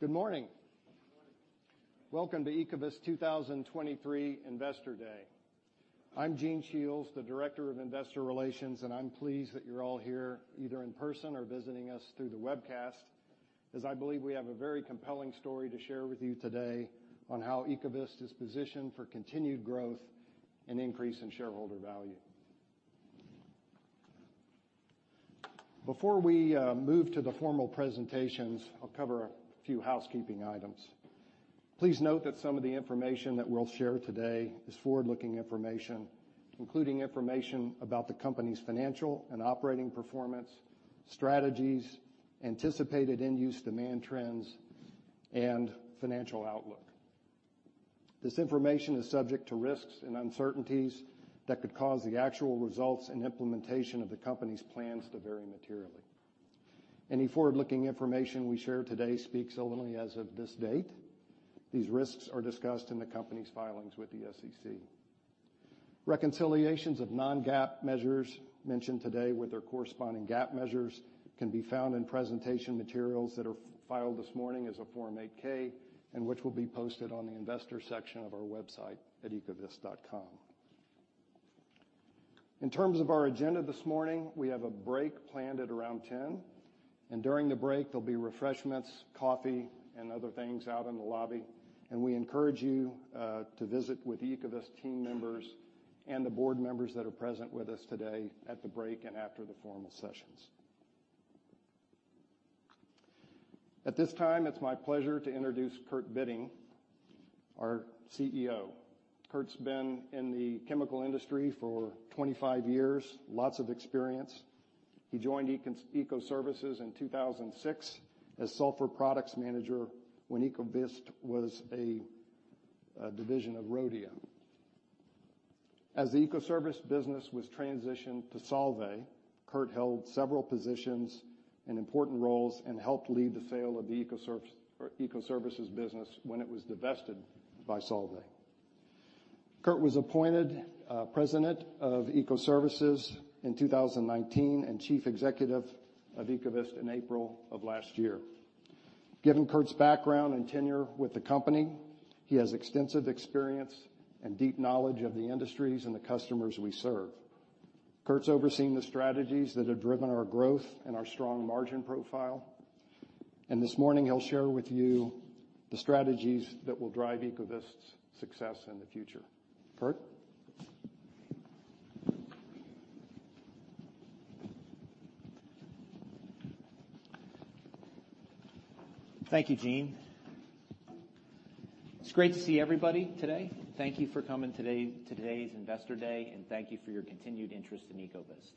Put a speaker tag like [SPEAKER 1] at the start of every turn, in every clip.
[SPEAKER 1] Good morning! Welcome to. I'm Gene Shiels, Director of Investor Relations, and I'm pleased that you're all here, either in person or visiting us through the webcast, as I believe we have a very compelling story to share with you today on how Ecovyst is positioned for continued growth and increase in shareholder value. Before we move to the formal presentations, I'll cover a few housekeeping items. Please note that some of the information that we'll share today is forward-looking information, including information about the company's financial and operating performance, strategies, anticipated end-use demand trends, and financial outlook. This information is subject to risks and uncertainties that could cause the actual results and implementation of the company's plans to vary materially. Any forward-looking information we share today speaks only as of this date. These risks are discussed in the company's filings with the SEC. Reconciliations of non-GAAP measures mentioned today with their corresponding GAAP measures can be found in presentation materials that are filed this morning as a Form 8-K, and which will be posted on the investor section of our website at ecovyst.com. In terms of our agenda this morning, we have a break planned at around 10, and during the break, there'll be refreshments, coffee, and other things out in the lobby, and we encourage you to visit with the Ecovyst team members and the board members that are present with us today at the break and after the formal sessions. At this time, it's my pleasure to introduce Kurt Bitting, our CEO. Kurt's been in the chemical industry for 25 years. Lots of experience. He joined Ecoservices in 2006 as sulfur products manager when Ecovyst was a division of Rhodia. As the Ecoservices business was transitioned to Solvay, Kurt held several positions and important roles, and helped lead the sale of the Ecoservices business when it was divested by Solvay. Kurt was appointed President of Ecoservices in 2019, and Chief Executive of Ecovyst in April of last year. Given Kurt's background and tenure with the company, he has extensive experience and deep knowledge of the industries and the customers we serve. Kurt's overseen the strategies that have driven our growth and our strong margin profile, and this morning, he'll share with you the strategies that will drive Ecovyst's success in the future. Kurt?
[SPEAKER 2] Thank you, Gene. It's great to see everybody today. Thank you for coming today to today's Investor Day, and thank you for your continued interest in Ecovyst.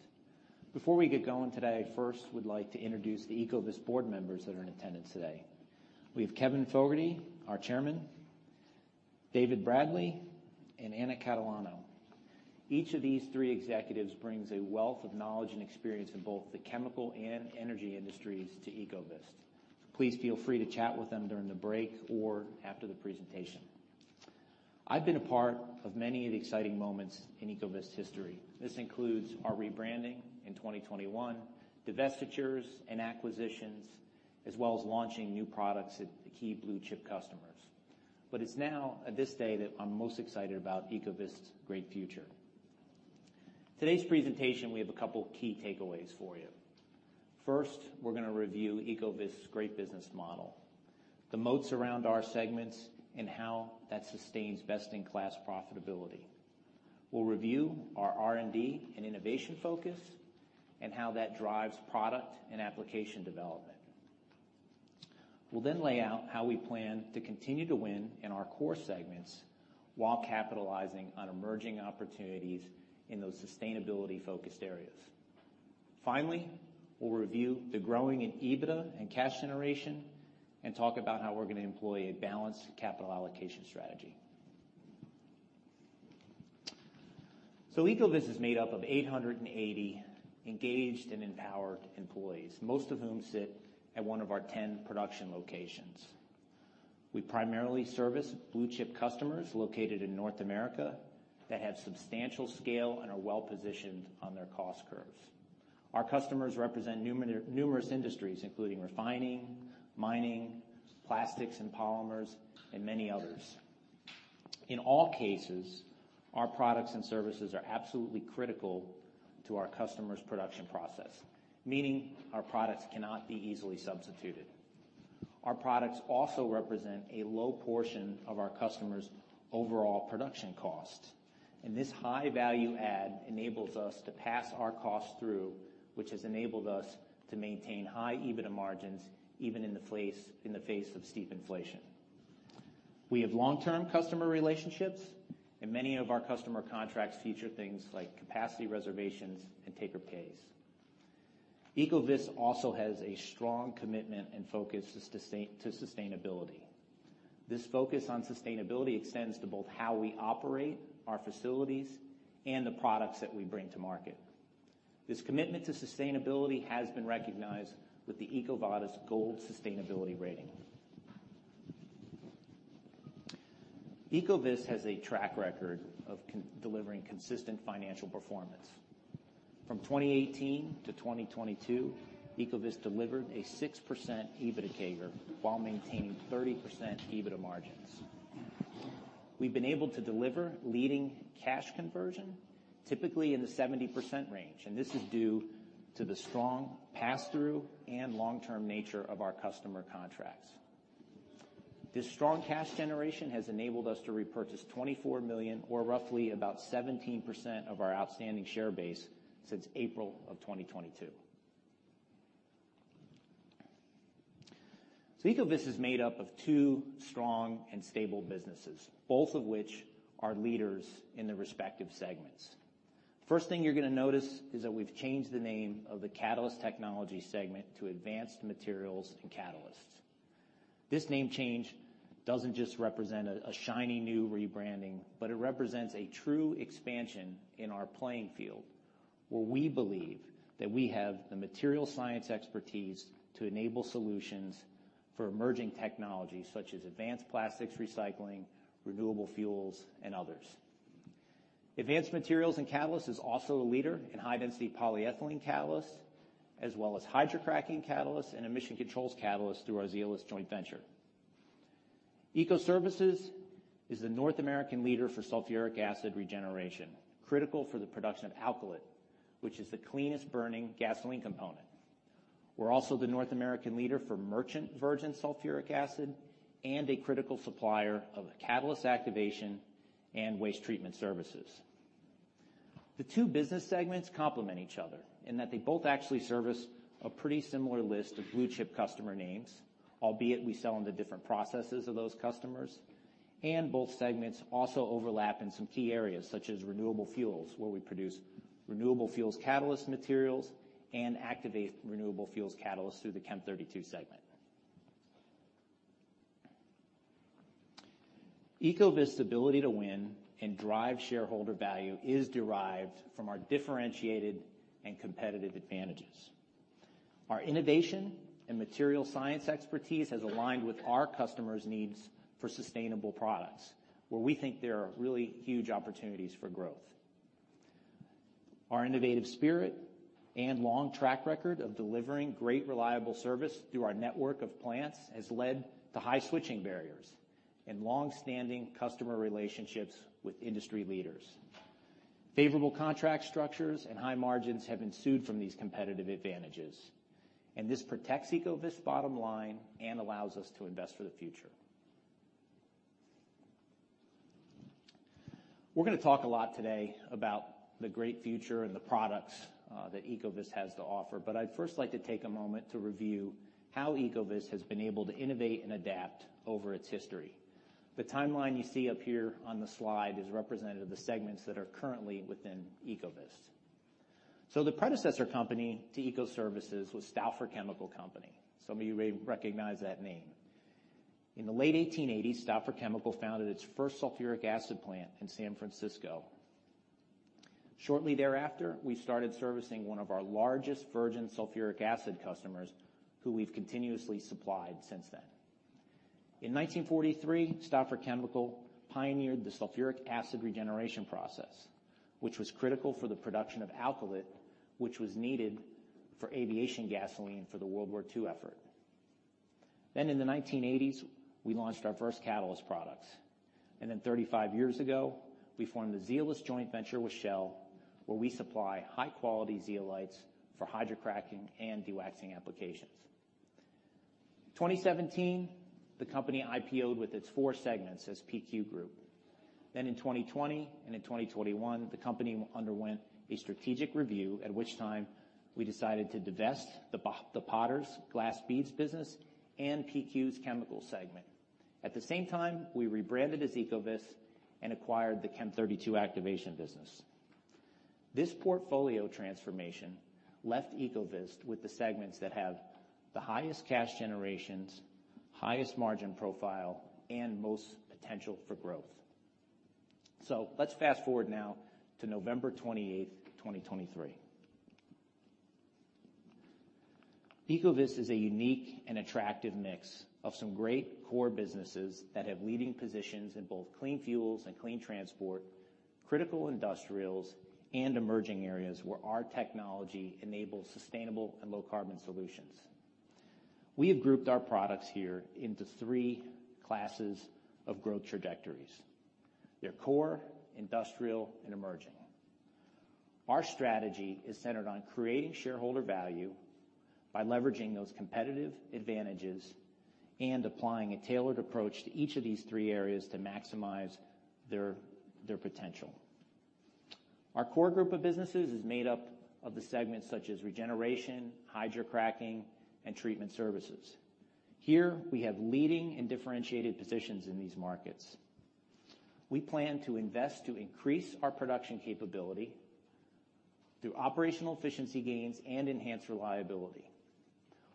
[SPEAKER 2] Before we get going today, I first would like to introduce the Ecovyst board members that are in attendance today. We have Kevin Fogarty, our Chairman, David Bradley, and Anna Catalano. Each of these three executives brings a wealth of knowledge and experience in both the chemical and energy industries to Ecovyst. Please feel free to chat with them during the break or after the presentation. I've been a part of many of the exciting moments in Ecovyst's history. This includes our rebranding in 2021, divestitures and acquisitions, as well as launching new products at key blue-chip customers. But it's now, at this day, that I'm most excited about Ecovyst's great future. Today's presentation, we have a couple key takeaways for you. First, we're gonna review Ecovyst's great business model, the moats around our segments, and how that sustains best-in-class profitability. We'll review our R&D and innovation focus, and how that drives product and application development. We'll then lay out how we plan to continue to win in our core segments while capitalizing on emerging opportunities in those sustainability-focused areas. Finally, we'll review the growing in EBITDA and cash generation, and talk about how we're gonna employ a balanced capital allocation strategy. Ecovyst is made up of 880 engaged and empowered employees, most of whom sit at one of our 10 production locations. We primarily service blue-chip customers located in North America that have substantial scale and are well-positioned on their cost curves. Our customers represent numerous industries, including refining, mining, plastics and polymers, and many others. In all cases, our products and services are absolutely critical to our customers' production process, meaning our products cannot be easily substituted. Our products also represent a low portion of our customers' overall production cost, and this high value add enables us to pass our costs through, which has enabled us to maintain high EBITDA margins, even in the face, in the face of steep inflation. We have long-term customer relationships, and many of our customer contracts feature things like capacity reservations and take-or-pays. Ecovyst also has a strong commitment and focus to to sustainability. This focus on sustainability extends to both how we operate our facilities and the products that we bring to market. This commitment to sustainability has been recognized with the EcoVadis Gold sustainability rating.... Ecovyst has a track record of delivering consistent financial performance. From 2018 to 2022, Ecovyst delivered a 6% EBITDA CAGR, while maintaining 30% EBITDA margins. We've been able to deliver leading cash conversion, typically in the 70% range, and this is due to the strong pass-through and long-term nature of our customer contracts. This strong cash generation has enabled us to repurchase $24 million, or roughly about 17% of our outstanding share base since April 2022. So Ecovyst is made up of two strong and stable businesses, both of which are leaders in their respective segments. First thing you're gonna notice is that we've changed the name of the Catalyst Technology segment to Advanced Materials & Catalysts. This name change doesn't just represent a shiny new rebranding, but it represents a true expansion in our playing field, where we believe that we have the material science expertise to enable solutions for emerging technologies such as advanced plastics recycling, renewable fuels, and others. Advanced Materials & Catalysts is also a leader in high-density polyethylene catalysts, as well as hydrocracking catalysts and emission controls catalysts through our Zeolyst joint venture. Ecoservices is the North American leader for sulfuric acid regeneration, critical for the production of alkylate, which is the cleanest-burning gasoline component. We're also the North American leader for merchant Virgin Sulfuric Acid and a critical supplier of Catalyst Activation and waste Treatment Services. The two business segments complement each other in that they both actually service a pretty similar list of blue-chip customer names, albeit we sell them the different processes of those customers, and both segments also overlap in some key areas, such as renewable fuels, where we produce renewable fuels catalyst materials and activate renewable fuels catalysts through the Chem32 segment. Ecovyst's ability to win and drive shareholder value is derived from our differentiated and competitive advantages. Our innovation and material science expertise has aligned with our customers' needs for sustainable products, where we think there are really huge opportunities for growth. Our innovative spirit and long track record of delivering great, reliable service through our network of plants has led to high switching barriers and long-standing customer relationships with industry leaders. Favorable contract structures and high margins have ensued from these competitive advantages, and this protects Ecovyst's bottom line and allows us to invest for the future. We're gonna talk a lot today about the great future and the products that Ecovyst has to offer, but I'd first like to take a moment to review how Ecovyst has been able to innovate and adapt over its history. The timeline you see up here on the slide is representative of the segments that are currently within Ecovyst. So the predecessor company to Ecoservices was Stauffer Chemical Company. Some of you may recognize that name. In the late 1880s, Stauffer Chemical founded its first sulfuric acid plant in San Francisco. Shortly thereafter, we started servicing one of our largest Virgin Sulfuric Acid customers, who we've continuously supplied since then. In 1943, Stauffer Chemical pioneered the sulfuric acid regeneration process, which was critical for the production of alkylate, which was needed for aviation gasoline for the World War II effort. Then, in the 1980s, we launched our first catalyst products, and then 35 years ago, we formed the Zeolyst joint venture with Shell, where we supply high-quality zeolites for hydrocracking and dewaxing applications. 2017, the company IPO'd with its four segments as PQ Group. Then in 2020 and in 2021, the company underwent a strategic review, at which time we decided to divest the the Potters glass beads business and PQ's chemical segment. At the same time, we rebranded as Ecovyst and acquired the Chem32 activation business. This portfolio transformation left Ecovyst with the segments that have the highest cash generations, highest margin profile, and most potential for growth. So let's fast-forward now to November 28, 2023. Ecovyst is a unique and attractive mix of some great core businesses that have leading positions in both clean fuels and clean transport, critical industrials, and emerging areas where our technology enables sustainable and low-carbon solutions. We have grouped our products here into three classes of growth trajectories, their core, industrial, and emerging. Our strategy is centered on creating shareholder value by leveraging those competitive advantages and applying a tailored approach to each of these three areas to maximize their, their potential. Our core group of businesses is made up of the segments such as regeneration, hydrocracking, and Treatment Services. Here, we have leading and differentiated positions in these markets. We plan to invest to increase our production capability through operational efficiency gains and enhance reliability.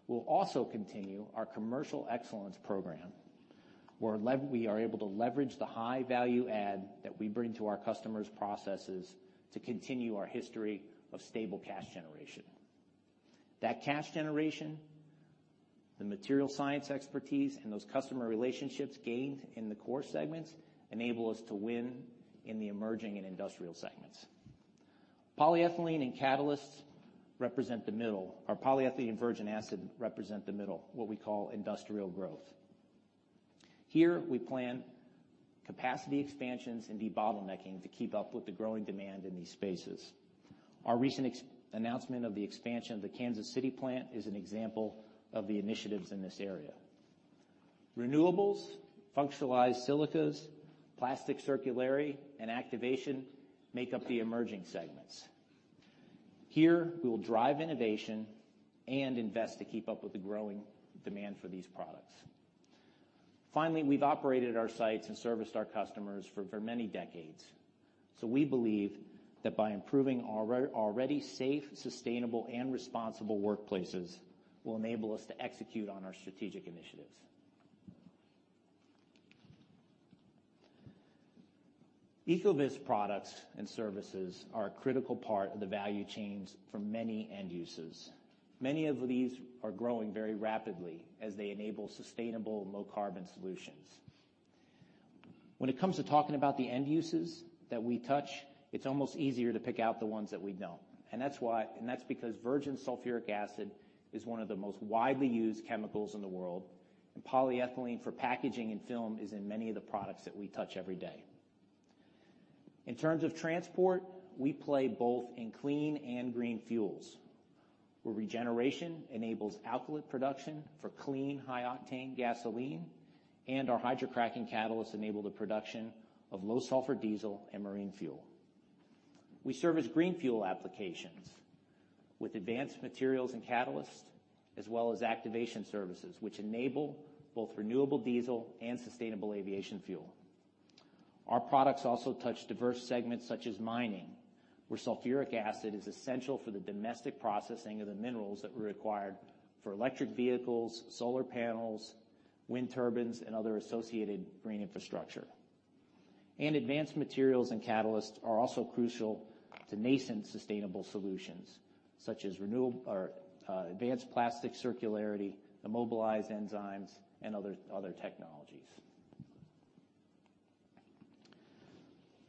[SPEAKER 2] We'll also continue our commercial excellence program, where we are able to leverage the high value add that we bring to our customers' processes to continue our history of stable cash generation. That cash generation. The material science expertise and those customer relationships gained in the core segments enable us to win in the emerging and industrial segments. Polyethylene and catalysts represent the middle. Our polyethylene virgin acid represent the middle, what we call industrial growth. Here, we plan capacity expansions and debottlenecking to keep up with the growing demand in these spaces. Our recent announcement of the expansion of the Kansas City plant is an example of the initiatives in this area. Renewables, functionalized silicas, plastic circularity, and activation make up the emerging segments. Here, we will drive innovation and invest to keep up with the growing demand for these products. Finally, we've operated our sites and serviced our customers for many decades, so we believe that by improving our already safe, sustainable, and responsible workplaces will enable us to execute on our strategic initiatives. Ecovyst products and services are a critical part of the value chains for many end uses. Many of these are growing very rapidly as they enable sustainable low-carbon solutions. When it comes to talking about the end uses that we touch, it's almost easier to pick out the ones that we don't, and that's why, and that's because Virgin Sulfuric Acid is one of the most widely used chemicals in the world, and polyethylene for packaging and film is in many of the products that we touch every day. In terms of transport, we play both in clean and green fuels, where regeneration enables alkylate production for clean, high-octane gasoline, and our hydrocracking catalysts enable the production of low sulfur diesel and marine fuel. We serve as green fuel applications with Advanced Materials & Catalysts, as well as activation services, which enable both renewable diesel and sustainable aviation fuel. Our products also touch diverse segments such as mining, where sulfuric acid is essential for the domestic processing of the minerals that were required for electric vehicles, solar panels, wind turbines, and other associated green infrastructure. Advanced Materials & Catalysts are also crucial to nascent sustainable solutions, such as renewal or advanced plastic circularity, immobilized enzymes, and other technologies.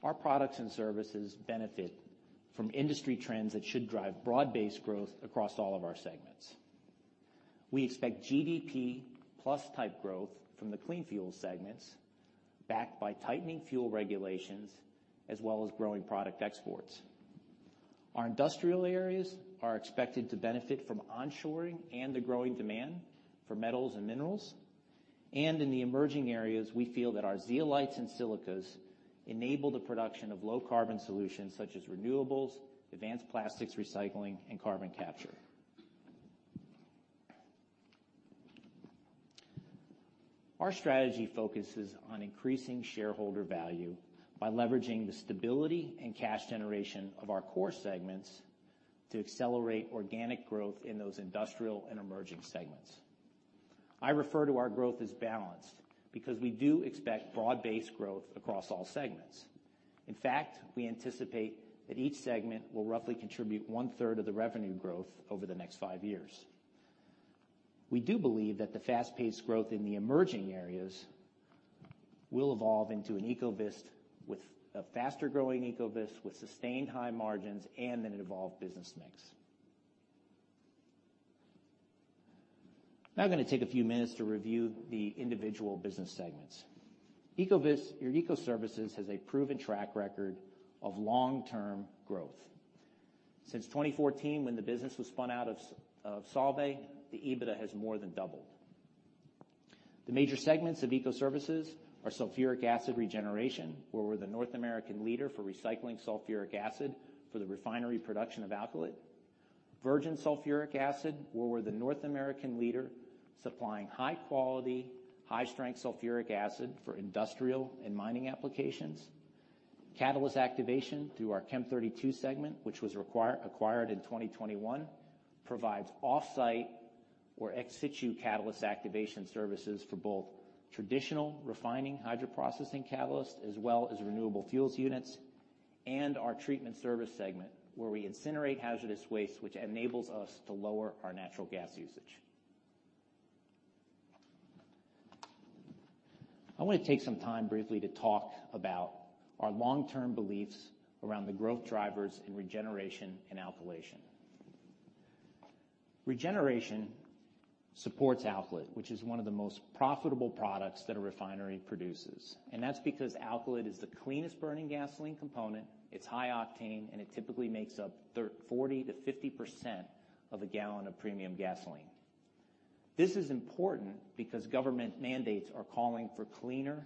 [SPEAKER 2] Our products and services benefit from industry trends that should drive broad-based growth across all of our segments. We expect GDP plus type growth from the clean fuel segments, backed by tightening fuel regulations, as well as growing product exports. Our industrial areas are expected to benefit from onshoring and the growing demand for metals and minerals. In the emerging areas, we feel that our zeolites and silicas enable the production of low-carbon solutions such as renewables, advanced plastics recycling, and carbon capture. Our strategy focuses on increasing shareholder value by leveraging the stability and cash generation of our core segments to accelerate organic growth in those industrial and emerging segments. I refer to our growth as balanced because we do expect broad-based growth across all segments. In fact, we anticipate that each segment will roughly contribute 1/3 of the revenue growth over the next five years. We do believe that the fast-paced growth in the emerging areas will evolve into an Ecovyst with a faster-growing Ecovyst, with sustained high margins and an evolved business mix. Now I'm gonna take a few minutes to review the individual business segments. Ecovyst, or Ecoservices, has a proven track record of long-term growth. Since 2014, when the business was spun out of Solvay, the EBITDA has more than doubled. The major segments of Ecoservices are sulfuric acid regeneration, where we're the North American leader for recycling sulfuric acid for the refinery production of alkylate. Virgin Sulfuric Acid, where we're the North American leader, supplying high quality, high-strength sulfuric acid for industrial and mining applications. Catalyst Activation through our Chem32 segment, which was acquired in 2021, provides off-site or ex-situ Catalyst Activation services for both traditional refining hydroprocessing catalysts as well as renewable fuels units, and our treatment service segment, where we incinerate hazardous waste, which enables us to lower our natural gas usage. I want to take some time briefly to talk about our long-term beliefs around the growth drivers in regeneration and alkylation. Regeneration supports alkylate, which is one of the most profitable products that a refinery produces, and that's because alkylate is the cleanest burning gasoline component, it's high octane, and it typically makes up 40%-50% of a gallon of premium gasoline. This is important because government mandates are calling for cleaner,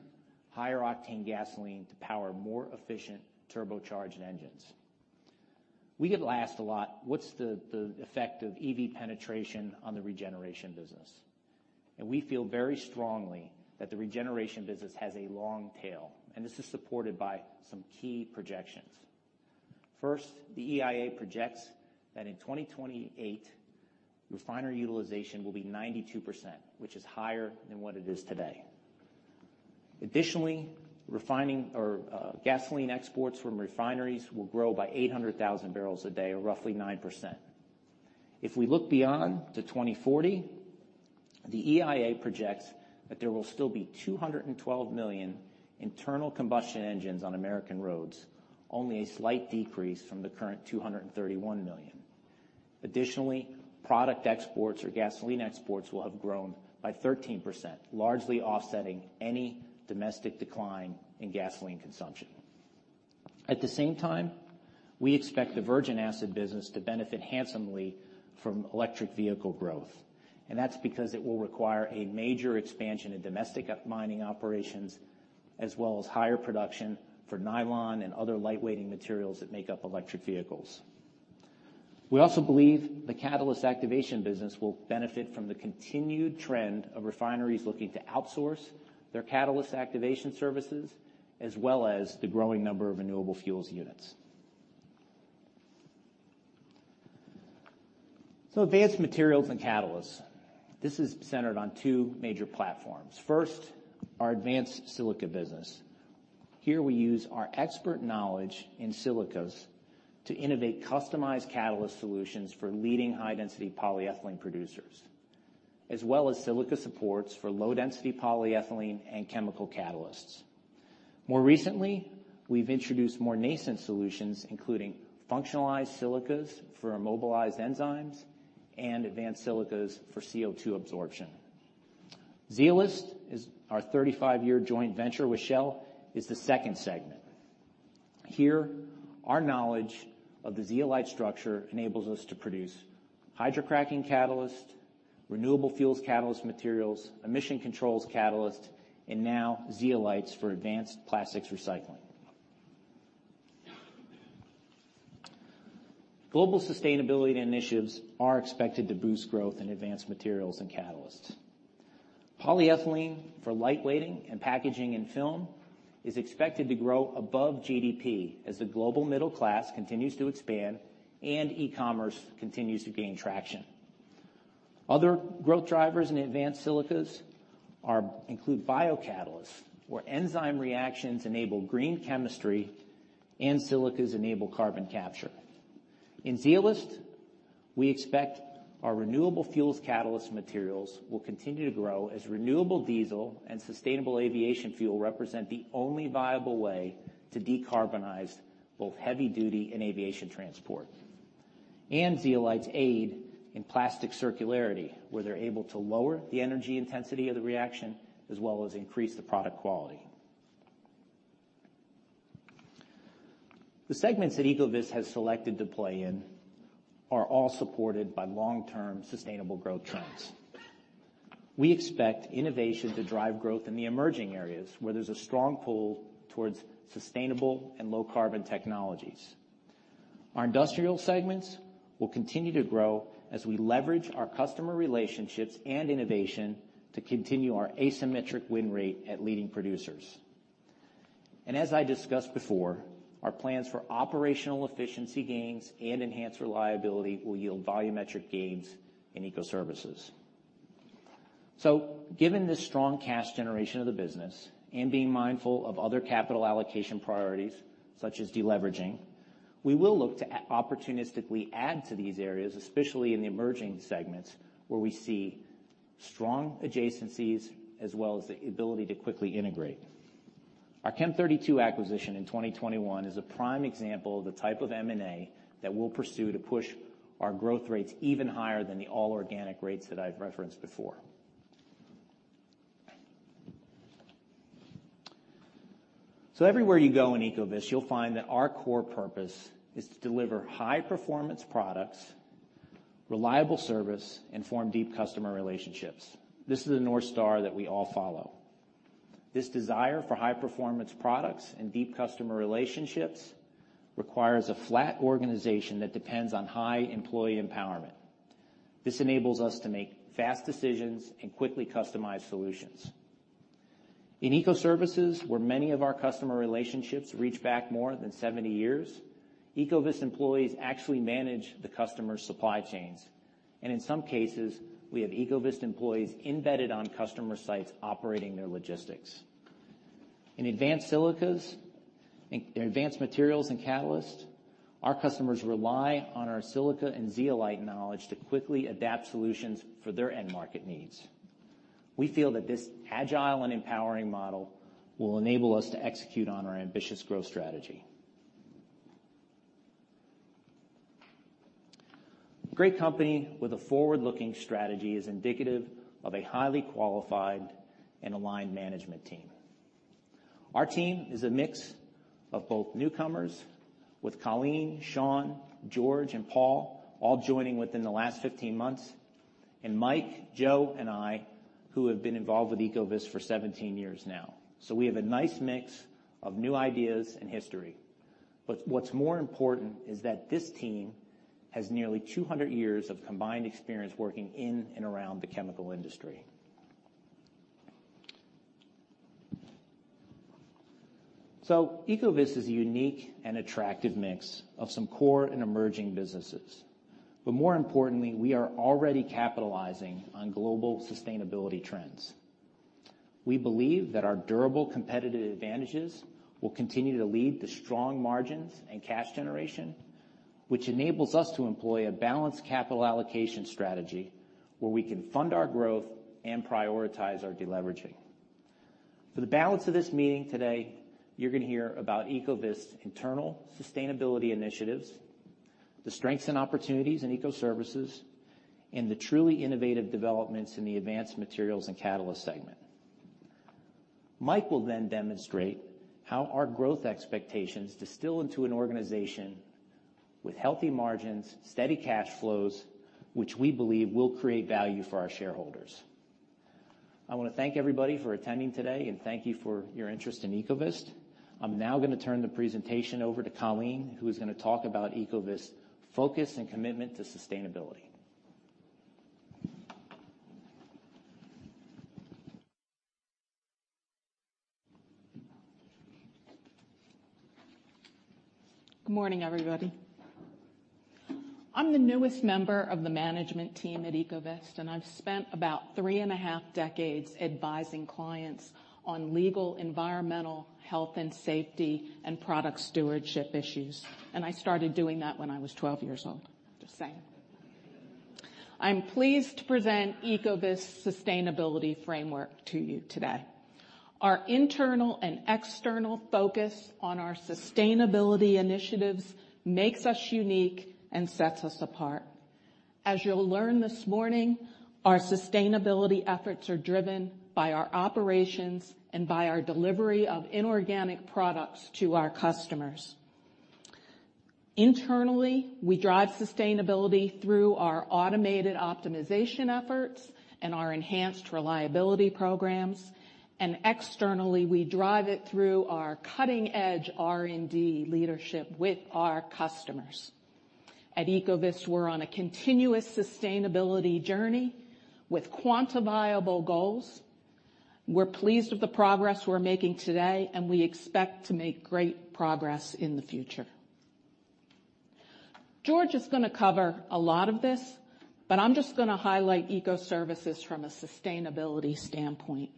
[SPEAKER 2] higher octane gasoline to power more efficient turbocharged engines. We get asked a lot, "What's the effect of EV penetration on the regeneration business?" And we feel very strongly that the regeneration business has a long tail, and this is supported by some key projections. First, the EIA projects that in 2028, refinery utilization will be 92%, which is higher than what it is today. Additionally, refining or gasoline exports from refineries will grow by 800,000 barrels a day, or roughly 9%. If we look beyond to 2040, the EIA projects that there will still be 212 million internal combustion engines on American roads, only a slight decrease from the current 231 million. Additionally, product exports or gasoline exports will have grown by 13%, largely offsetting any domestic decline in gasoline consumption. At the same time, we expect the virgin acid business to benefit handsomely from electric vehicle growth, and that's because it will require a major expansion in domestic mining operations, as well as higher production for nylon and other lightweighting materials that make up electric vehicles. We also believe the Catalyst Activation business will benefit from the continued trend of refineries looking to outsource their Catalyst Activation services, as well as the growing number of renewable fuels units. So Advanced Materials & Catalysts. This is centered on two major platforms. First, our advanced silica business. Here, we use our expert knowledge in silicas to innovate customized catalyst solutions for leading high-density polyethylene producers, as well as silica supports for low-density polyethylene and chemical catalysts. More recently, we've introduced more nascent solutions, including functionalized silicas for immobilized enzymes and advanced silicas for CO2 absorption. Zeolyst is our 35-year joint venture with Shell, is the second segment. Here, our knowledge of the zeolite structure enables us to produce hydrocracking catalyst, renewable fuels catalyst materials, emission controls catalyst, and now zeolites for advanced plastics recycling. Global sustainability initiatives are expected to boost growth in Advanced Materials & Catalysts. Polyethylene for light weighting and packaging and film is expected to grow above GDP as the global middle class continues to expand and e-commerce continues to gain traction. Other growth drivers in advanced silicas include biocatalysts, where enzyme reactions enable green chemistry and silicas enable carbon capture. In Zeolyst, we expect our renewable fuels catalyst materials will continue to grow as renewable diesel and sustainable aviation fuel represent the only viable way to decarbonize both heavy duty and aviation transport. And zeolites aid in plastic circularity, where they're able to lower the energy intensity of the reaction, as well as increase the product quality. The segments that Ecovyst has selected to play in are all supported by long-term sustainable growth trends. We expect innovation to drive growth in the emerging areas, where there's a strong pull towards sustainable and low-carbon technologies. Our industrial segments will continue to grow as we leverage our customer relationships and innovation to continue our asymmetric win rate at leading producers. And as I discussed before, our plans for operational efficiency gains and enhanced reliability will yield volumetric gains in Ecoservices. So given the strong cash generation of the business and being mindful of other capital allocation priorities, such as deleveraging, we will look to opportunistically add to these areas, especially in the emerging segments, where we see strong adjacencies as well as the ability to quickly integrate. Our Chem32 acquisition in 2021 is a prime example of the type of M&A that we'll pursue to push our growth rates even higher than the all-organic rates that I've referenced before. So everywhere you go in Ecovyst, you'll find that our core purpose is to deliver high-performance products, reliable service, and form deep customer relationships. This is the North Star that we all follow. This desire for high-performance products and deep customer relationships requires a flat organization that depends on high employee empowerment. This enables us to make fast decisions and quickly customize solutions. In Ecoservices, where many of our customer relationships reach back more than 70 years, Ecovyst employees actually manage the customer's supply chains, and in some cases, we have Ecovyst employees embedded on customer sites operating their logistics. In advanced silicas, in Advanced Materials & Catalysts, our customers rely on our silica and zeolite knowledge to quickly adapt solutions for their end market needs. We feel that this agile and empowering model will enable us to execute on our ambitious growth strategy. Great company with a forward-looking strategy is indicative of a highly qualified and aligned management team. Our team is a mix of both newcomers, with Colleen, Sean, George, and Paul all joining within the last 15 months, and Mike, Joe, and I, who have been involved with Ecovyst for 17 years now. So we have a nice mix of new ideas and history. But what's more important is that this team has nearly 200 years of combined experience working in and around the chemical industry. So Ecovyst is a unique and attractive mix of some core and emerging businesses, but more importantly, we are already capitalizing on global sustainability trends. We believe that our durable competitive advantages will continue to lead the strong margins and cash generation, which enables us to employ a balanced capital allocation strategy where we can fund our growth and prioritize our deleveraging. For the balance of this meeting today, you're gonna hear about Ecovyst's internal sustainability initiatives, the strengths and opportunities in Ecoservices, and the truly innovative developments in the Advanced Materials & Catalysts segment. Mike will then demonstrate how our growth expectations distill into an organization with healthy margins, steady cash flows, which we believe will create value for our shareholders. I wanna thank everybody for attending today, and thank you for your interest in Ecovyst. I'm now gonna turn the presentation over to Colleen, who is gonna talk about Ecovyst's focus and commitment to sustainability.
[SPEAKER 3] Good morning, everybody. I'm the newest member of the management team at Ecovyst, and I've spent about three and a half decades advising clients on legal, environmental, health and safety, and product stewardship issues. And I started doing that when I was twelve years old. Just saying. I'm pleased to present Ecovyst's sustainability framework to you today. Our internal and external focus on our sustainability initiatives makes us unique and sets us apart. As you'll learn this morning, our sustainability efforts are driven by our operations and by our delivery of inorganic products to our customers. Internally, we drive sustainability through our automated optimization efforts and our enhanced reliability programs, and externally, we drive it through our cutting-edge R&D leadership with our customers. At Ecovyst, we're on a continuous sustainability journey with quantifiable goals. We're pleased with the progress we're making today, and we expect to make great progress in the future. George is gonna cover a lot of this, but I'm just gonna highlight Ecoservices from a sustainability standpoint.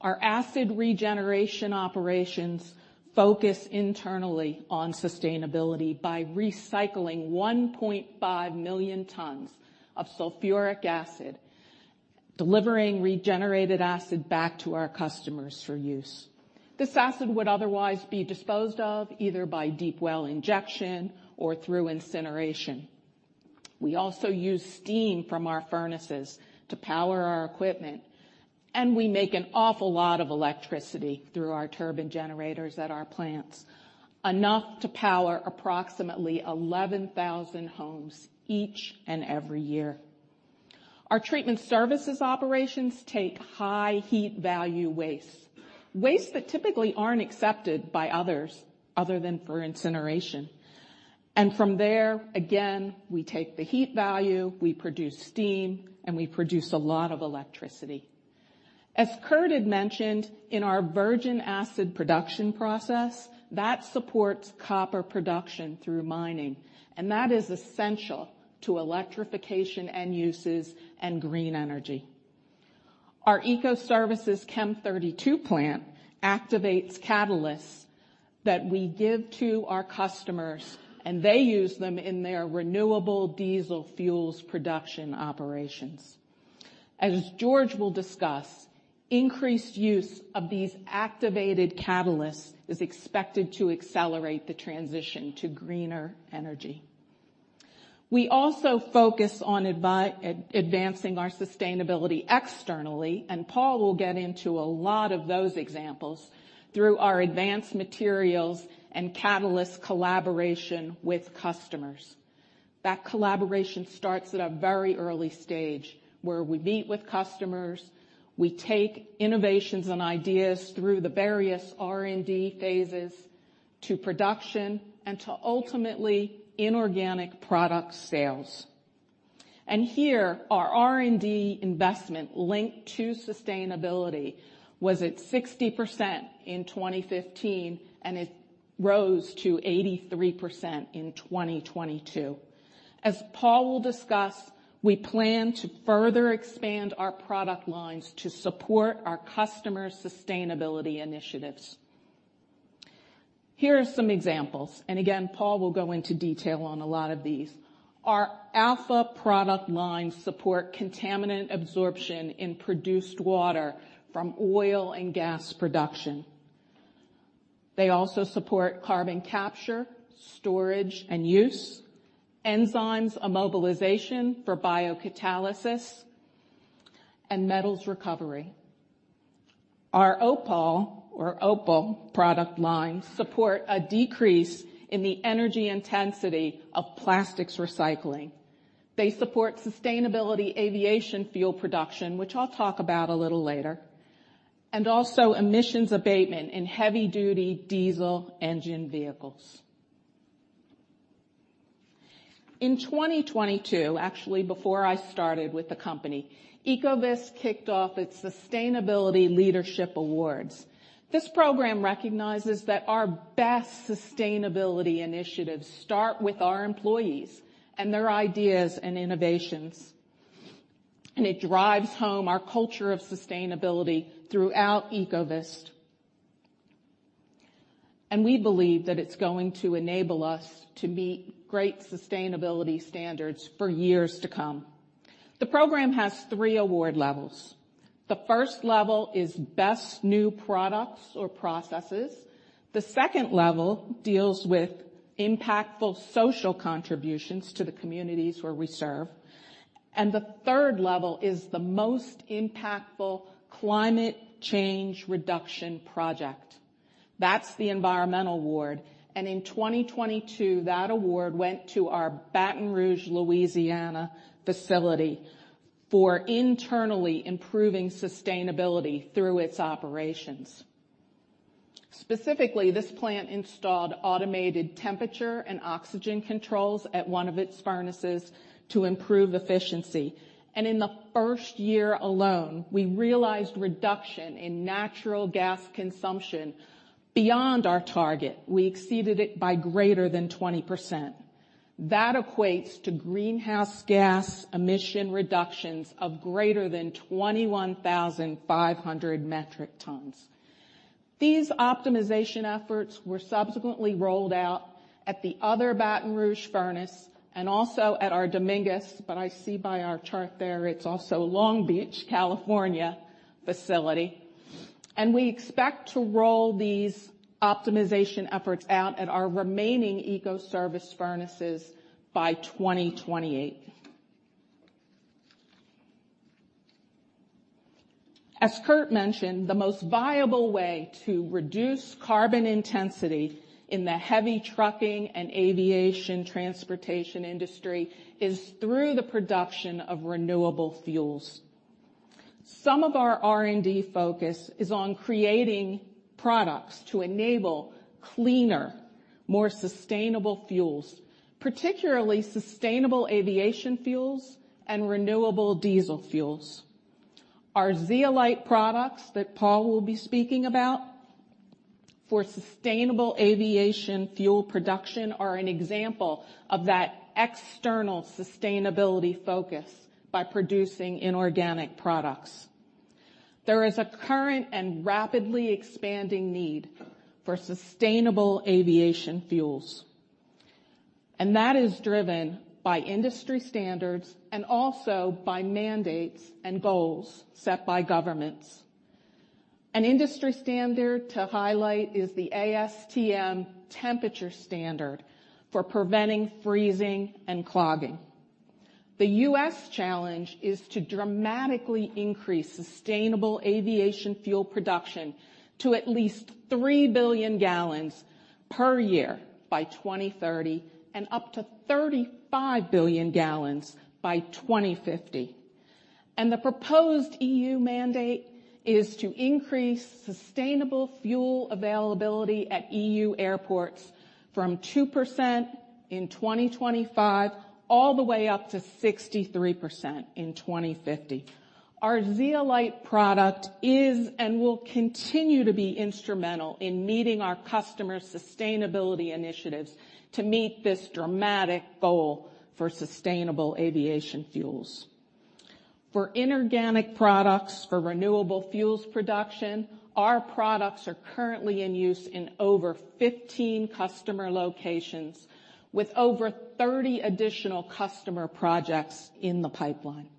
[SPEAKER 3] Our acid regeneration operations focus internally on sustainability by recycling 1.5 million tons of sulfuric acid, delivering regenerated acid back to our customers for use. This acid would otherwise be disposed of either by deep well injection or through incineration. We also use steam from our furnaces to power our equipment, and we make an awful lot of electricity through our turbine generators at our plants, enough to power approximately 11,000 homes each and every year. Our Treatment Services operations take high heat value waste, waste that typically aren't accepted by others other than for incineration. From there, again, we take the heat value, we produce steam, and we produce a lot of electricity. As Kurt had mentioned, in our virgin acid production process, that supports copper production through mining, and that is essential to electrification end uses and green energy. Our Ecoservices Chem32 plant activates catalysts that we give to our customers, and they use them in their renewable diesel fuels production operations. As George will discuss, increased use of these activated catalysts is expected to accelerate the transition to greener energy. We also focus on advancing our sustainability externally, and Paul will get into a lot of those examples through our advanced materials and catalyst collaboration with customers. That collaboration starts at a very early stage, where we meet with customers, we take innovations and ideas through the various R&D phases to production and to ultimately inorganic product sales. Here, our R&D investment linked to sustainability was at 60% in 2015, and it rose to 83% in 2022. As Paul will discuss, we plan to further expand our product lines to support our customers' sustainability initiatives. Here are some examples, and again, Paul will go into detail on a lot of these. Our Alpha product lines support contaminant absorption in produced water from oil and gas production. They also support carbon capture, storage, and use, enzymes immobilization for biocatalysis, and metals recovery. Our Opal, or Opal, product line support a decrease in the energy intensity of plastics recycling. They support sustainable aviation fuel production, which I'll talk about a little later, and also emissions abatement in heavy-duty diesel engine vehicles.... In 2022, actually, before I started with the company, Ecovyst kicked off its Sustainability Leadership Awards. This program recognizes that our best sustainability initiatives start with our employees and their ideas and innovations, and it drives home our culture of sustainability throughout Ecovyst. We believe that it's going to enable us to meet great sustainability standards for years to come. The program has three award levels. The first level is Best New Products or Processes. The second level deals with Impactful Social Contributions to the communities where we serve, and the third level is the Most Impactful Climate Change Reduction Project. That's the Environmental Award, and in 2022, that award went to our Baton Rouge, Louisiana, facility for internally improving sustainability through its operations. Specifically, this plant installed automated temperature and oxygen controls at one of its furnaces to improve efficiency, and in the first year alone, we realized reduction in natural gas consumption beyond our target. We exceeded it by greater than 20%. That equates to greenhouse gas emission reductions of greater than 21,500 metric tons. These optimization efforts were subsequently rolled out at the other Baton Rouge furnace and also at our Dominguez, but I see by our chart there, it's also Long Beach, California, facility. We expect to roll these optimization efforts out at our remaining Ecoservices furnaces by 2028. As Kurt mentioned, the most viable way to reduce carbon intensity in the heavy trucking and aviation transportation industry is through the production of renewable fuels. Some of our R&D focus is on creating products to enable cleaner, more sustainable fuels, particularly sustainable aviation fuels and renewable diesel fuels. Our zeolite products that Paul will be speaking about for sustainable aviation fuel production are an example of that external sustainability focus by producing inorganic products. There is a current and rapidly expanding need for sustainable aviation fuels, and that is driven by industry standards and also by mandates and goals set by governments. An industry standard to highlight is the ASTM temperature standard for preventing freezing and clogging. The U.S. challenge is to dramatically increase sustainable aviation fuel production to at least 3 billion gallons per year by 2030, and up to 35 billion gallons by 2050. The proposed E.U. mandate is to increase sustainable fuel availability at E.U. airports from 2% in 2025, all the way up to 63% in 2050. Our zeolite product is and will continue to be instrumental in meeting our customers' sustainability initiatives to meet this dramatic goal for sustainable aviation fuels. For inorganic products, for renewable fuels production, our products are currently in use in over 15 customer locations, with over 30 additional customer projects in the pipeline.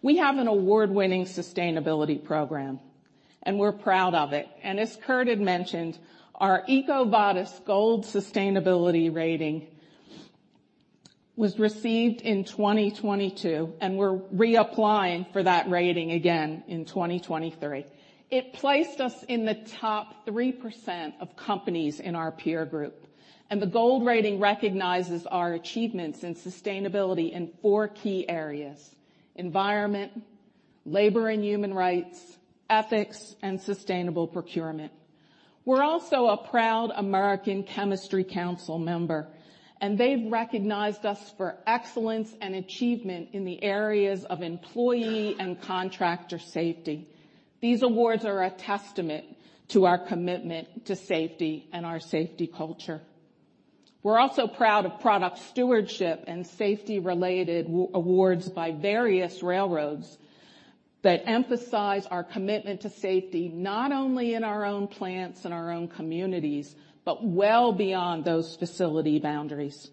[SPEAKER 3] We have an award-winning sustainability program, and we're proud of it. And as Kurt had mentioned, our EcoVadis Gold sustainability rating was received in 2022, and we're reapplying for that rating again in 2023. It placed us in the top 3% of companies in our peer group, and the Gold rating recognizes our achievements in sustainability in four key areas: environment, labor and human rights, ethics, and sustainable procurement. We're also a proud American Chemistry Council member, and they've recognized us for excellence and achievement in the areas of employee and contractor safety. These awards are a testament to our commitment to safety and our safety culture. We're also proud of product stewardship and safety-related awards by various railroads that emphasize our commitment to safety, not only in our own plants and our own communities, but well beyond those facility boundaries.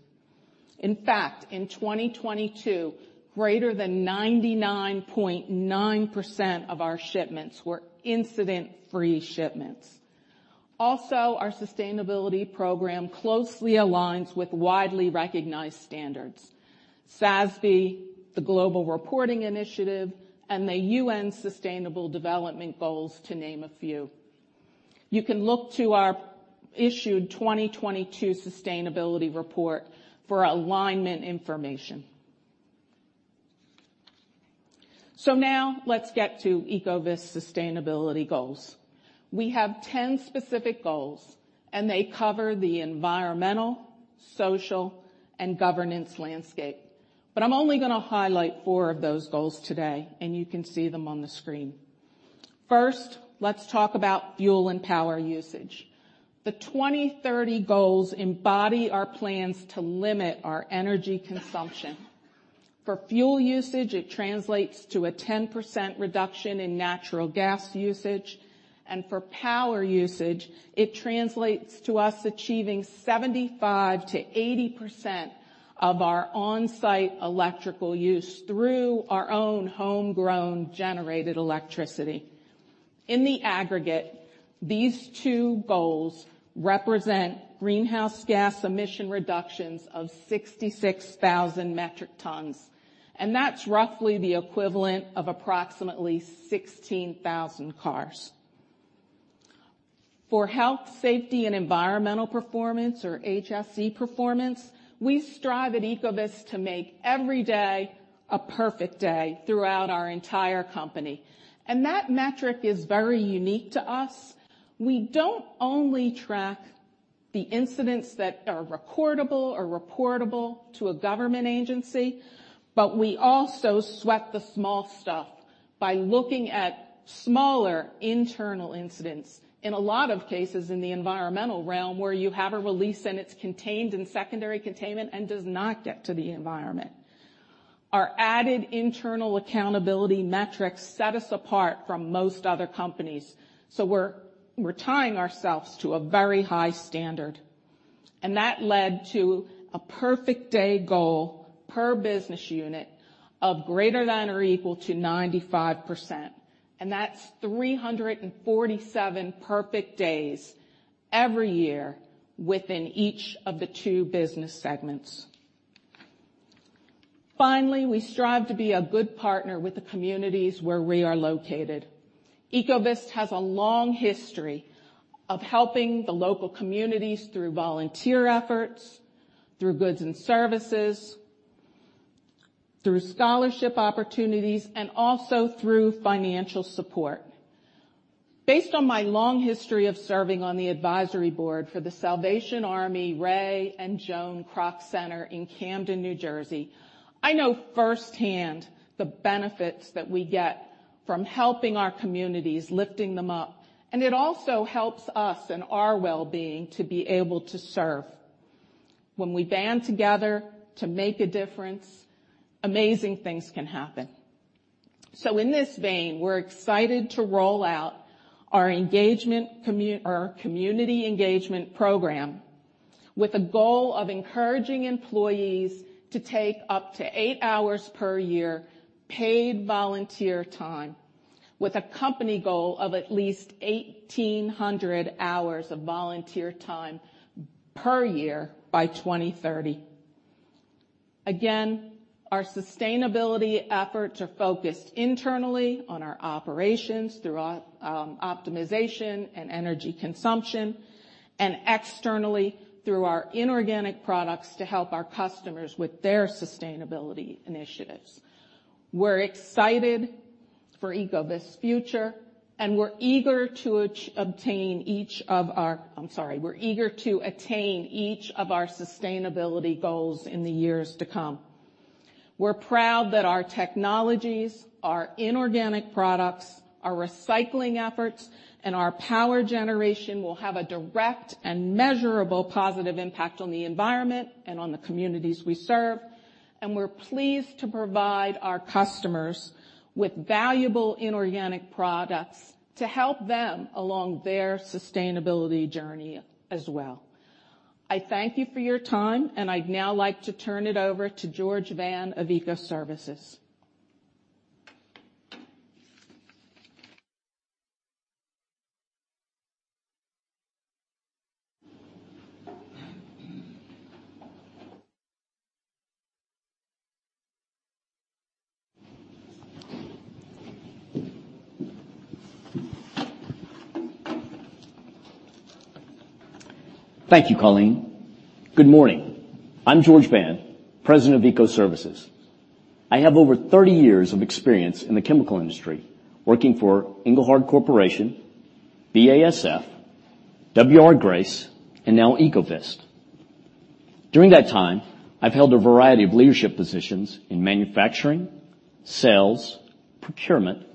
[SPEAKER 3] In fact, in 2022, greater than 99.9% of our shipments were incident-free shipments. Also, our sustainability program closely aligns with widely recognized standards: SASB, the Global Reporting Initiative, and the UN Sustainable Development Goals, to name a few. You can look to our issued 2022 sustainability report for alignment information. So now let's get to Ecovyst sustainability goals. We have 10 specific goals, and they cover the environmental, social, and governance landscape. But I'm only gonna highlight four of those goals today, and you can see them on the screen. First, let's talk about fuel and power usage. The 2030 goals embody our plans to limit our energy consumption. For fuel usage, it translates to a 10% reduction in natural gas usage, and for power usage, it translates to us achieving 75%-80% of our on-site electrical use through our own homegrown generated electricity. In the aggregate, these two goals represent greenhouse gas emission reductions of 66,000 metric tons, and that's roughly the equivalent of approximately 16,000 cars. For health, safety, and environmental performance, or HSE performance, we strive at Ecovyst to make every day a perfect day throughout our entire company, and that metric is very unique to us. We don't only track the incidents that are recordable or reportable to a government agency, but we also sweat the small stuff by looking at smaller internal incidents, in a lot of cases in the environmental realm, where you have a release, and it's contained in secondary containment and does not get to the environment. Our added internal accountability metrics set us apart from most other companies, so we're tying ourselves to a very high standard, and that led to a perfect day goal per business unit of greater than or equal to 95%, and that's 347 perfect days every year within each of the two business segments. Finally, we strive to be a good partner with the communities where we are located. Ecovyst has a long history of helping the local communities through volunteer efforts, through goods and services, through scholarship opportunities, and also through financial support. Based on my long history of serving on the advisory board for the Salvation Army Ray and Joan Kroc Center in Camden, New Jersey, I know firsthand the benefits that we get from helping our communities, lifting them up, and it also helps us and our well-being to be able to serve. When we band together to make a difference, amazing things can happen. So in this vein, we're excited to roll out our community engagement program with a goal of encouraging employees to take up to eight hours per year paid volunteer time, with a company goal of at least 1,800 hours of volunteer time per year by 2030. Again, our sustainability efforts are focused internally on our operations through optimization and energy consumption, and externally through our inorganic products to help our customers with their sustainability initiatives. We're excited for Ecovyst's future, and we're eager to attain each of our sustainability goals in the years to come. We're proud that our technologies, our inorganic products, our recycling efforts, and our power generation will have a direct and measurable positive impact on the environment and on the communities we serve, and we're pleased to provide our customers with valuable inorganic products to help them along their sustainability journey as well. I thank you for your time, and I'd now like to turn it over to George Vann of Ecoservices.
[SPEAKER 4] Thank you, Colleen. Good morning. I'm George Vann, President of Ecoservices. I have over 30 years of experience in the chemical industry, working for Engelhard Corporation, BASF, W.R. Grace, and now Ecovyst. During that time, I've held a variety of leadership positions in manufacturing, sales, procurement,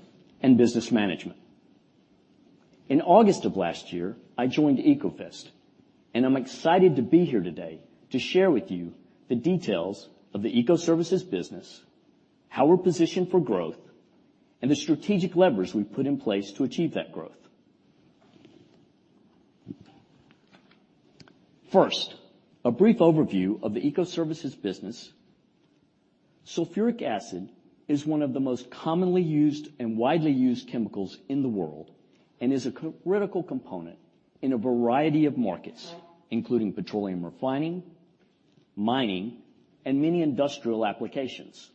[SPEAKER 4] and business management. In August of last year, I joined Ecovyst, and I'm excited to be here today to share with you the details of the Ecoservices business, how we're positioned for growth, and the strategic levers we've put in place to achieve that growth. First, a brief overview of the Ecoservices business. Sulfuric acid is one of the most commonly used and widely used chemicals in the world and is a critical component in a variety of markets, including petroleum refining, mining, and many industrial applications.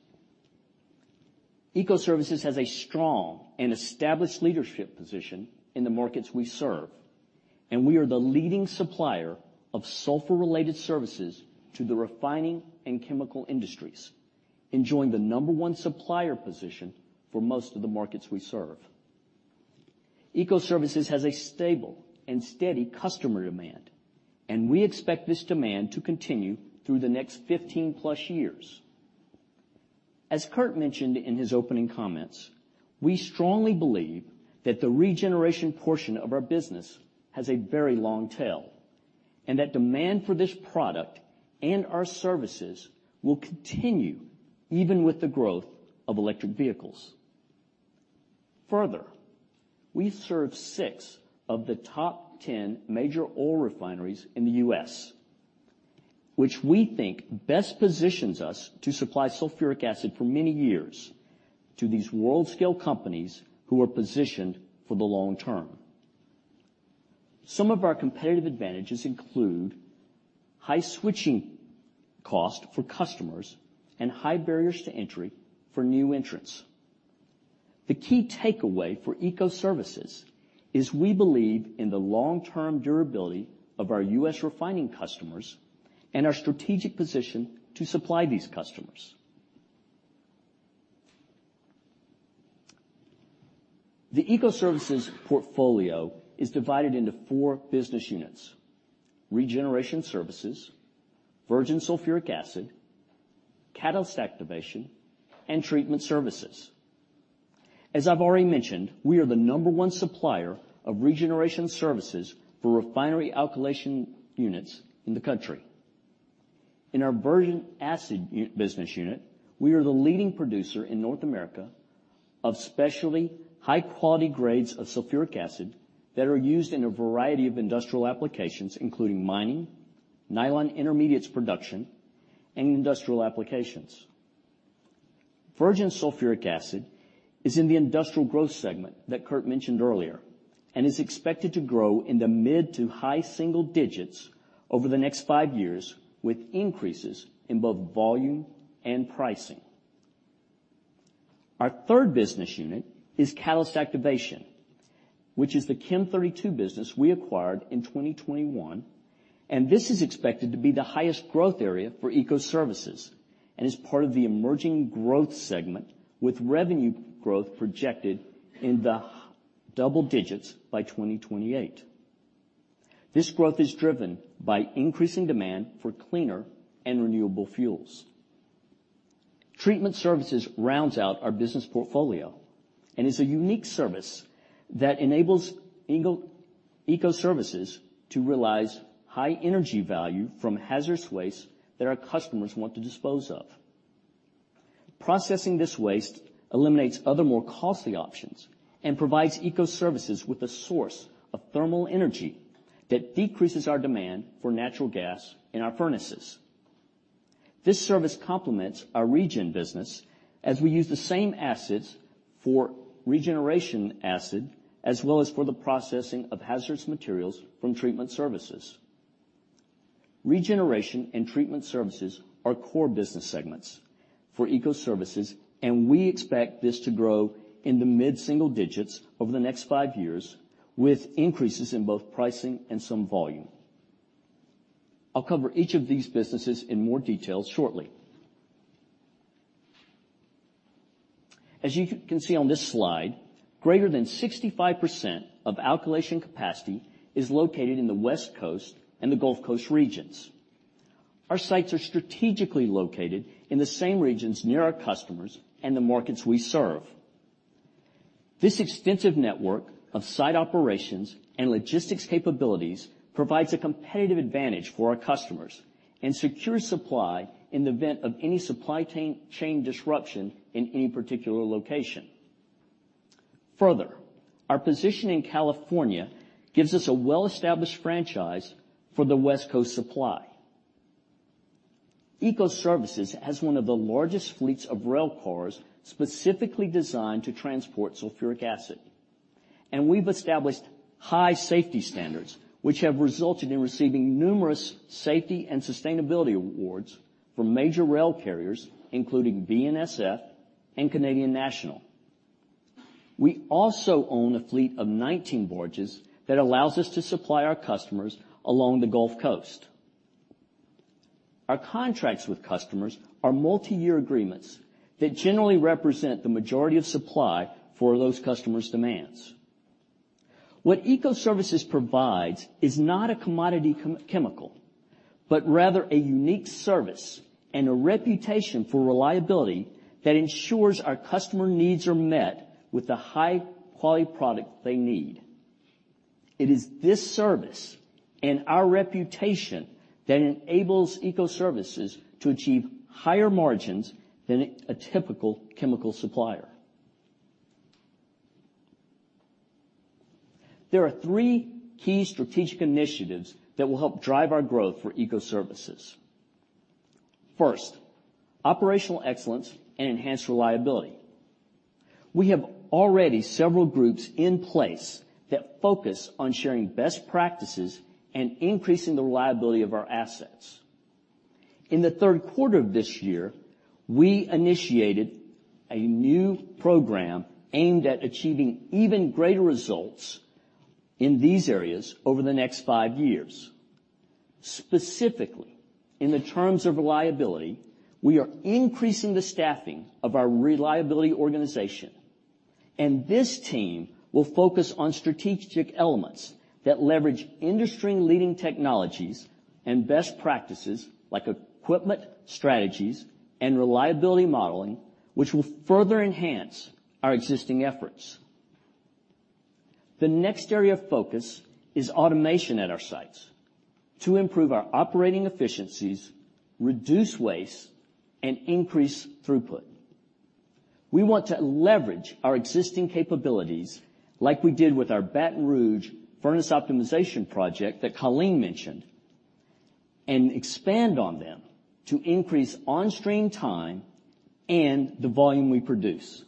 [SPEAKER 4] Ecoservices has a strong and established leadership position in the markets we serve.... We are the leading supplier of sulfur-related services to the refining and chemical industries, enjoying the number-one supplier position for most of the markets we serve. Ecoservices has a stable and steady customer demand, and we expect this demand to continue through the next 15+ years. As Kurt mentioned in his opening comments, we strongly believe that the regeneration portion of our business has a very long tail, and that demand for this product and our services will continue even with the growth of electric vehicles. Further, we serve six of the top 10 major oil refineries in the U.S., which we think best positions us to supply sulfuric acid for many years to these world-scale companies who are positioned for the long term. Some of our competitive advantages include high switching cost for customers and high barriers to entry for new entrants. The key takeaway for Ecoservices is we believe in the long-term durability of our U.S. refining customers and our strategic position to supply these customers. The Ecoservices portfolio is divided into four business units: Regeneration Services, Virgin Sulfuric Acid, Catalyst Activation, and Treatment Services. As I've already mentioned, we are the number one supplier of Regeneration Services for refinery alkylation units in the country. In our virgin acid business unit, we are the leading producer in North America of specialty high-quality grades of sulfuric acid that are used in a variety of industrial applications, including mining, nylon intermediates production, and industrial applications. Virgin Sulfuric Acid is in the industrial growth segment that Kurt mentioned earlier, and is expected to grow in the mid to high single digits over the next five years, with increases in both volume and pricing. Our third business unit is Catalyst Activation, which is the Chem32 business we acquired in 2021, and this is expected to be the highest growth area for Ecoservices and is part of the emerging growth segment, with revenue growth projected in the double digits by 2028. This growth is driven by increasing demand for cleaner and renewable fuels. Treatment Services rounds out our business portfolio and is a unique service that enables Ecoservices to realize high energy value from hazardous waste that our customers want to dispose of. Processing this waste eliminates other, more costly options and provides Ecoservices with a source of thermal energy that decreases our demand for natural gas in our furnaces. This service complements our regeneration business, as we use the same acids for regeneration acid, as well as for the processing of hazardous materials from Treatment Services. Regeneration and Treatment Services are core business segments for Ecoservices, and we expect this to grow in the mid-single digits over the next five years, with increases in both pricing and some volume. I'll cover each of these businesses in more detail shortly. As you can see on this slide, greater than 65% of alkylation capacity is located in the West Coast and the Gulf Coast regions. Our sites are strategically located in the same regions, near our customers and the markets we serve. This extensive network of site operations and logistics capabilities provides a competitive advantage for our customers and secures supply in the event of any supply chain disruption in any particular location. Further, our position in California gives us a well-established franchise for the West Coast supply. Ecoservices has one of the largest fleets of rail cars specifically designed to transport sulfuric acid, and we've established high safety standards, which have resulted in receiving numerous safety and sustainability awards from major rail carriers, including BNSF and Canadian National. We also own a fleet of 19 barges that allows us to supply our customers along the Gulf Coast. Our contracts with customers are multiyear agreements that generally represent the majority of supply for those customers' demands. What Ecoservices provides is not a commodity chemical, but rather a unique service and a reputation for reliability that ensures our customer needs are met with the high-quality product they need. It is this service and our reputation that enables Ecoservices to achieve higher margins than a typical chemical supplier. There are three key strategic initiatives that will help drive our growth for Ecoservices. First, operational excellence and enhanced reliability. We have already several groups in place that focus on sharing best practices and increasing the reliability of our assets. In the third quarter of this year, we initiated a new program aimed at achieving even greater results in these areas over the next five years. Specifically, in terms of reliability, we are increasing the staffing of our reliability organization, and this team will focus on strategic elements that leverage industry-leading technologies and best practices, like equipment, strategies, and reliability modeling, which will further enhance our existing efforts. The next area of focus is automation at our sites to improve our operating efficiencies, reduce waste, and increase throughput. We want to leverage our existing capabilities, like we did with our Baton Rouge furnace optimization project that Colleen mentioned, and expand on them to increase on-stream time and the volume we produce.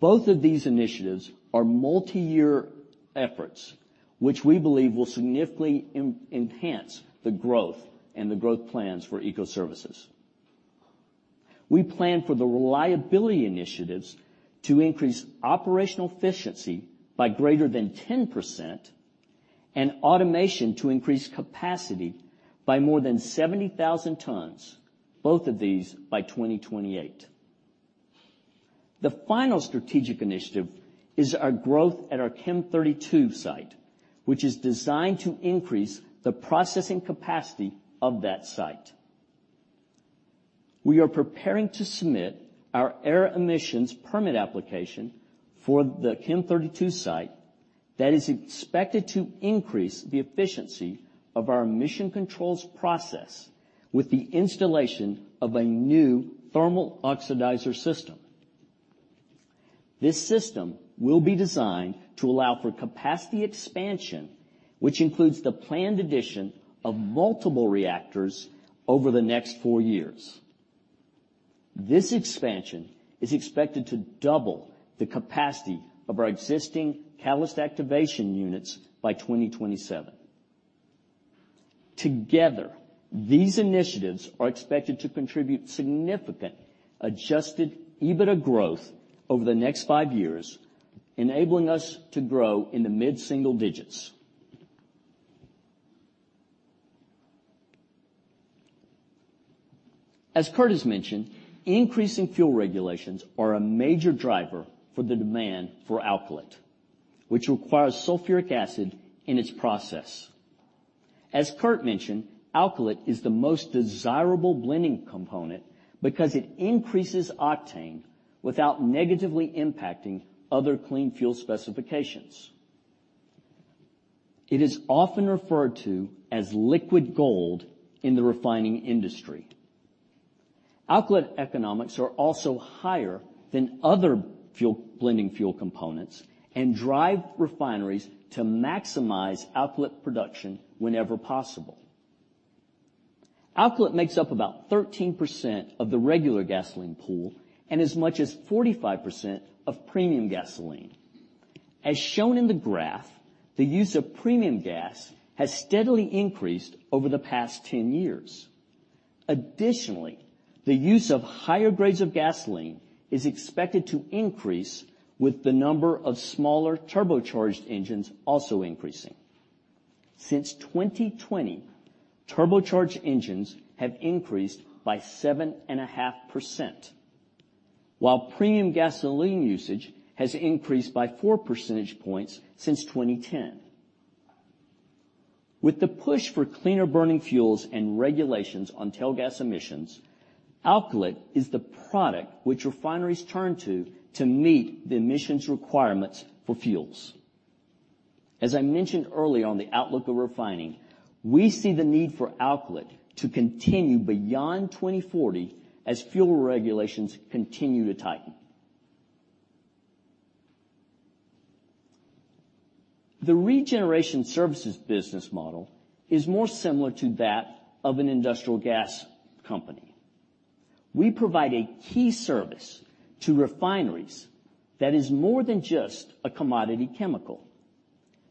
[SPEAKER 4] Both of these initiatives are multiyear efforts, which we believe will significantly enhance the growth and the growth plans for Ecoservices. We plan for the reliability initiatives to increase operational efficiency by greater than 10% and automation to increase capacity by more than 70,000 tons, both of these by 2028. The final strategic initiative is our growth at our Chem32 site, which is designed to increase the processing capacity of that site. We are preparing to submit our air emissions permit application for the Chem32 site that is expected to increase the efficiency of our emission controls process with the installation of a new thermal oxidizer system. This system will be designed to allow for capacity expansion, which includes the planned addition of multiple reactors over the next four years. This expansion is expected to double the capacity of our existing Catalyst Activation units by 2027. Together, these initiatives are expected to contribute significant Adjusted EBITDA growth over the next five years, enabling us to grow in the mid-single digits. As Kurt has mentioned, increasing fuel regulations are a major driver for the demand for alkylate, which requires sulfuric acid in its process. As Kurt mentioned, alkylate is the most desirable blending component because it increases octane without negatively impacting other clean fuel specifications. It is often referred to as liquid gold in the refining industry. Alkylate economics are also higher than other fuel-blending fuel components and drive refineries to maximize alkylate production whenever possible. Alkylate makes up about 13% of the regular gasoline pool and as much as 45% of premium gasoline. As shown in the graph, the use of premium gas has steadily increased over the past 10 years. Additionally, the use of higher grades of gasoline is expected to increase, with the number of smaller turbocharged engines also increasing. Since 2020, turbocharged engines have increased by 7.5%, while premium gasoline usage has increased by 4 percentage points since 2010. With the push for cleaner-burning fuels and regulations on tail gas emissions, alkylate is the product which refineries turn to, to meet the emissions requirements for fuels. As I mentioned early on the outlook of refining, we see the need for alkylate to continue beyond 2040 as fuel regulations continue to tighten. The Regeneration Services business model is more similar to that of an industrial gas company. We provide a key service to refineries that is more than just a commodity chemical.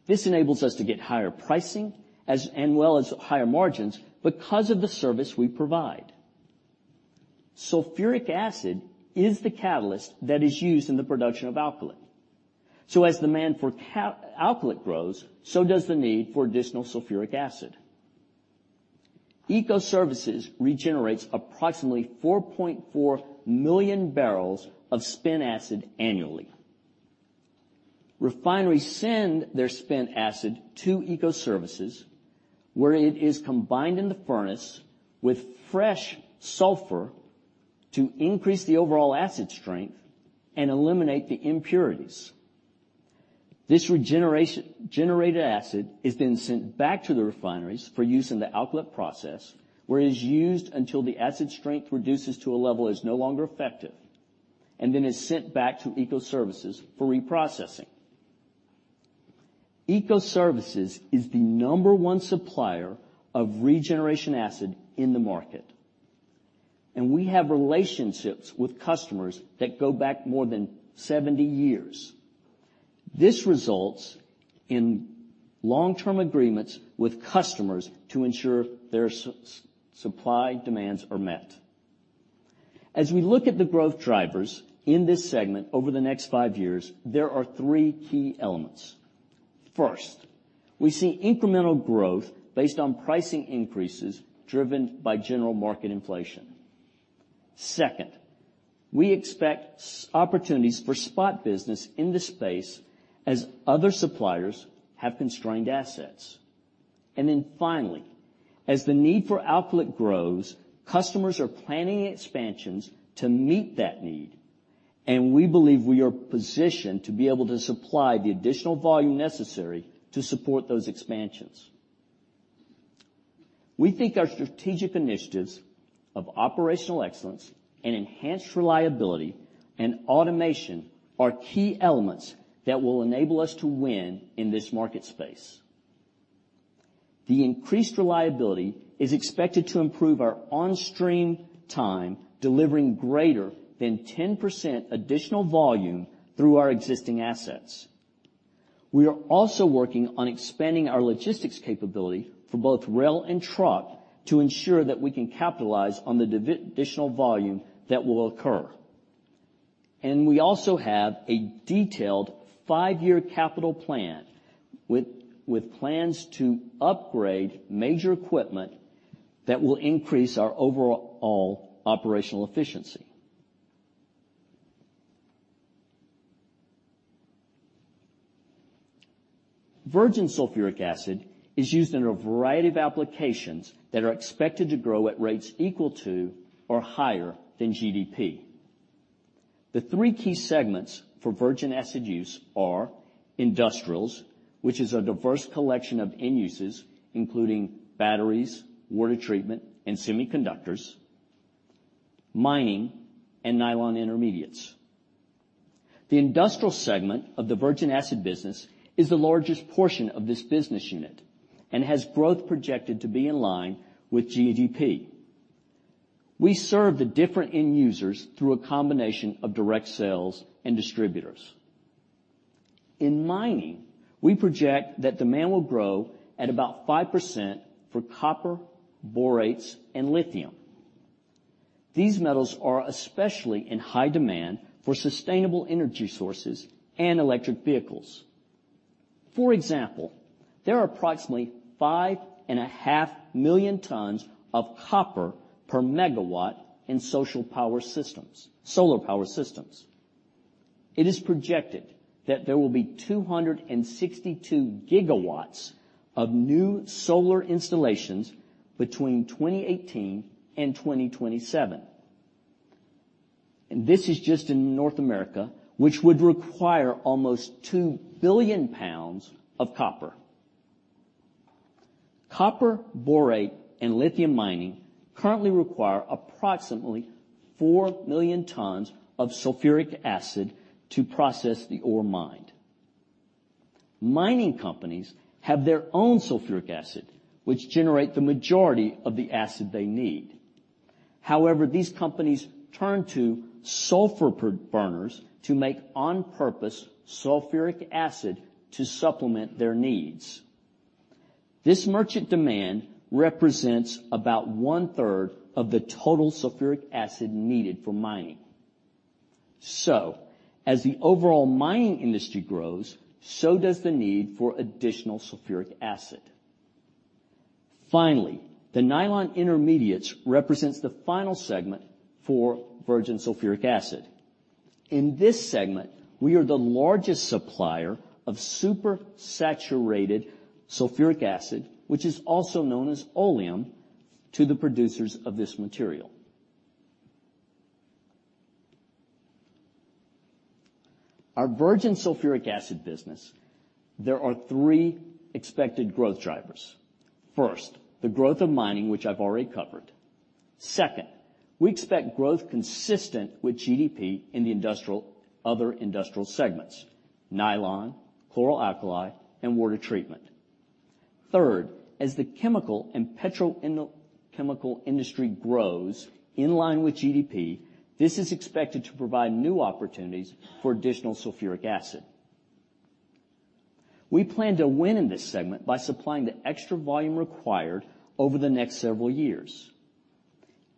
[SPEAKER 4] This enables us to get higher pricing as well as higher margins because of the service we provide. Sulfuric acid is the catalyst that is used in the production of alkylate. So as demand for alkylate grows, so does the need for additional sulfuric acid. Ecoservices regenerates approximately 4.4 million barrels of spent acid annually. Refineries send their spent acid to Ecoservices, where it is combined in the furnace with fresh sulfur to increase the overall acid strength and eliminate the impurities. This regenerated acid is then sent back to the refineries for use in the alkylate process, where it is used until the acid strength reduces to a level that is no longer effective, and then is sent back to Ecoservices for reprocessing. Ecoservices is the number one supplier of regenerated acid in the market. We have relationships with customers that go back more than 70 years. This results in long-term agreements with customers to ensure their supply demands are met. As we look at the growth drivers in this segment over the next five years, there are three key elements. First, we see incremental growth based on pricing increases driven by general market inflation. Second, we expect opportunities for spot business in this space as other suppliers have constrained assets. And then finally, as the need for alkylate grows, customers are planning expansions to meet that need, and we believe we are positioned to be able to supply the additional volume necessary to support those expansions. We think our strategic initiatives of operational excellence and enhanced reliability and automation are key elements that will enable us to win in this market space. The increased reliability is expected to improve our on-stream time, delivering greater than 10% additional volume through our existing assets. We are also working on expanding our logistics capability for both rail and truck to ensure that we can capitalize on the additional volume that will occur. We also have a detailed five-year capital plan, with plans to upgrade major equipment that will increase our overall operational efficiency. Virgin Sulfuric Acid is used in a variety of applications that are expected to grow at rates equal to or higher than GDP. The three key segments for virgin acid use are industrial, which is a diverse collection of end uses, including batteries, water treatment, and semiconductors, mining, and nylon intermediates. The industrial segment of the virgin acid business is the largest portion of this business unit and has growth projected to be in line with GDP. We serve the different end users through a combination of direct sales and distributors. In mining, we project that demand will grow at about 5% for copper, borates, and lithium. These metals are especially in high demand for sustainable energy sources and electric vehicles. For example, there are approximately 5.5 million tons of copper per megawatt in solar power systems. It is projected that there will be 262 GW of new solar installations between 2018 and 2027, and this is just in North America, which would require almost 2 billion pounds of copper. Copper, borate, and lithium mining currently require approximately 4 million tons of sulfuric acid to process the ore mined. Mining companies have their own sulfuric acid, which generate the majority of the acid they need. However, these companies turn to sulfur burners to make on-purpose sulfuric acid to supplement their needs. This merchant demand represents about one-third of the total sulfuric acid needed for mining. So as the overall mining industry grows, so does the need for additional sulfuric acid. Finally, the nylon intermediates represents the final segment for Virgin Sulfuric Acid. In this segment, we are the largest supplier of supersaturated sulfuric acid, which is also known as oleum, to the producers of this material. Our Virgin Sulfuric Acid business, there are three expected growth drivers. First, the growth of mining, which I've already covered. Second, we expect growth consistent with GDP in the industrial—other industrial segments, nylon, chlor-alkali, and water treatment. Third, as the chemical and petrochemical industry grows in line with GDP, this is expected to provide new opportunities for additional sulfuric acid. We plan to win in this segment by supplying the extra volume required over the next several years.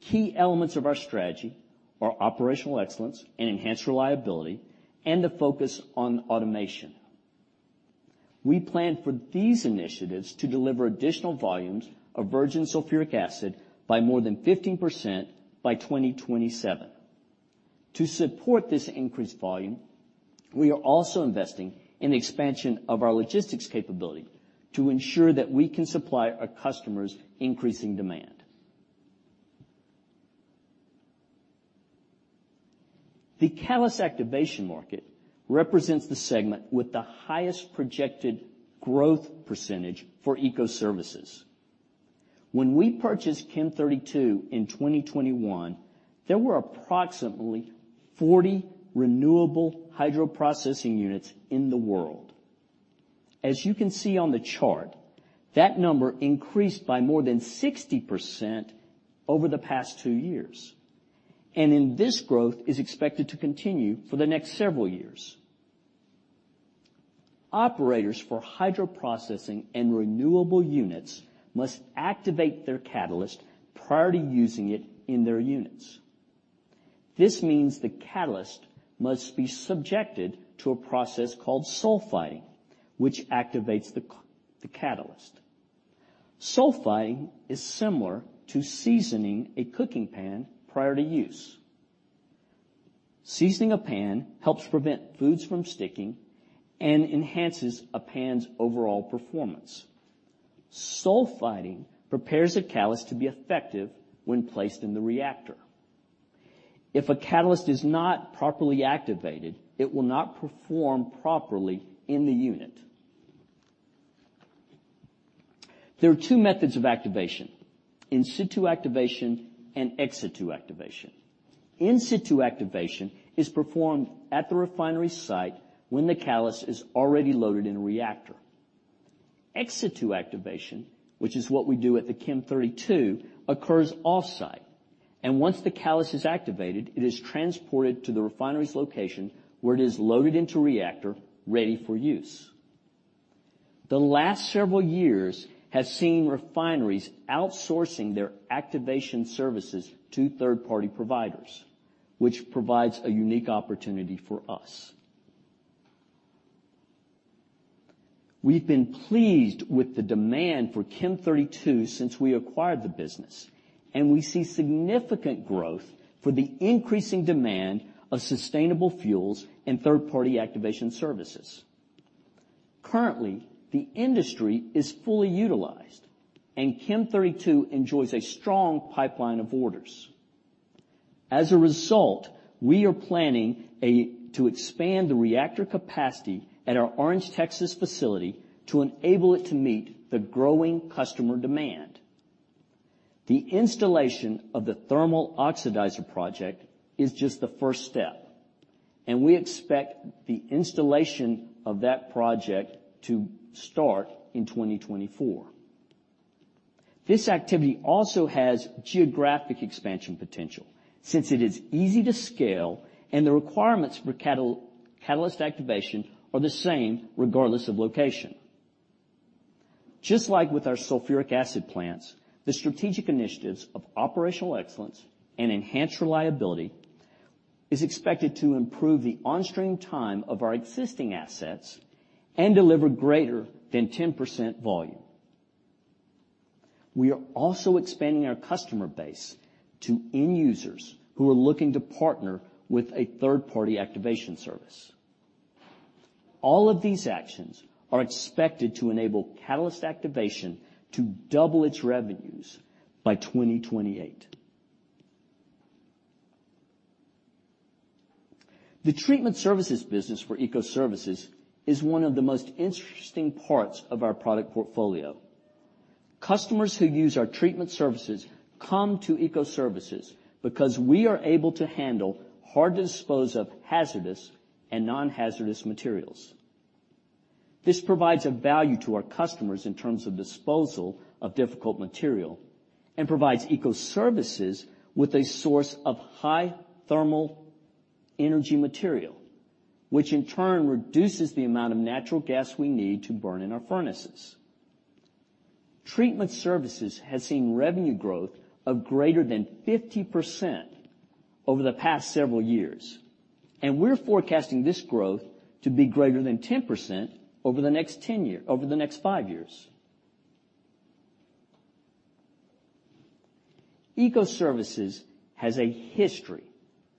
[SPEAKER 4] Key elements of our strategy are operational excellence and enhanced reliability, and a focus on automation. We plan for these initiatives to deliver additional volumes of Virgin Sulfuric Acid by more than 15% by 2027. To support this increased volume, we are also investing in the expansion of our logistics capability to ensure that we can supply our customers' increasing demand. The Catalyst Activation market represents the segment with the highest projected growth percentage for Ecoservices. When we purchased Chem32 in 2021, there were approximately 40 renewable hydroprocessing units in the world.... As you can see on the chart, that number increased by more than 60% over the past two years, and then this growth is expected to continue for the next several years. Operators for hydroprocessing and renewable units must activate their catalyst prior to using it in their units. This means the catalyst must be subjected to a process called sulfiding, which activates the catalyst. Sulfiding is similar to seasoning a cooking pan prior to use. Seasoning a pan helps prevent foods from sticking and enhances a pan's overall performance. Sulfiding prepares a catalyst to be effective when placed in the reactor. If a catalyst is not properly activated, it will not perform properly in the unit. There are two methods of activation: in-situ activation and ex-situ activation. In-situ activation is performed at the refinery site when the catalyst is already loaded in a reactor. Ex-situ activation, which is what we do at Chem32, occurs off-site, and once the catalyst is activated, it is transported to the refinery's location, where it is loaded into a reactor, ready for use. The last several years have seen refineries outsourcing their activation services to third-party providers, which provides a unique opportunity for us. We've been pleased with the demand for Chem32 since we acquired the business, and we see significant growth for the increasing demand of sustainable fuels and third-party activation services. Currently, the industry is fully utilized, and Chem32 enjoys a strong pipeline of orders. As a result, we are planning to expand the reactor capacity at our Orange, Texas, facility to enable it to meet the growing customer demand. The installation of the thermal oxidizer project is just the first step, and we expect the installation of that project to start in 2024. This activity also has geographic expansion potential, since it is easy to scale, and the requirements for Catalyst Activation are the same, regardless of location. Just like with our sulfuric acid plants, the strategic initiatives of operational excellence and enhanced reliability is expected to improve the onstream time of our existing assets and deliver greater than 10% volume. We are also expanding our customer base to end users who are looking to partner with a third-party activation service. All of these actions are expected to enable Catalyst Activation to double its revenues by 2028. The Treatment Services business for Ecoservices is one of the most interesting parts of our product portfolio. Customers who use our Treatment Services come to Ecoservices because we are able to handle hard-to-dispose-of hazardous and non-hazardous materials. This provides a value to our customers in terms of disposal of difficult material and provides Ecoservices with a source of high thermal energy material, which in turn reduces the amount of natural gas we need to burn in our furnaces. Treatment Services has seen revenue growth of greater than 50% over the past several years, and we're forecasting this growth to be greater than 10% over the next five years. Ecoservices has a history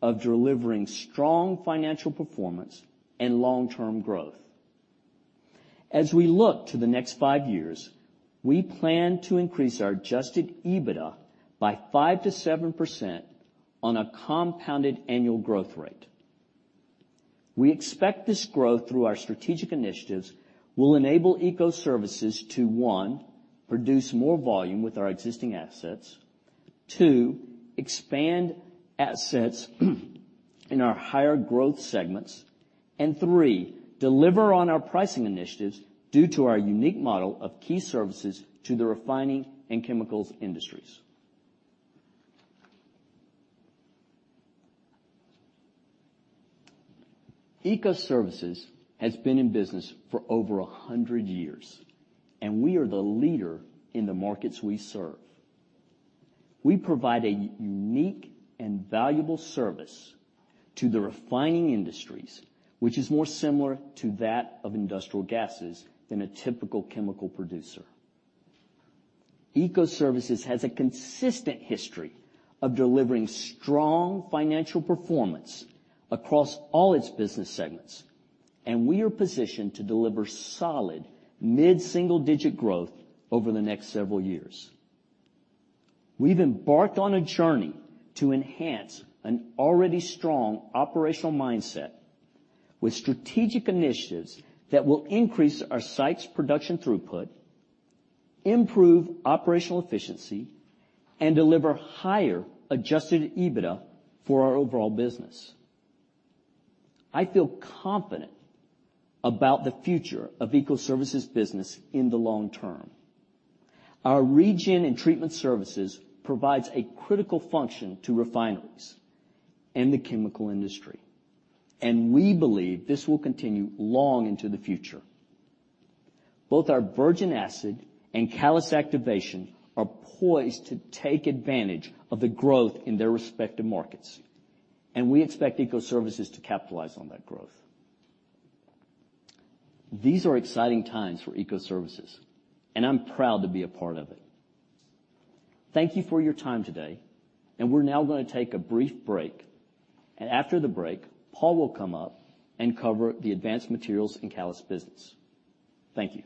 [SPEAKER 4] of delivering strong financial performance and long-term growth. As we look to the next five years, we plan to increase our Adjusted EBITDA by 5%-7% on a compounded annual growth rate. We expect this growth through our strategic initiatives will enable Ecoservices to, one, produce more volume with our existing assets. Two, expand assets in our higher growth segments. And three, deliver on our pricing initiatives due to our unique model of key services to the refining and chemicals industries. Ecoservices has been in business for over a hundred years, and we are the leader in the markets we serve. We provide a unique and valuable service to the refining industries, which is more similar to that of industrial gases than a typical chemical producer. Ecoservices has a consistent history of delivering strong financial performance across all its business segments, and we are positioned to deliver solid mid-single-digit growth over the next several years. We've embarked on a journey to enhance an already strong operational mindset with strategic initiatives that will increase our site's production throughput-... Improve operational efficiency, and deliver higher Adjusted EBITDA for our overall business. I feel confident about the future of Ecoservices business in the long term. Our regen and Treatment Services provides a critical function to refineries and the chemical industry, and we believe this will continue long into the future. Both our virgin acid and Catalyst Activation are poised to take advantage of the growth in their respective markets, and we expect Ecoservices to capitalize on that growth. These are exciting times for Ecoservices, and I'm proud to be a part of it. Thank you for your time today, and we're now going to take a brief break, and after the break, Paul will come up and cover the Advanced Materials & Catalysts business. Thank you.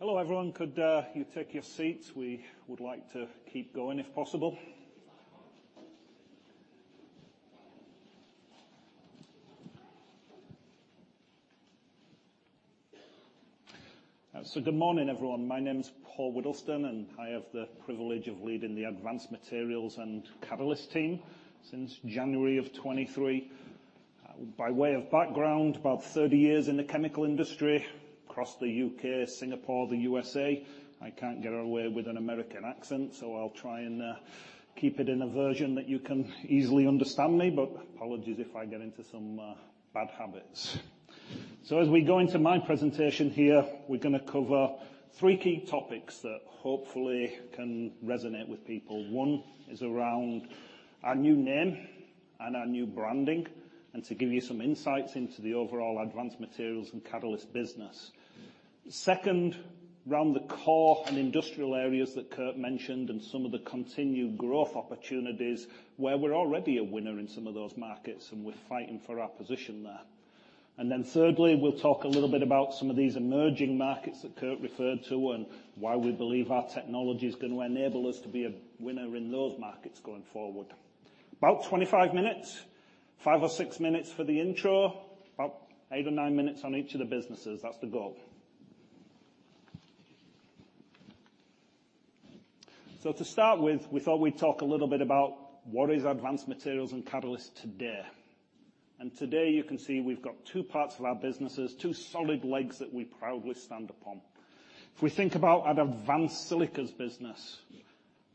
[SPEAKER 5] Hello, everyone. Could you take your seats? We would like to keep going, if possible. Good morning, everyone. My name is Paul Whittleston, and I have the privilege of leading the Advanced Materials & Catalysts team since January of 2023. By way of background, about 30 years in the chemical industry across the U.K., Singapore, the U.S.A. I can't get away with an American accent, so I'll try and keep it in a version that you can easily understand me, but apologies if I get into some bad habits. As we go into my presentation here, we're gonna cover three key topics that hopefully can resonate with people. One is around our new name and our new branding, and to give you some insights into the overall advanced materials and catalyst business. Second, around the core and industrial areas that Kurt mentioned, and some of the continued growth opportunities where we're already a winner in some of those markets, and we're fighting for our position there. Then thirdly, we'll talk a little bit about some of these emerging markets that Kurt referred to, and why we believe our technology is going to enable us to be a winner in those markets going forward. About 25 minutes, five or six minutes for the intro, about eight or nine minutes on each of the businesses. That's the goal. So to start with, we thought we'd talk a little bit about what is Advanced Materials & Catalysts today. And today, you can see we've got two parts of our businesses, two solid legs that we proudly stand upon. If we think about our Advanced Silicas business,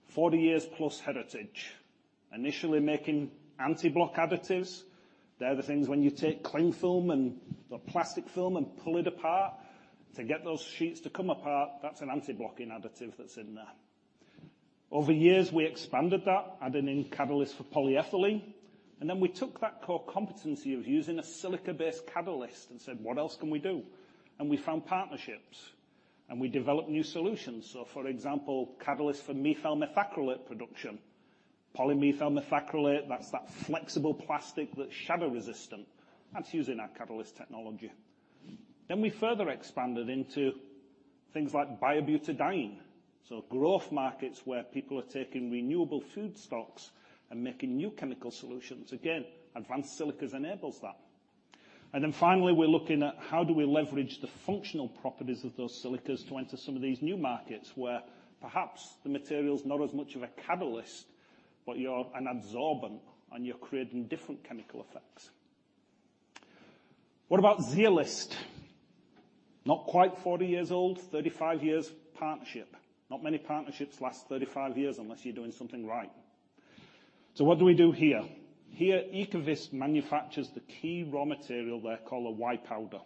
[SPEAKER 5] 40 years plus heritage, initially making anti-block additives. They're the things when you take cling film and the plastic film and pull it apart. To get those sheets to come apart, that's an anti-blocking additive that's in there. Over years, we expanded that, adding in catalysts for polyethylene, and then we took that core competency of using a silica-based catalyst and said: "What else can we do?" And we found partnerships, and we developed new solutions. So for example, catalysts for methyl methacrylate production. Polymethyl methacrylate, that's that flexible plastic that's shatter-resistant. That's using our catalyst technology. Then we further expanded into things like butadiene. So growth markets where people are taking renewable food stocks and making new chemical solutions. Again, Advanced Silicas enables that. And then finally, we're looking at how do we leverage the functional properties of those silicas to enter some of these new markets, where perhaps the material's not as much of a catalyst, but you're an absorbent and you're creating different chemical effects. What about Zeolyst? Not quite 40 years old, 35 years partnership. Not many partnerships last 35 years unless you're doing something right. So what do we do here? Here, Ecovyst manufactures the key raw material there called a Y Powder.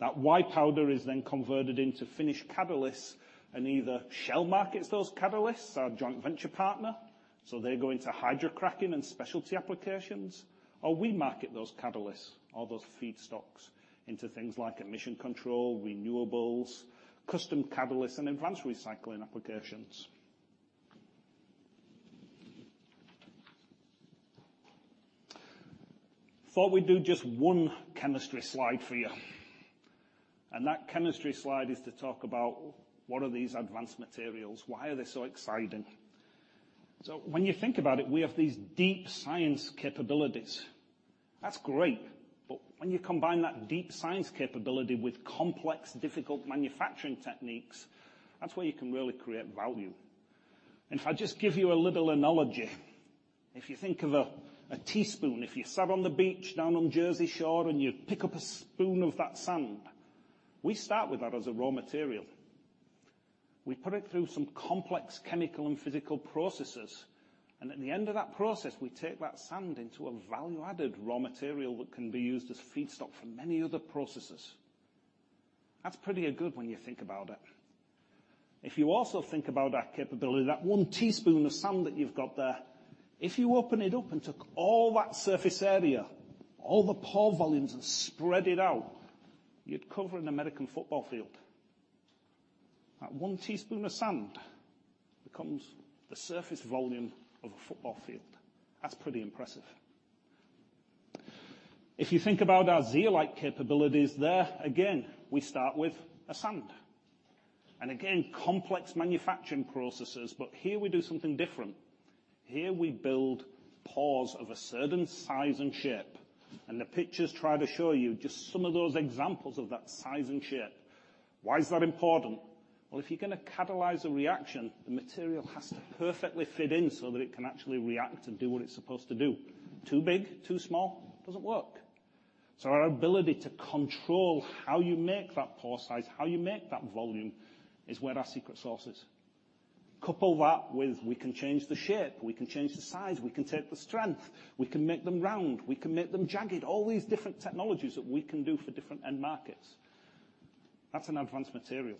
[SPEAKER 5] That Y Powder is then converted into finished catalysts and either Shell markets those catalysts, our joint venture partner... So they go into hydrocracking and specialty applications, or we market those catalysts or those feedstocks into things like emission control, renewables, custom catalysts, and advanced recycling applications. Thought we'd do just one chemistry slide for you, and that chemistry slide is to talk about what are these advanced materials? Why are they so exciting? So when you think about it, we have these deep science capabilities. That's great, but when you combine that deep science capability with complex, difficult manufacturing techniques, that's where you can really create value. And if I just give you a little analogy, if you think of a teaspoon, if you sat on the beach down on Jersey Shore, and you pick up a spoon of that sand, we start with that as a raw material. We put it through some complex chemical and physical processes, and at the end of that process, we take that sand into a value-added raw material that can be used as feedstock for many other processes. That's pretty good when you think about it. If you also think about our capability, that one teaspoon of sand that you've got there, if you open it up and took all that surface area, all the pore volumes and spread it out, you'd cover an American football field. That one teaspoon of sand becomes the surface volume of a football field. That's pretty impressive. If you think about our zeolite capabilities, there again, we start with a sand, and again, complex manufacturing processes, but here we do something different. Here we build pores of a certain size and shape, and the pictures try to show you just some of those examples of that size and shape. Why is that important? Well, if you're gonna catalyze a reaction, the material has to perfectly fit in so that it can actually react and do what it's supposed to do. Too big, too small, doesn't work. So our ability to control how you make that pore size, how you make that volume, is where our secret sauce is. Couple that with we can change the shape, we can change the size, we can take the strength, we can make them round, we can make them jagged, all these different technologies that we can do for different end markets. That's an advanced material.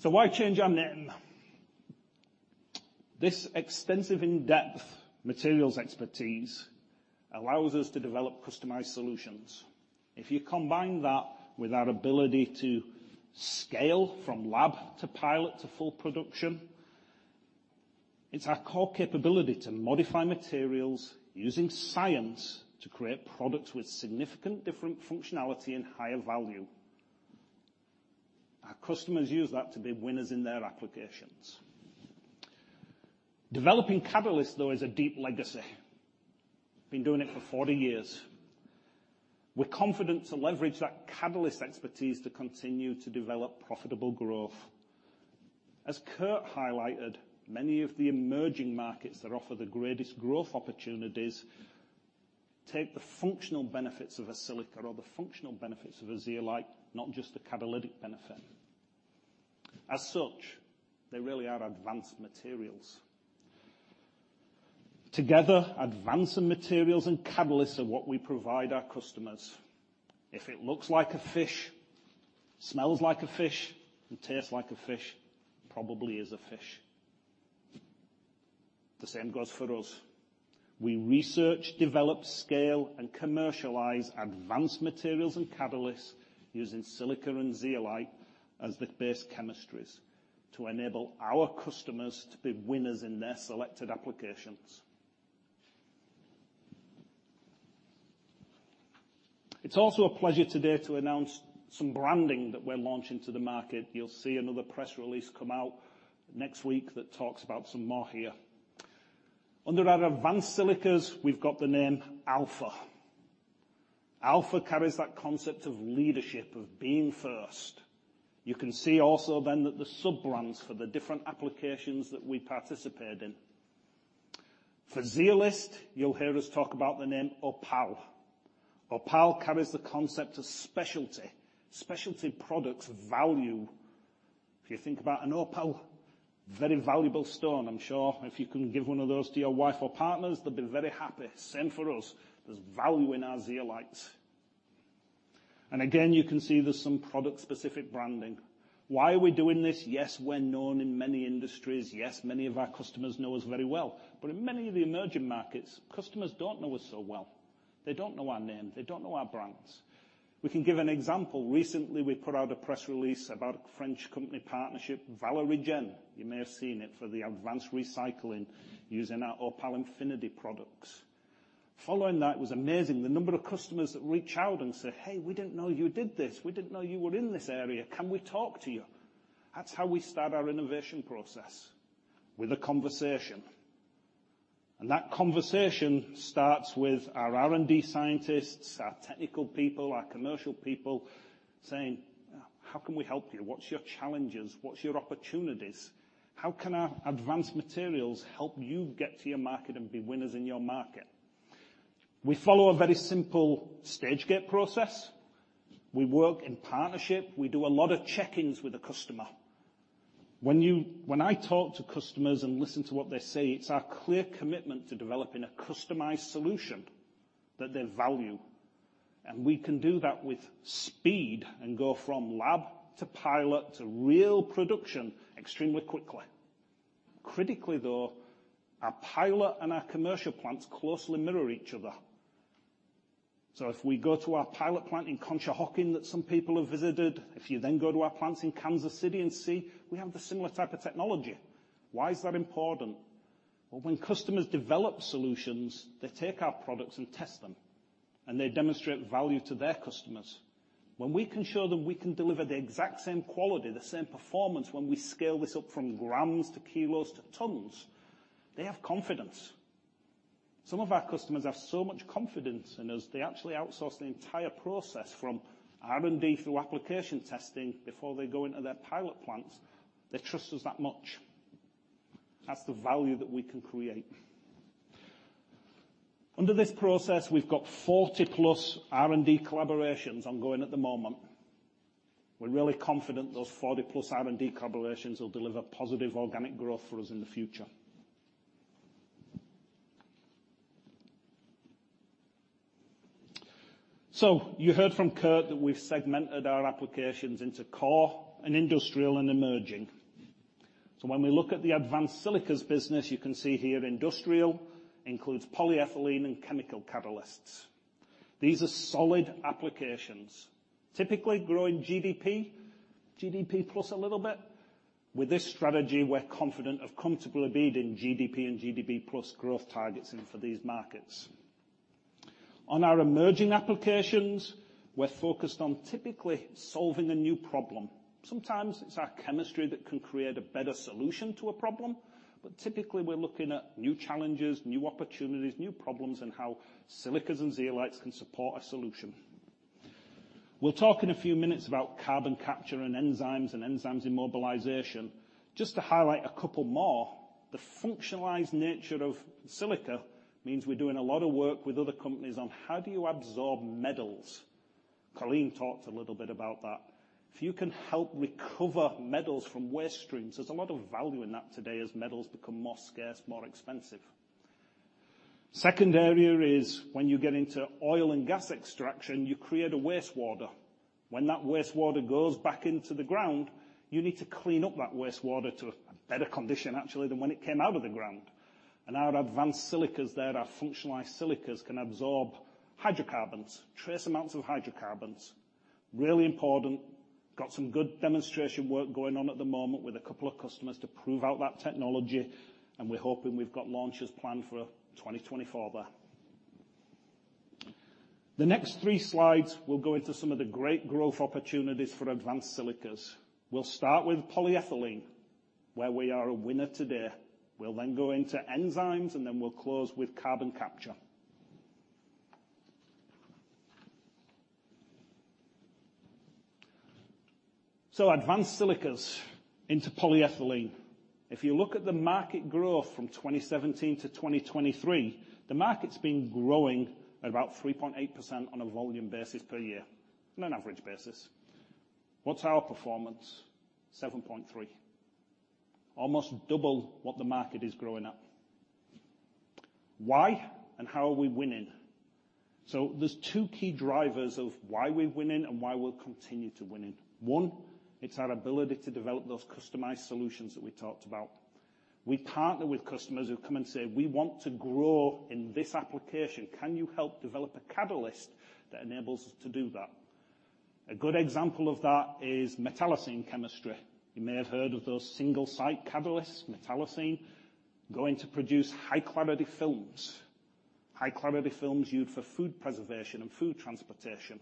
[SPEAKER 5] So why change our name? This extensive in-depth materials expertise allows us to develop customized solutions. If you combine that with our ability to scale from lab to pilot to full production, it's our core capability to modify materials using science to create products with significant different functionality and higher value. Our customers use that to be winners in their applications. Developing catalysts, though, is a deep legacy. Been doing it for 40 years. We're confident to leverage that catalyst expertise to continue to develop profitable growth. As Kurt highlighted, many of the emerging markets that offer the greatest growth opportunities take the functional benefits of a silica or the functional benefits of a zeolite, not just the catalytic benefit. As such, they really are advanced materials. Together, advancing materials and catalysts are what we provide our customers. If it looks like a fish, smells like a fish, and tastes like a fish, probably is a fish. The same goes for us. We research, develop, scale, and commercialize Advanced Materials & Catalysts using silica and zeolite as the base chemistries to enable our customers to be winners in their selected applications. It's also a pleasure today to announce some branding that we're launching to the market. You'll see another press release come out next week that talks about some more here. Under our Advanced Silicas, we've got the name Alpha. Alpha carries that concept of leadership, of being first. You can see also then that the sub-brands for the different applications that we participated in. For zeolites, you'll hear us talk about the name Opal. Opal carries the concept of specialty. Specialty products value. If you think about an opal, very valuable stone. I'm sure if you can give one of those to your wife or partners, they'd be very happy. Same for us. There's value in our zeolites. And again, you can see there's some product-specific branding. Why are we doing this? Yes, we're known in many industries. Yes, many of our customers know us very well. But in many of the emerging markets, customers don't know us so well. They don't know our name. They don't know our brands. We can give an example. Recently, we put out a press release about a French company partnership, Valoregen. You may have seen it for the advanced recycling using our Opal Infinity products. Following that, it was amazing. The number of customers that reached out and said, "Hey, we didn't know you did this. We didn't know you were in this area. Can we talk to you?" That's how we start our innovation process, with a conversation. And that conversation starts with our R&D scientists, our technical people, our commercial people saying: How can we help you? What's your challenges? What's your opportunities? How can our advanced materials help you get to your market and be winners in your market? We follow a very simple stage-gate process. We work in partnership. We do a lot of check-ins with the customer.... When you, when I talk to customers and listen to what they say, it's our clear commitment to developing a customized solution that they value, and we can do that with speed and go from lab to pilot to real production extremely quickly. Critically, though, our pilot and our commercial plants closely mirror each other. So if we go to our pilot plant in Conshohocken that some people have visited, if you then go to our plants in Kansas City and see, we have the similar type of technology. Why is that important? Well, when customers develop solutions, they take our products and test them, and they demonstrate value to their customers. When we can show them we can deliver the exact same quality, the same performance, when we scale this up from grams to kilos to tons, they have confidence. Some of our customers have so much confidence in us, they actually outsource the entire process, from R&D through application testing, before they go into their pilot plants. They trust us that much. That's the value that we can create. Under this process, we've got 40+ R&D collaborations ongoing at the moment. We're really confident those 40+ R&D collaborations will deliver positive organic growth for us in the future. So you heard from Kurt that we've segmented our applications into core and industrial and emerging. So when we look at the Advanced Silicas business, you can see here industrial includes polyethylene and chemical catalysts. These are solid applications, typically growing GDP, GDP plus a little bit. With this strategy, we're confident of comfortably beating GDP and GDP plus growth targets in for these markets. On our emerging applications, we're focused on typically solving a new problem. Sometimes it's our chemistry that can create a better solution to a problem, but typically, we're looking at new challenges, new opportunities, new problems, and how silicas and zeolites can support a solution. We'll talk in a few minutes about carbon capture and enzymes and enzymes immobilization. Just to highlight a couple more, the functionalized nature of silica means we're doing a lot of work with other companies on how do you absorb metals? Colleen talked a little bit about that. If you can help recover metals from waste streams, there's a lot of value in that today as metals become more scarce, more expensive. Second area is when you get into oil and gas extraction, you create a wastewater. When that wastewater goes back into the ground, you need to clean up that wastewater to a better condition, actually, than when it came out of the ground. Our Advanced Silicas there, our functionalized silicas, can absorb hydrocarbons, trace amounts of hydrocarbons. Really important. Got some good demonstration work going on at the moment with a couple of customers to prove out that technology, and we're hoping we've got launches planned for 2024 there. The next three slides will go into some of the great growth opportunities for Advanced Silicas. We'll start with polyethylene, where we are a winner today. We'll then go into enzymes, and then we'll close with carbon capture. So Advanced Silicas into polyethylene. If you look at the market growth from 2017 to 2023, the market's been growing at about 3.8% on a volume basis per year, on an average basis. What's our performance? 7.3%. Almost double what the market is growing at. Why and how are we winning? So there's two key drivers of why we're winning and why we'll continue to winning. One, it's our ability to develop those customized solutions that we talked about. We partner with customers who come and say, "We want to grow in this application. Can you help develop a catalyst that enables us to do that?" A good example of that is metallocene chemistry. You may have heard of those single-site catalysts, metallocene. Going to produce high-quality films. High-quality films used for food preservation and food transportation.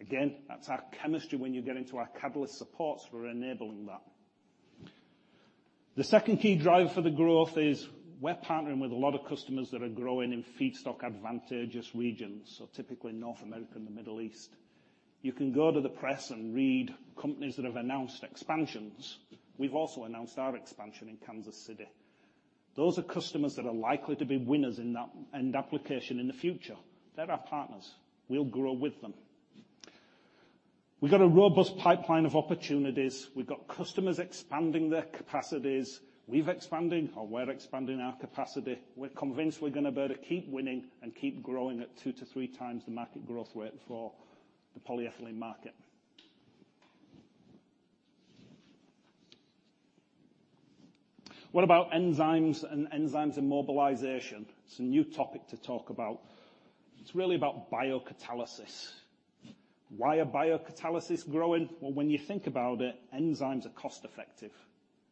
[SPEAKER 5] Again, that's our chemistry when you get into our catalyst supports for enabling that. The second key driver for the growth is we're partnering with a lot of customers that are growing in feedstock advantageous regions, so typically North America and the Middle East. You can go to the press and read companies that have announced expansions. We've also announced our expansion in Kansas City. Those are customers that are likely to be winners in that end application in the future. They're our partners. We'll grow with them. We've got a robust pipeline of opportunities. We've got customers expanding their capacities. We've expanding, or we're expanding our capacity. We're convinced we're gonna be able to keep winning and keep growing at two to three times the market growth rate for the polyethylene market. What about enzymes and enzymes immobilization? It's a new topic to talk about. It's really about biocatalysis. Why are biocatalysis growing? Well, when you think about it, enzymes are cost effective.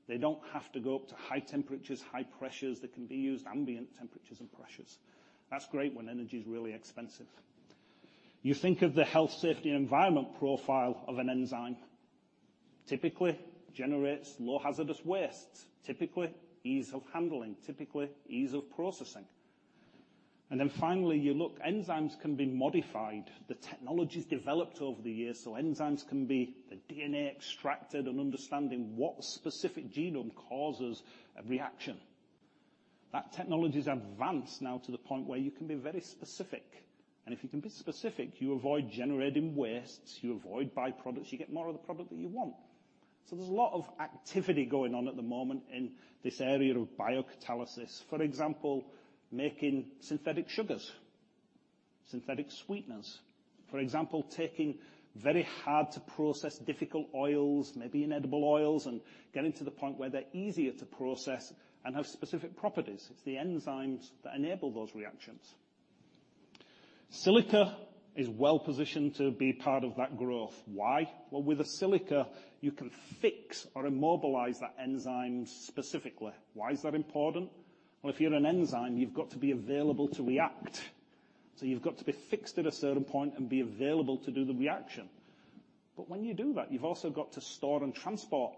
[SPEAKER 5] They don't have to go up to high temperatures, high pressures. They can be used ambient temperatures and pressures. That's great when energy is really expensive. You think of the health, safety, and environment profile of an enzyme. Typically generates low hazardous waste, typically ease of handling, typically ease of processing. And then finally, you look, enzymes can be modified. The technology's developed over the years, so enzymes can be... the DNA extracted and understanding what specific genome causes a reaction. That technology is advanced now to the point where you can be very specific, and if you can be specific, you avoid generating wastes, you avoid byproducts, you get more of the product that you want. So there's a lot of activity going on at the moment in this area of biocatalysis. For example, making synthetic sugars, synthetic sweeteners. For example, taking very hard-to-process difficult oils, maybe inedible oils, and getting to the point where they're easier to process and have specific properties. It's the enzymes that enable those reactions. Silica is well positioned to be part of that growth. Why? Well, with a silica, you can fix or immobilize that enzyme specifically. Why is that important? Well, if you're an enzyme, you've got to be available to react, so you've got to be fixed at a certain point and be available to do the reaction. But when you do that, you've also got to store and transport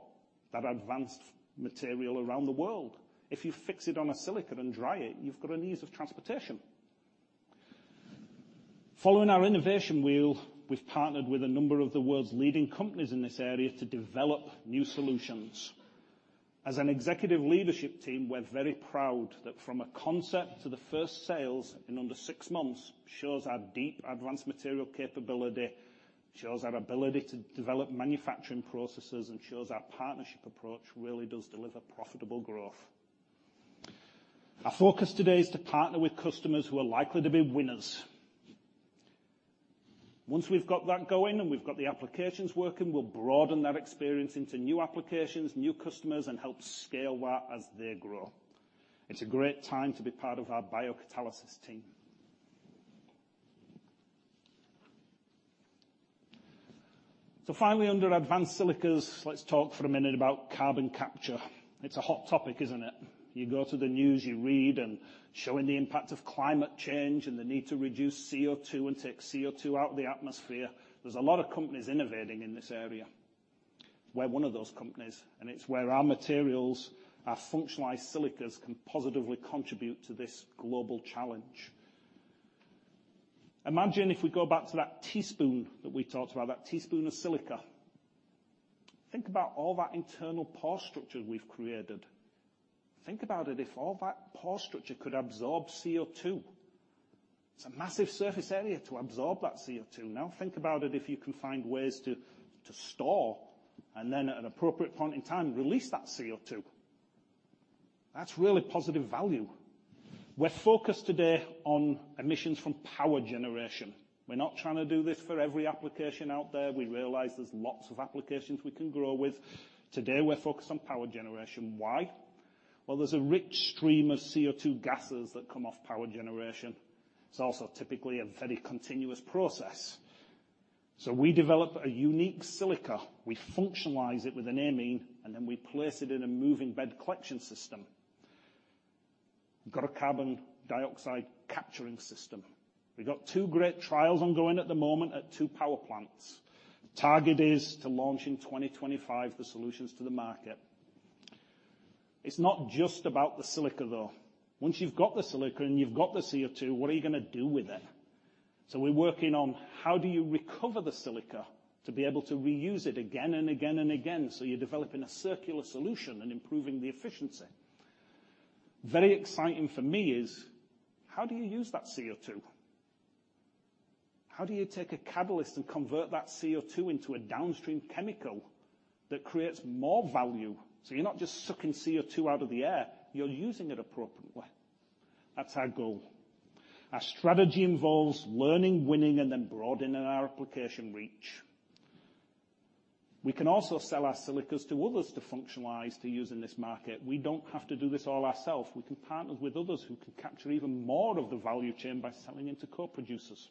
[SPEAKER 5] that advanced material around the world. If you fix it on a silica and dry it, you've got an ease of transportation. Following our innovation wheel, we've partnered with a number of the world's leading companies in this area to develop new solutions. As an executive leadership team, we're very proud that from a concept to the first sales in under 6 months, shows our deep advanced material capability, shows our ability to develop manufacturing processes, and shows our partnership approach really does deliver profitable growth. Our focus today is to partner with customers who are likely to be winners. Once we've got that going and we've got the applications working, we'll broaden that experience into new applications, new customers, and help scale that as they grow. It's a great time to be part of our biocatalysis team. So finally, under Advanced Silicas, let's talk for a minute about carbon capture. It's a hot topic, isn't it? You go to the news, you read, and showing the impact of climate change and the need to reduce CO2 and take CO2 out of the atmosphere. There's a lot of companies innovating in this area. We're one of those companies, and it's where our materials, our functionalized silicas, can positively contribute to this global challenge. Imagine if we go back to that teaspoon that we talked about, that teaspoon of silica. Think about all that internal pore structure we've created. Think about it, if all that pore structure could absorb CO2. It's a massive surface area to absorb that CO2. Now, think about it, if you can find ways to, to store and then, at an appropriate point in time, release that CO2. That's really positive value. We're focused today on emissions from power generation. We're not trying to do this for every application out there. We realize there's lots of applications we can grow with. Today, we're focused on power generation. Why? Well, there's a rich stream of CO2 gases that come off power generation. It's also typically a very continuous process. So we develop a unique silica, we functionalize it with an amine, and then we place it in a moving bed collection system. We've got a carbon dioxide capturing system. We've got two great trials ongoing at the moment at two power plants. Target is to launch in 2025 the solutions to the market. It's not just about the silica, though. Once you've got the silica and you've got the CO2, what are you gonna do with it? So we're working on: how do you recover the silica to be able to reuse it again and again and again, so you're developing a circular solution and improving the efficiency? Very exciting for me is, how do you use that CO2? How do you take a catalyst and convert that CO2 into a downstream chemical that creates more value, so you're not just sucking CO2 out of the air, you're using it appropriately? That's our goal. Our strategy involves learning, winning, and then broadening our application reach. We can also sell our silicas to others to functionalize, to use in this market. We don't have to do this all ourself. We can partner with others who can capture even more of the value chain by selling it to co-producers.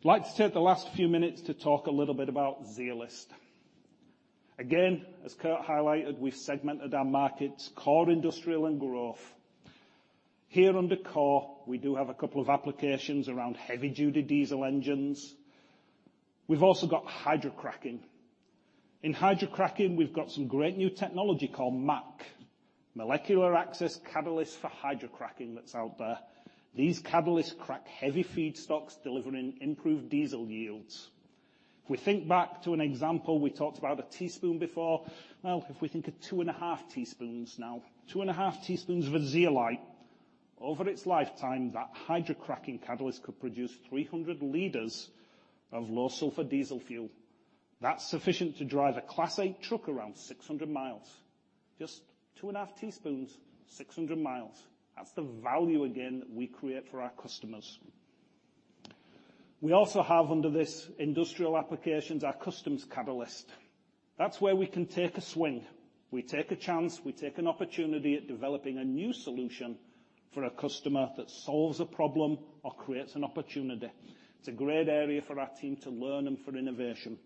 [SPEAKER 5] I'd like to take the last few minutes to talk a little bit about Zeolyst. Again, as Kurt highlighted, we've segmented our markets, core, industrial, and growth. Here, under core, we do have a couple of applications around heavy-duty diesel engines. We've also got hydrocracking. In hydrocracking, we've got some great new technology called MACH, Molecular Access Catalysts for Hydrocracking, that's out there. These catalysts crack heavy feedstocks, delivering improved diesel yields. If we think back to an example, we talked about a teaspoon before. Well, if we think of 2.5 teaspoons now. 2.5 teaspoons of a zeolite, over its lifetime, that hydrocracking catalyst could produce 300 L of low sulfur diesel fuel. That's sufficient to drive a Class 8 truck around 600 mi. Just 2.5 teaspoons, 600 mi. That's the value, again, that we create for our customers. We also have, under this industrial applications, our custom catalyst. That's where we can take a swing. We take a chance, we take an opportunity at developing a new solution for a customer that solves a problem or creates an opportunity. It's a great area for our team to learn and for innovation.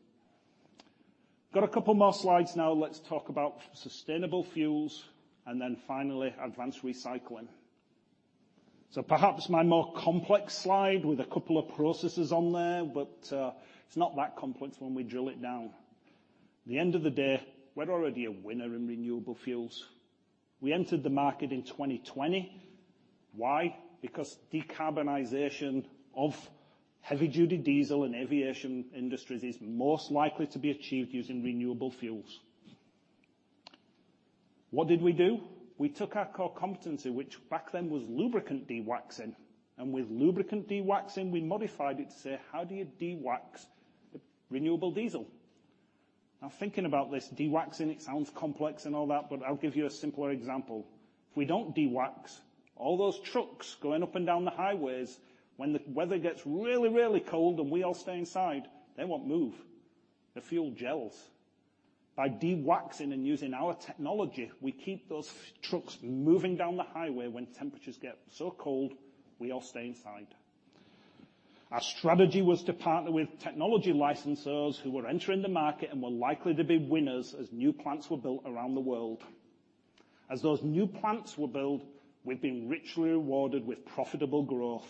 [SPEAKER 5] Got a couple more slides now. Let's talk about sustainable fuels and then finally, advanced recycling. So perhaps my more complex slide with a couple of processes on there, but, it's not that complex when we drill it down. At the end of the day, we're already a winner in renewable fuels. We entered the market in 2020. Why? Because decarbonization of heavy-duty diesel and aviation industries is most likely to be achieved using renewable fuels. What did we do? We took our core competency, which back then was lubricant dewaxing, and with lubricant dewaxing, we modified it to say: How do you dewax renewable diesel? Now thinking about this, dewaxing, it sounds complex and all that, but I'll give you a simpler example. If we don't dewax, all those trucks going up and down the highways, when the weather gets really, really cold, and we all stay inside, they won't move. The fuel gels. By dewaxing and using our technology, we keep those trucks moving down the highway when temperatures get so cold, we all stay inside. Our strategy was to partner with technology licensors who were entering the market and were likely to be winners as new plants were built around the world. As those new plants were built, we've been richly rewarded with profitable growth.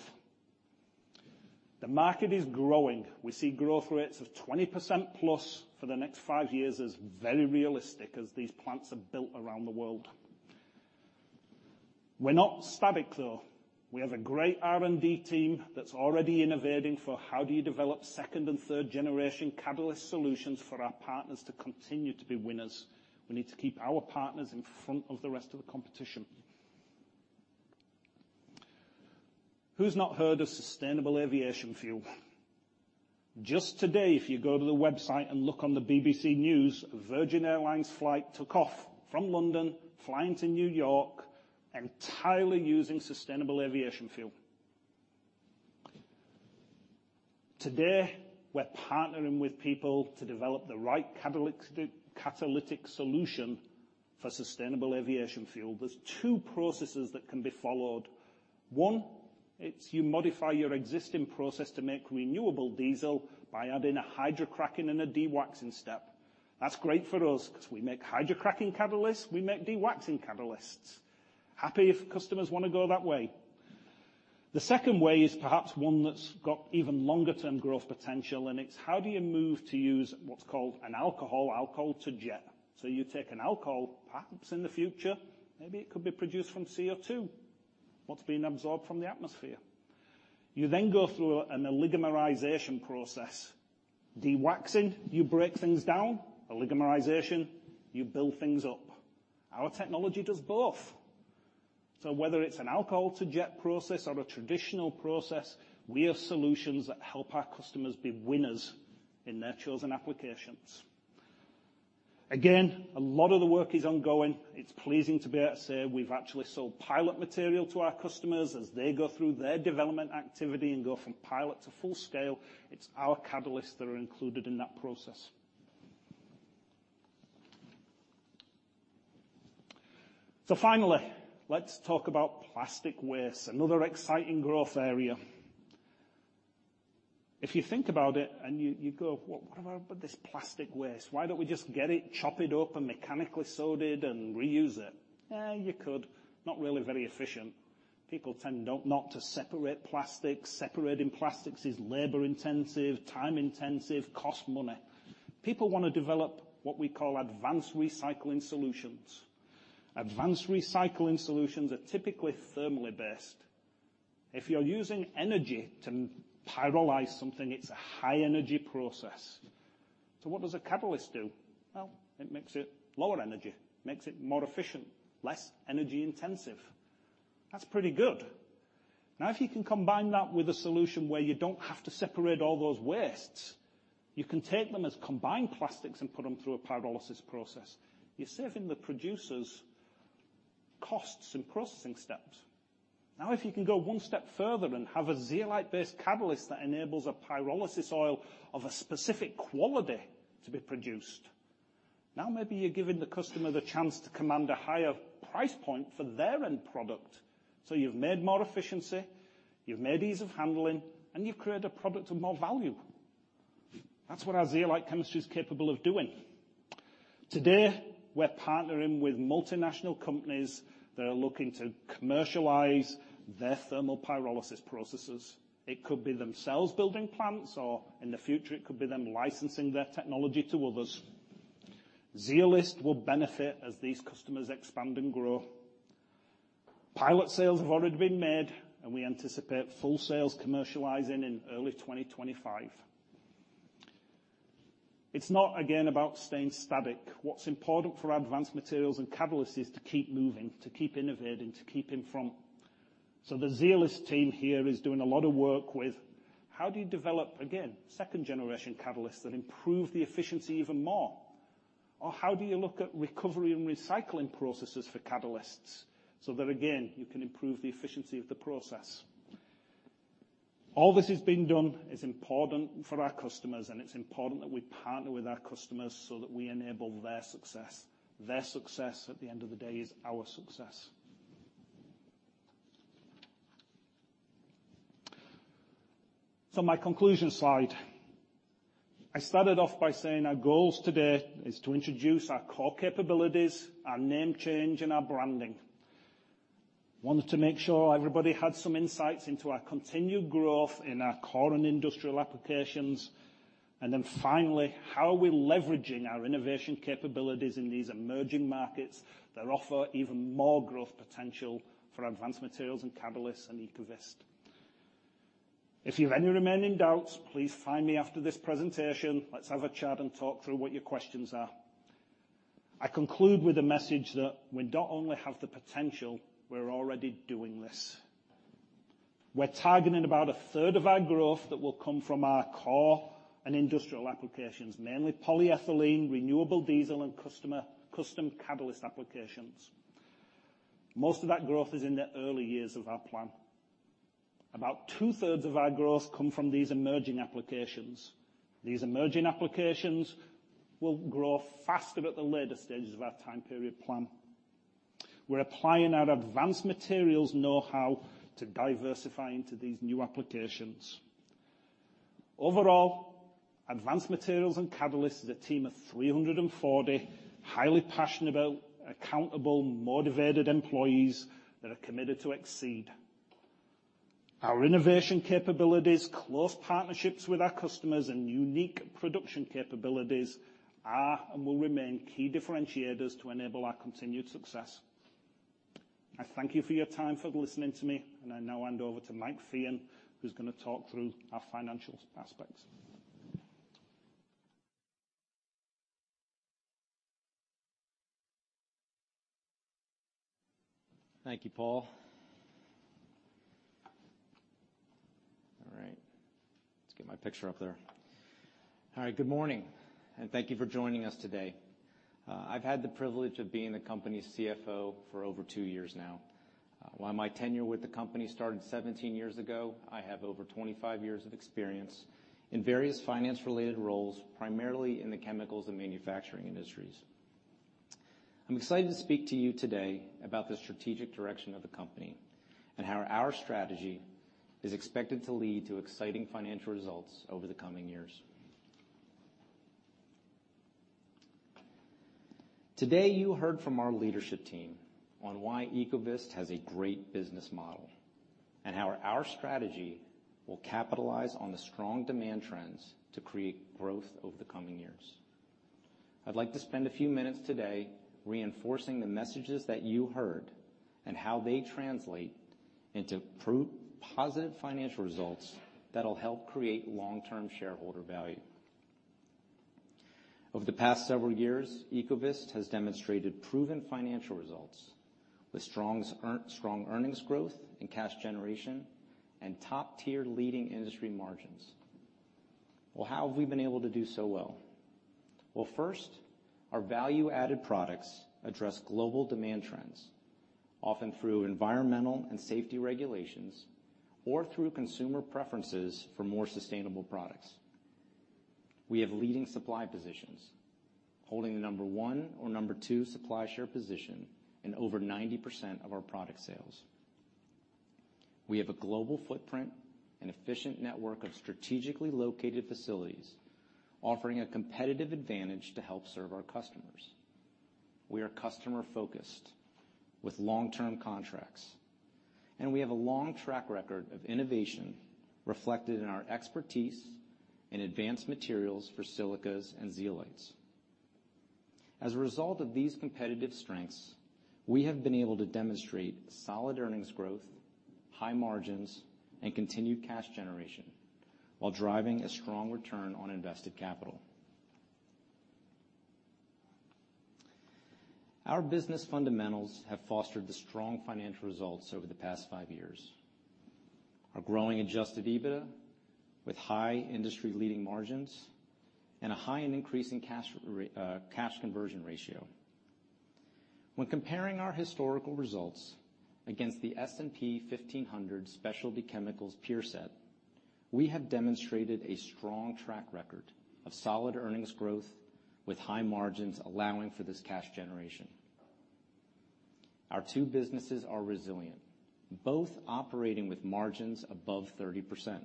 [SPEAKER 5] The market is growing. We see growth rates of 20%+ for the next five years as very realistic as these plants are built around the world. We're not static, though. We have a great R&D team that's already innovating for how do you develop second- and third-generation catalyst solutions for our partners to continue to be winners? We need to keep our partners in front of the rest of the competition. Who's not heard of sustainable aviation fuel? Just today, if you go to the website and look on the BBC News, Virgin Airlines flight took off from London, flying to New York, entirely using sustainable aviation fuel. Today, we're partnering with people to develop the right catalytic solution for sustainable aviation fuel. There's two processes that can be followed. One, it's you modify your existing process to make renewable diesel by adding a hydrocracking and a dewaxing step. That's great for us because we make hydrocracking catalysts, we make dewaxing catalysts. Happy if customers want to go that way. The second way is perhaps one that's got even longer-term growth potential, and it's how do you move to use what's called an alcohol, alcohol-to-jet? So you take an alcohol, perhaps in the future, maybe it could be produced from CO2, what's being absorbed from the atmosphere. You then go through an oligomerization process. Dewaxing, you break things down. Oligomerization, you build things up. Our technology does both. So whether it's an alcohol-to-jet process or a traditional process, we have solutions that help our customers be winners in their chosen applications. Again, a lot of the work is ongoing. It's pleasing to be able to say we've actually sold pilot material to our customers as they go through their development activity and go from pilot to full scale. It's our catalysts that are included in that process. So finally, let's talk about plastic waste, another exciting growth area. If you think about it and you, you go, "Well, what about this plastic waste? Why don't we just get it, chop it up, and mechanically sort it and reuse it?" Eh, you could. Not really very efficient. People tend not, not to separate plastics. Separating plastics is labor-intensive, time-intensive, costs money. People want to develop what we call advanced recycling solutions. Advanced recycling solutions are typically thermally based. If you're using energy to pyrolyze something, it's a high-energy process. So what does a catalyst do? Well, it makes it lower energy, makes it more efficient, less energy-intensive. That's pretty good. Now, if you can combine that with a solution where you don't have to separate all those wastes, you can take them as combined plastics and put them through a pyrolysis process. You're saving the producers costs and processing steps. Now, if you can go one step further and have a zeolite-based catalyst that enables a pyrolysis oil of a specific quality to be produced, now maybe you're giving the customer the chance to command a higher price point for their end product. So you've made more efficiency, you've made ease of handling, and you've created a product of more value. That's what our zeolite chemistry is capable of doing. Today, we're partnering with multinational companies that are looking to commercialize their thermal pyrolysis processes. It could be themselves building plants, or in the future, it could be them licensing their technology to others. Zeolyst will benefit as these customers expand and grow. Pilot sales have already been made, and we anticipate full sales commercializing in early 2025. It's not, again, about staying static. What's important for our Advanced Materials & Catalysts is to keep moving, to keep innovating, to keep in front. So the Zeolyst team here is doing a lot of work with: How do you develop, again, second-generation catalysts that improve the efficiency even more? Or how do you look at recovery and recycling processes for catalysts so that, again, you can improve the efficiency of the process? All this is being done is important for our customers, and it's important that we partner with our customers so that we enable their success. Their success, at the end of the day, is our success. My conclusion slide. I started off by saying our goals today is to introduce our core capabilities, our name change, and our branding. Wanted to make sure everybody had some insights into our continued growth in our core and industrial applications. And then finally, how are we leveraging our innovation capabilities in these emerging markets that offer even more growth potential for Advanced Materials & Catalysts and Ecovyst? If you have any remaining doubts, please find me after this presentation. Let's have a chat and talk through what your questions are. I conclude with a message that we not only have the potential, we're already doing this. We're targeting about a third of our growth that will come from our core and industrial applications, mainly polyethylene, renewable diesel, and custom catalyst applications. Most of that growth is in the early years of our plan. About two-thirds of our growth come from these emerging applications. These emerging applications will grow faster at the later stages of our time period plan. We're applying our advanced materials know-how to diversify into these new applications. Overall, Advanced Materials & Catalysts is a team of 340 highly passionate, accountable, motivated employees that are committed to exceed. Our innovation capabilities, close partnerships with our customers, and unique production capabilities are, and will remain, key differentiators to enable our continued success. I thank you for your time for listening to me, and I now hand over to Mike Feehan, who's gonna talk through our financial aspects.
[SPEAKER 6] Thank you, Paul. All right, let's get my picture up there. Hi, good morning, and thank you for joining us today. I've had the privilege of being the company's CFO for over two years now. While my tenure with the company started 17 years ago, I have over 25 years of experience in various finance-related roles, primarily in the chemicals and manufacturing industries. I'm excited to speak to you today about the strategic direction of the company, and how our strategy is expected to lead to exciting financial results over the coming years. Today, you heard from our leadership team on why Ecovyst has a great business model, and how our strategy will capitalize on the strong demand trends to create growth over the coming years. I'd like to spend a few minutes today reinforcing the messages that you heard, and how they translate into positive financial results that'll help create long-term shareholder value. Over the past several years, Ecovyst has demonstrated proven financial results, with strong earnings growth and cash generation, and top-tier leading industry margins. Well, how have we been able to do so well? Well, first, our value-added products address global demand trends, often through environmental and safety regulations, or through consumer preferences for more sustainable products. We have leading supply positions, holding the number one or number two supply share position in over 90% of our product sales. We have a global footprint and efficient network of strategically located facilities, offering a competitive advantage to help serve our customers. We are customer-focused with long-term contracts, and we have a long track record of innovation reflected in our expertise in advanced materials for silicas and zeolites. As a result of these competitive strengths, we have been able to demonstrate solid earnings growth, high margins, and continued cash generation while driving a strong return on invested capital. Our business fundamentals have fostered the strong financial results over the past five years. Our growing Adjusted EBITDA, with high industry-leading margins and a high and increasing cash conversion ratio. When comparing our historical results against the S&P 1500 Specialty Chemicals peer set, we have demonstrated a strong track record of solid earnings growth with high margins, allowing for this cash generation. Our two businesses are resilient, both operating with margins above 30%.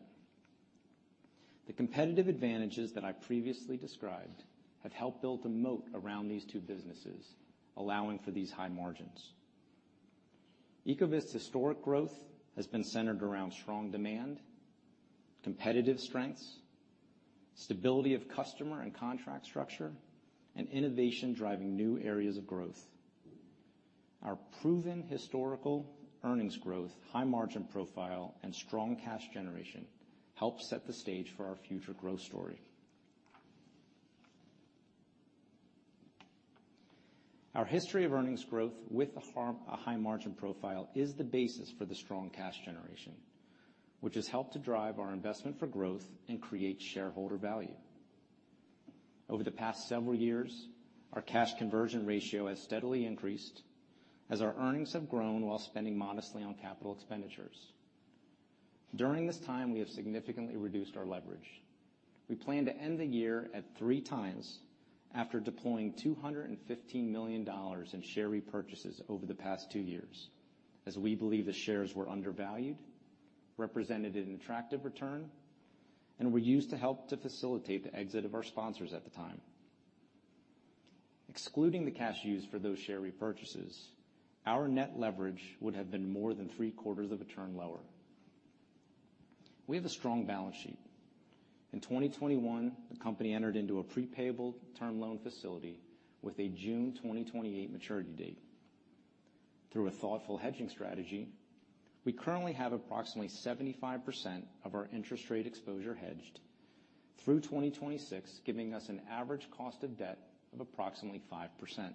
[SPEAKER 6] The competitive advantages that I previously described have helped build a moat around these two businesses, allowing for these high margins. Ecovyst's historic growth has been centered around strong demand, competitive strengths, stability of customer and contract structure, and innovation driving new areas of growth. Our proven historical earnings growth, high margin profile, and strong cash generation help set the stage for our future growth story. Our history of earnings growth with a high margin profile is the basis for the strong cash generation, which has helped to drive our investment for growth and create shareholder value. Over the past several years, our cash conversion ratio has steadily increased as our earnings have grown while spending modestly on capital expenditures. During this time, we have significantly reduced our leverage. We plan to end the year at three times after deploying $215 million in share repurchases over the past two years, as we believe the shares were undervalued, represented an attractive return, and were used to help to facilitate the exit of our sponsors at the time... excluding the cash used for those share repurchases, our net leverage would have been more than three-quarters of a turn lower. We have a strong balance sheet. In 2021, the company entered into a prepaid term loan facility with a June 2028 maturity date. Through a thoughtful hedging strategy, we currently have approximately 75% of our interest rate exposure hedged through 2026, giving us an average cost of debt of approximately 5%.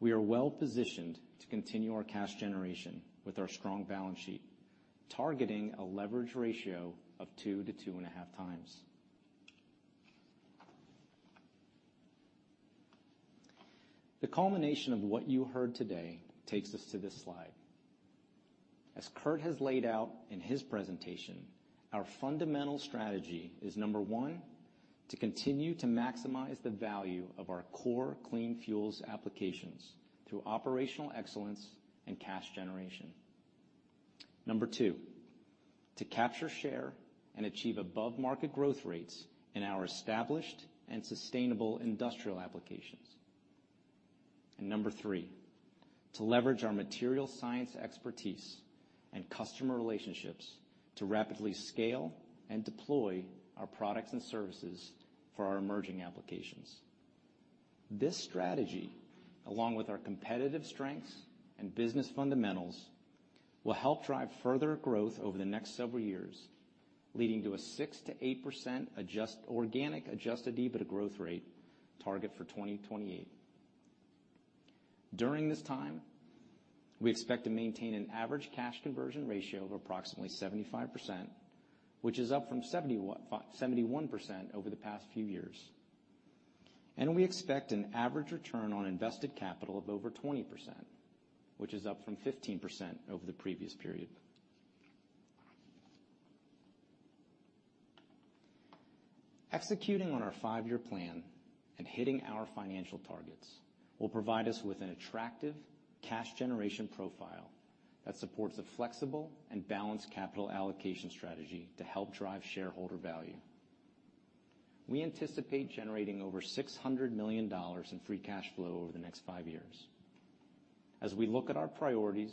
[SPEAKER 6] We are well-positioned to continue our cash generation with our strong balance sheet, targeting a leverage ratio of two to 2.5 times. The culmination of what you heard today takes us to this slide. As Kurt has laid out in his presentation, our fundamental strategy is, number one, to continue to maximize the value of our core clean fuels applications through operational excellence and cash generation. Number two, to capture, share, and achieve above-market growth rates in our established and sustainable industrial applications. And number three, to leverage our material science expertise and customer relationships to rapidly scale and deploy our products and services for our emerging applications. This strategy, along with our competitive strengths and business fundamentals, will help drive further growth over the next several years, leading to a 6%-8% organic adjusted EBITDA growth rate target for 2028. During this time, we expect to maintain an average cash conversion ratio of approximately 75%, which is up from 71% over the past few years. We expect an average return on invested capital of over 20%, which is up from 15% over the previous period. Executing on our five-year plan and hitting our financial targets will provide us with an attractive cash generation profile that supports a flexible and balanced capital allocation strategy to help drive shareholder value. We anticipate generating over $600 million in free cash flow over the next five years. As we look at our priorities,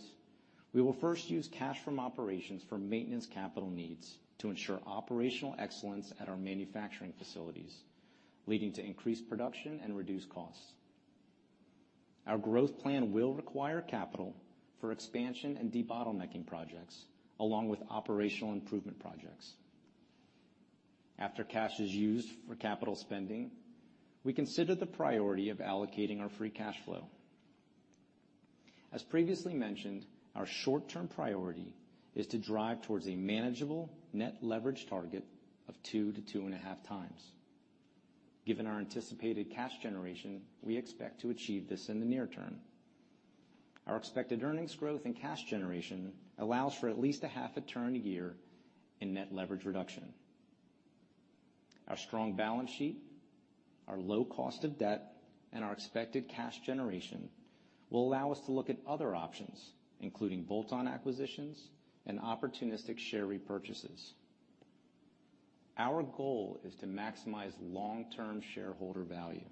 [SPEAKER 6] we will first use cash from operations for maintenance capital needs to ensure operational excellence at our manufacturing facilities, leading to increased production and reduced costs. Our growth plan will require capital for expansion and debottlenecking projects, along with operational improvement projects. After cash is used for capital spending, we consider the priority of allocating our free cash flow. As previously mentioned, our short-term priority is to drive towards a manageable net leverage target of two to 2.5 times. Given our anticipated cash generation, we expect to achieve this in the near term. Our expected earnings growth and cash generation allows for at least 0.5 turn a year in net leverage reduction. Our strong balance sheet, our low cost of debt, and our expected cash generation will allow us to look at other options, including bolt-on acquisitions and opportunistic share repurchases. Our goal is to maximize long-term shareholder value,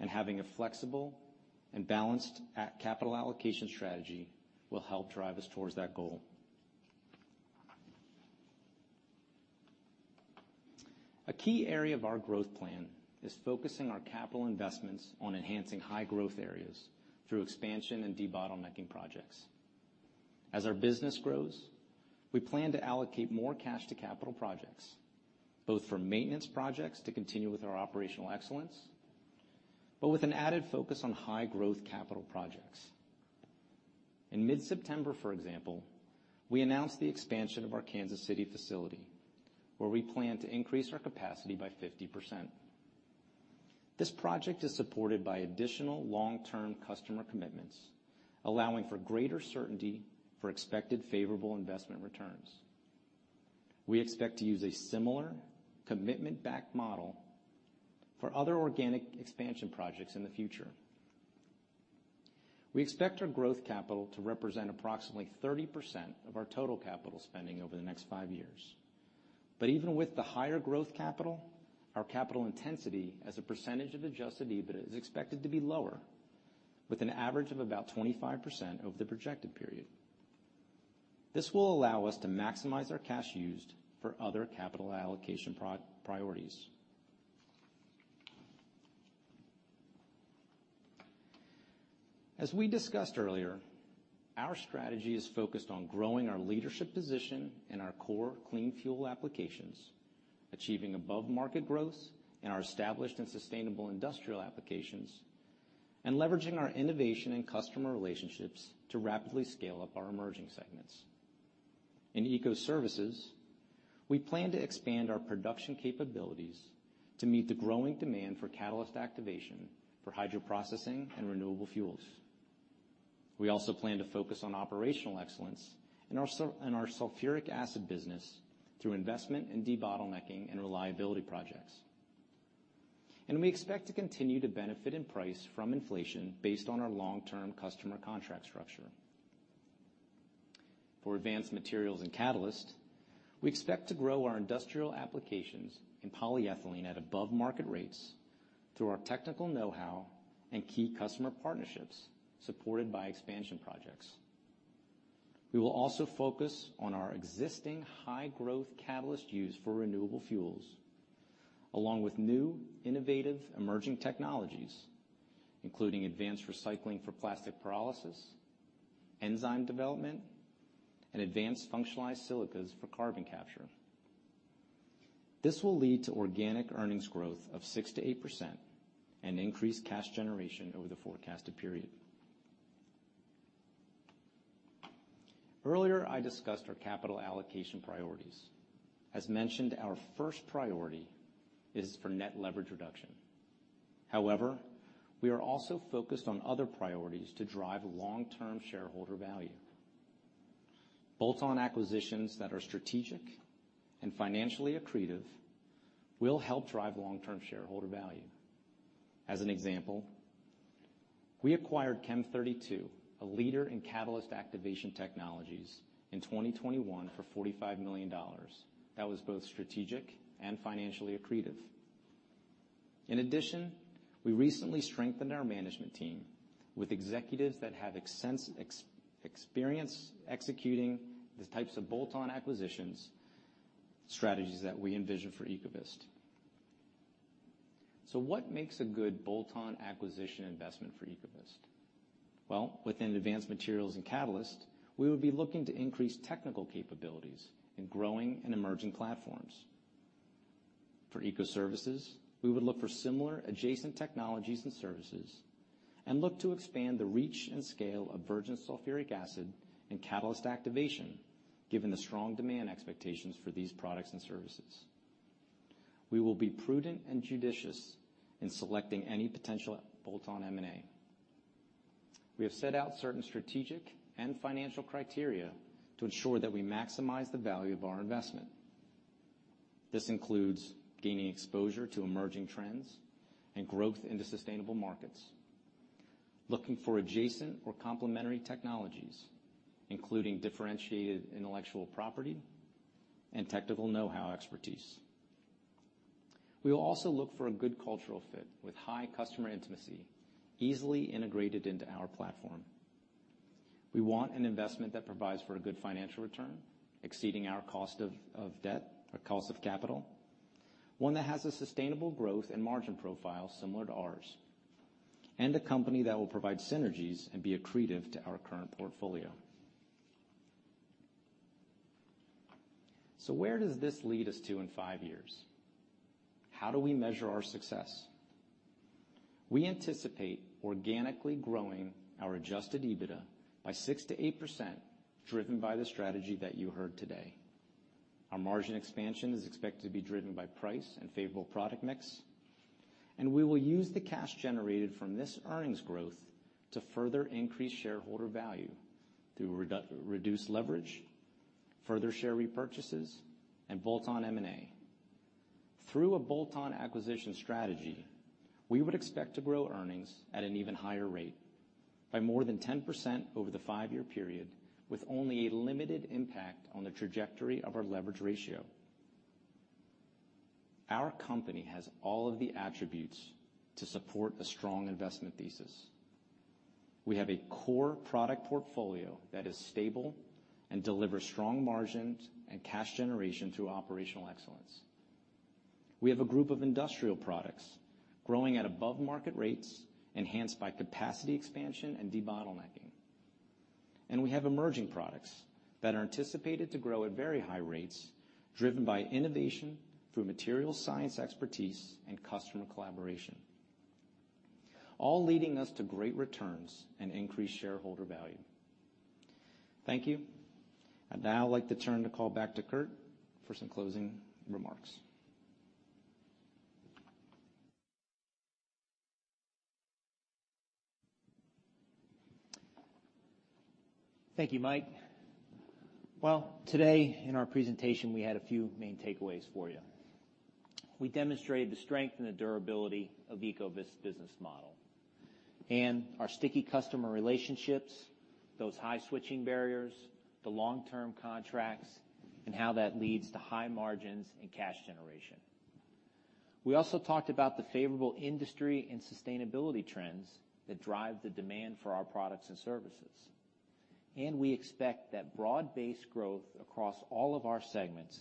[SPEAKER 6] and having a flexible and balanced capital allocation strategy will help drive us towards that goal. A key area of our growth plan is focusing our capital investments on enhancing high-growth areas through expansion and debottlenecking projects. As our business grows, we plan to allocate more cash to capital projects, both for maintenance projects to continue with our operational excellence, but with an added focus on high-growth capital projects. In mid-September, for example, we announced the expansion of our Kansas City facility, where we plan to increase our capacity by 50%. This project is supported by additional long-term customer commitments, allowing for greater certainty for expected favorable investment returns. We expect to use a similar commitment-backed model for other organic expansion projects in the future. We expect our growth capital to represent approximately 30% of our total capital spending over the next 5 years. Even with the higher growth capital, our capital intensity as a percentage of Adjusted EBITDA is expected to be lower, with an average of about 25% over the projected period. This will allow us to maximize our cash used for other capital allocation priorities. As we discussed earlier, our strategy is focused on growing our leadership position in our core clean fuel applications, achieving above-market growth in our established and sustainable industrial applications, and leveraging our innovation and customer relationships to rapidly scale up our emerging segments. In Ecoservices, we plan to expand our production capabilities to meet the growing demand for Catalyst Activation for hydroprocessing and renewable fuels. We also plan to focus on operational excellence in our sulfuric acid business through investment in debottlenecking and reliability projects. And we expect to continue to benefit in price from inflation based on our long-term customer contract structure.... For Advanced Materials & Catalysts, we expect to grow our industrial applications in polyethylene at above-market rates through our technical know-how and key customer partnerships, supported by expansion projects. We will also focus on our existing high growth catalyst use for renewable fuels, along with new, innovative, emerging technologies, including advanced recycling for plastic pyrolysis, enzyme development, and advanced functionalized silicas for carbon capture. This will lead to organic earnings growth of 6%-8% and increased cash generation over the forecasted period. Earlier, I discussed our capital allocation priorities. As mentioned, our first priority is for net leverage reduction. However, we are also focused on other priorities to drive long-term shareholder value. Bolt-on acquisitions that are strategic and financially accretive will help drive long-term shareholder value. As an example, we acquired Chem32, a leader in Catalyst Activation technologies, in 2021 for $45 million. That was both strategic and financially accretive. In addition, we recently strengthened our management team with executives that have extensive experience executing the types of bolt-on acquisitions, strategies that we envision for Ecovyst. So what makes a good bolt-on acquisition investment for Ecovyst? Well, within Advanced Materials & Catalysts, we would be looking to increase technical capabilities in growing and emerging platforms. For Ecoservices, we would look for similar adjacent technologies and services, and look to expand the reach and scale of Virgin Sulfuric Acid and Catalyst Activation, given the strong demand expectations for these products and services. We will be prudent and judicious in selecting any potential bolt-on M&A. We have set out certain strategic and financial criteria to ensure that we maximize the value of our investment. This includes gaining exposure to emerging trends and growth into sustainable markets, looking for adjacent or complementary technologies, including differentiated intellectual property and technical know-how expertise. We will also look for a good cultural fit with high customer intimacy, easily integrated into our platform. We want an investment that provides for a good financial return, exceeding our cost of debt or cost of capital, one that has a sustainable growth and margin profile similar to ours, and a company that will provide synergies and be accretive to our current portfolio. So where does this lead us to in five years? How do we measure our success? We anticipate organically growing our Adjusted EBITDA by 6%-8%, driven by the strategy that you heard today. Our margin expansion is expected to be driven by price and favorable product mix, and we will use the cash generated from this earnings growth to further increase shareholder value through reduce leverage, further share repurchases, and bolt-on M&A. Through a bolt-on acquisition strategy, we would expect to grow earnings at an even higher rate by more than 10% over the five-year period, with only a limited impact on the trajectory of our leverage ratio. Our company has all of the attributes to support a strong investment thesis. We have a core product portfolio that is stable and delivers strong margins and cash generation through operational excellence. We have a group of industrial products growing at above market rates, enhanced by capacity expansion and debottlenecking. We have emerging products that are anticipated to grow at very high rates, driven by innovation through material science expertise and customer collaboration, all leading us to great returns and increased shareholder value. Thank you. I'd now like to turn the call back to Kurt for some closing remarks.
[SPEAKER 2] Thank you, Mike. Well, today in our presentation, we had a few main takeaways for you. We demonstrated the strength and the durability of Ecovyst business model, and our sticky customer relationships, those high switching barriers, the long-term contracts, and how that leads to high margins and cash generation. We also talked about the favorable industry and sustainability trends that drive the demand for our products and services. We expect that broad-based growth across all of our segments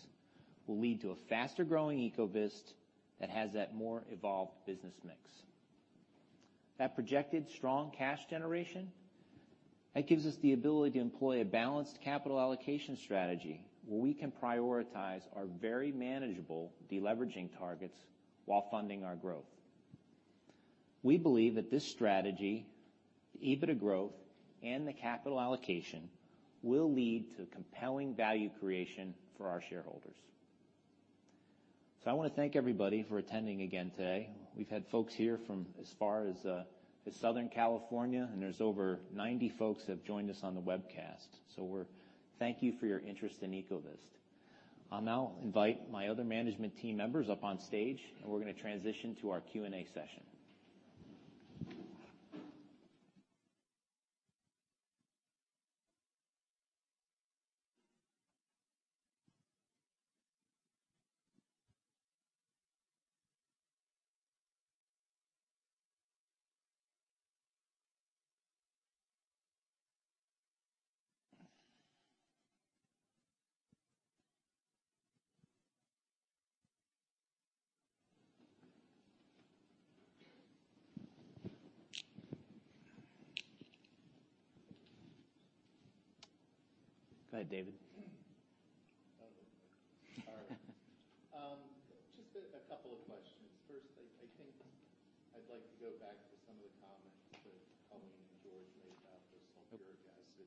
[SPEAKER 2] will lead to a faster growing Ecovyst that has that more evolved business mix. That projected strong cash generation, that gives us the ability to employ a balanced capital allocation strategy, where we can prioritize our very manageable deleveraging targets while funding our growth. We believe that this strategy, the EBITDA growth, and the capital allocation, will lead to compelling value creation for our shareholders. So I wanna thank everybody for attending again today. We've had folks here from as far as Southern California, and there's over 90 folks that have joined us on the webcast. So we're, thank you for your interest in Ecovyst. I'll now invite my other management team members up on stage, and we're gonna transition to our Q&A session.... Go ahead, David.
[SPEAKER 7] All right. Just a couple of questions. First, I think I'd like to go back to some of the comments that Colleen and George made about the sulfuric acid.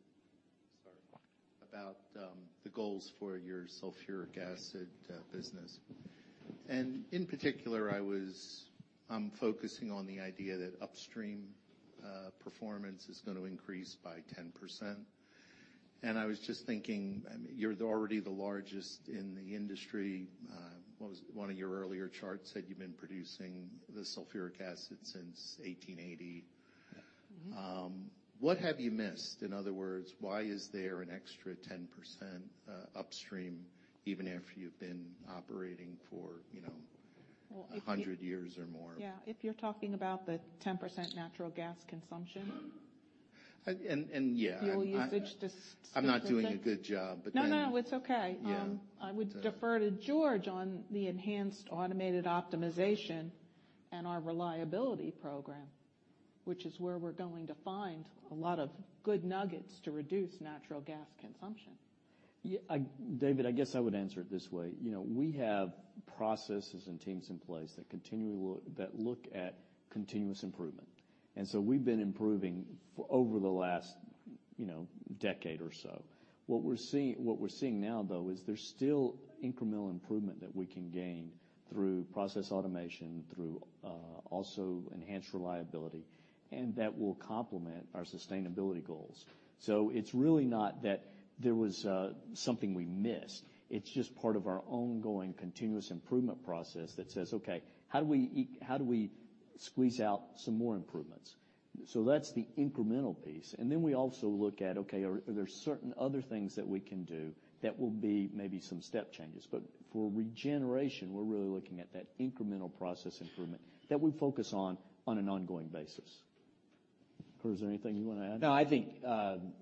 [SPEAKER 7] Sorry. About the goals for your sulfuric acid business. And in particular, I'm focusing on the idea that upstream performance is going to increase by 10%. And I was just thinking, I mean, you're already the largest in the industry. One of your earlier charts said you've been producing the sulfuric acid since 1880.
[SPEAKER 3] Mm-hmm.
[SPEAKER 7] What have you missed? In other words, why is there an extra 10% upstream, even after you've been operating for, you know, 100 years or more?
[SPEAKER 3] Yeah, if you're talking about the 10% natural gas consumption?
[SPEAKER 7] And yeah.
[SPEAKER 3] Fuel usage to specific-
[SPEAKER 7] I'm not doing a good job, but then-
[SPEAKER 3] No, no, it's okay.
[SPEAKER 7] Yeah.
[SPEAKER 3] I would defer to George on the enhanced automated optimization and our reliability program, which is where we're going to find a lot of good nuggets to reduce natural gas consumption.
[SPEAKER 4] Yeah, David, I guess I would answer it this way: You know, we have processes and teams in place that continually look at continuous improvement, and so we've been improving over the last, you know, decade or so. What we're seeing now, though, is there's still incremental improvement that we can gain through process automation, through also enhanced reliability, and that will complement our sustainability goals. So it's really not that there was something we missed. It's just part of our ongoing continuous improvement process that says, "Okay, how do we squeeze out some more improvements?" So that's the incremental piece. And then we also look at, okay, are there certain other things that we can do that will be maybe some step changes? But for regeneration, we're really looking at that incremental process improvement that we focus on on an ongoing basis. Kurt, is there anything you want to add?
[SPEAKER 2] No, I think,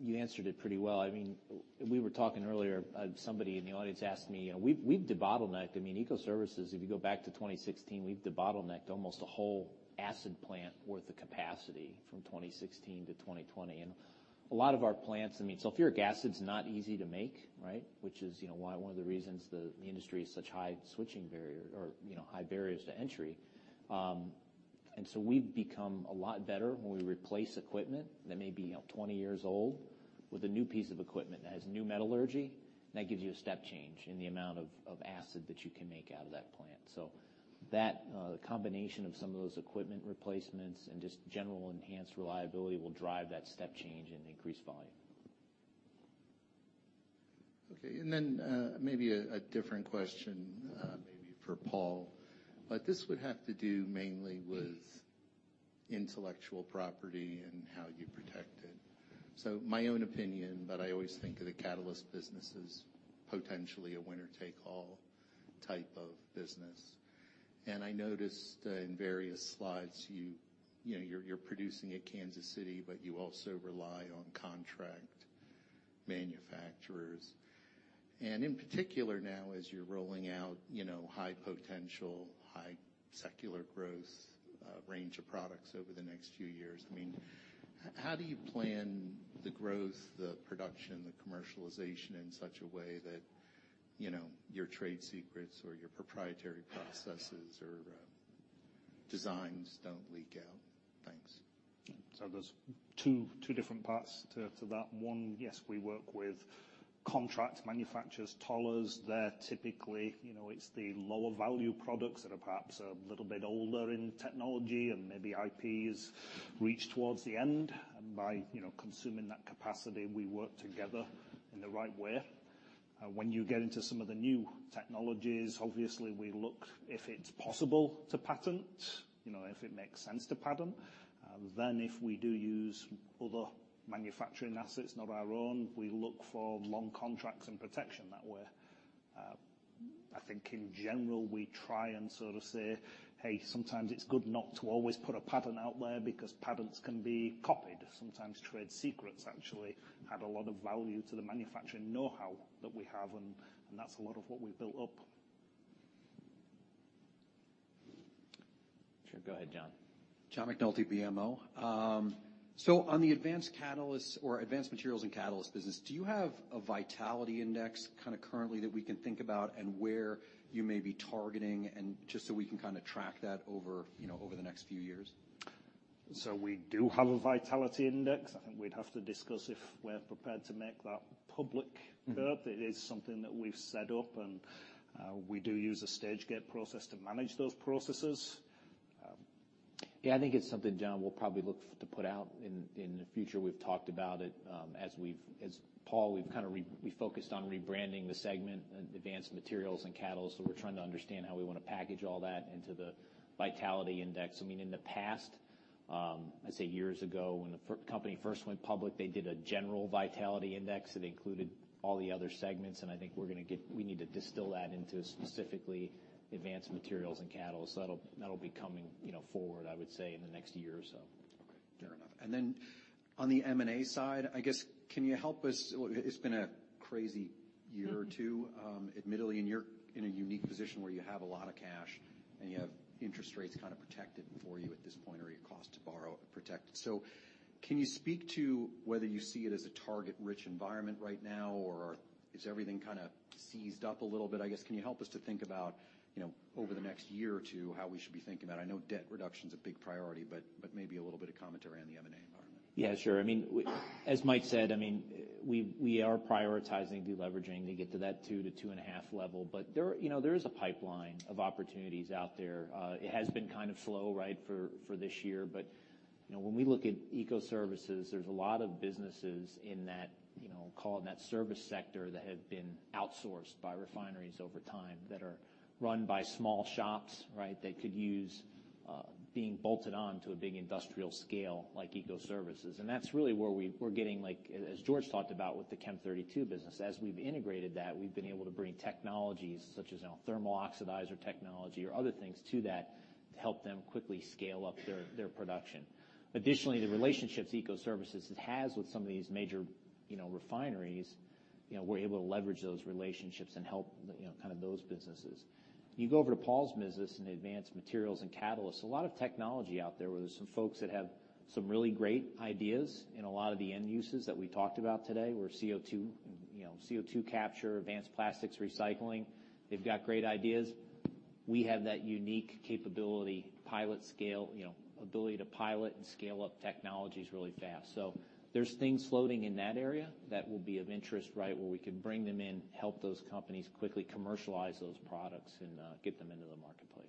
[SPEAKER 2] you answered it pretty well. I mean, we were talking earlier, somebody in the audience asked me, You know, we've, we've debottlenecked. I mean, Ecoservices, if you go back to 2016, we've debottlenecked almost a whole acid plant worth of capacity from 2016 to 2020. And a lot of our plants, I mean, sulfuric acid is not easy to make, right? Which is, you know, why one of the reasons the, the industry is such high switching barrier or, you know, high barriers to entry. And so we've become a lot better when we replace equipment that may be, 20 years old with a new piece of equipment that has new metallurgy. That gives you a step change in the amount of, of acid that you can make out of that plant. So that, combination of some of those equipment replacements and just general enhanced reliability will drive that step change and increase volume.
[SPEAKER 7] Okay, and then maybe a different question, maybe for Paul, but this would have to do mainly with intellectual property and how you protect it. So my own opinion, but I always think of the catalyst business as potentially a winner-take-all type of business. And I noticed in various slides, you know, you're producing at Kansas City, but you also rely on contract manufacturers. And in particular, now, as you're rolling out, you know, high potential, high secular growth range of products over the next few years, I mean, how do you plan the growth, the production, the commercialization in such a way that, you know, your trade secrets or your proprietary processes or designs don't leak out? Thanks.
[SPEAKER 5] So there's two different parts to that. One, yes, we work with contract manufacturers, tollers. They're typically, you know, it's the lower value products that are perhaps a little bit older in technology and maybe IP's reach towards the end. And by, you know, consuming that capacity, we work together in the right way. When you get into some of the new technologies, obviously, we look, if it's possible to patent, you know, if it makes sense to patent, then if we do use other manufacturing assets, not our own, we look for long contracts and protection that way. I think in general, we try and sort of say, "Hey, sometimes it's good not to always put a patent out there," because patents can be copied. Sometimes trade secrets actually add a lot of value to the manufacturing know-how that we have, and that's a lot of what we've built up.
[SPEAKER 2] Sure. Go ahead, John.
[SPEAKER 8] John McNulty, BMO. So, on the advanced catalysts or Advanced Materials & Catalysts business, do you have a vitality index kind of currently that we can think about and where you may be targeting, and just so we can kinda track that over, you know, over the next few years?
[SPEAKER 5] We do have a vitality index. I think we'd have to discuss if we're prepared to make that public, Kurt.
[SPEAKER 8] Mm-hmm.
[SPEAKER 5] It is something that we've set up, and we do use a stage-gate process to manage those processes.
[SPEAKER 2] Yeah, I think it's something, John, we'll probably look forward to putting out in the future. We've talked about it, as we've—as Paul, we've kind of refocused on rebranding the segment, Advanced Materials & Catalysts, so we're trying to understand how we want to package all that into the vitality index. I mean, in the past, I'd say years ago, when the company first went public, they did a general vitality index that included all the other segments, and I think we're gonna get—we need to distill that into specifically Advanced Materials & Catalysts. So that'll, that'll be coming, you know, forward, I would say, in the next year or so.
[SPEAKER 8] Okay, fair enough. And then on the M&A side, I guess, can you help us? Look, it's been a crazy year or two. Admittedly, and you're in a unique position where you have a lot of cash, and you have interest rates kind of protected for you at this point, or your cost to borrow protected. So can you speak to whether you see it as a target-rich environment right now, or is everything kind of seized up a little bit? I guess, can you help us to think about, you know, over the next year or two, how we should be thinking about it? I know debt reduction is a big priority, but maybe a little bit of commentary on the M&A environment.
[SPEAKER 2] Yeah, sure. I mean, as Mike said, we are prioritizing deleveraging to get to that two to 2.5 level. But there, you know, there is a pipeline of opportunities out there. It has been kind of slow, right, for this year. But, you know, when we look at Ecoservices, there's a lot of businesses in that, you know, call it, in that service sector, that have been outsourced by refineries over time, that are run by small shops, right? That could use being bolted on to a big industrial scale like Ecoservices. That's really where we're getting, like, as George talked about with the Chem32 business, as we've integrated that, we've been able to bring technologies such as, you know, thermal oxidizer technology or other things to that to help them quickly scale up their production. Additionally, the relationships Ecoservices has with some of these major, you know, refineries, you know, we're able to leverage those relationships and help, you know, kind of those businesses. You go over to Paul's business in Advanced Materials & Catalysts, a lot of technology out there, where there's some folks that have some really great ideas in a lot of the end uses that we talked about today, where CO2, you know, CO2 capture, advanced plastics, recycling, they've got great ideas. We have that unique capability, pilot scale, you know, ability to pilot and scale up technologies really fast. There's things floating in that area that will be of interest, right, where we can bring them in, help those companies quickly commercialize those products, and get them into the marketplace.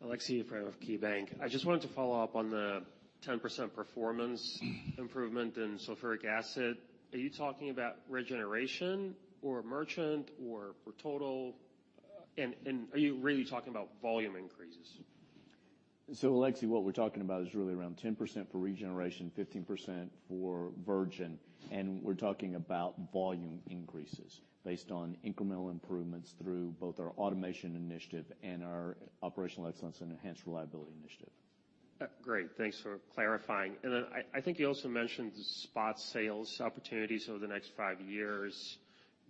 [SPEAKER 8] Excellent.
[SPEAKER 9] Aleksey Yefremov of KeyBanc. I just wanted to follow up on the 10% performance improvement in sulfuric acid. Are you talking about regeneration or merchant or for total? And are you really talking about volume increases?
[SPEAKER 4] Aleksey, what we're talking about is really around 10% for regeneration, 15% for virgin, and we're talking about volume increases based on incremental improvements through both our automation initiative and our operational excellence and enhanced reliability initiative.
[SPEAKER 9] Great. Thanks for clarifying. And then I think you also mentioned the spot sales opportunities over the next five years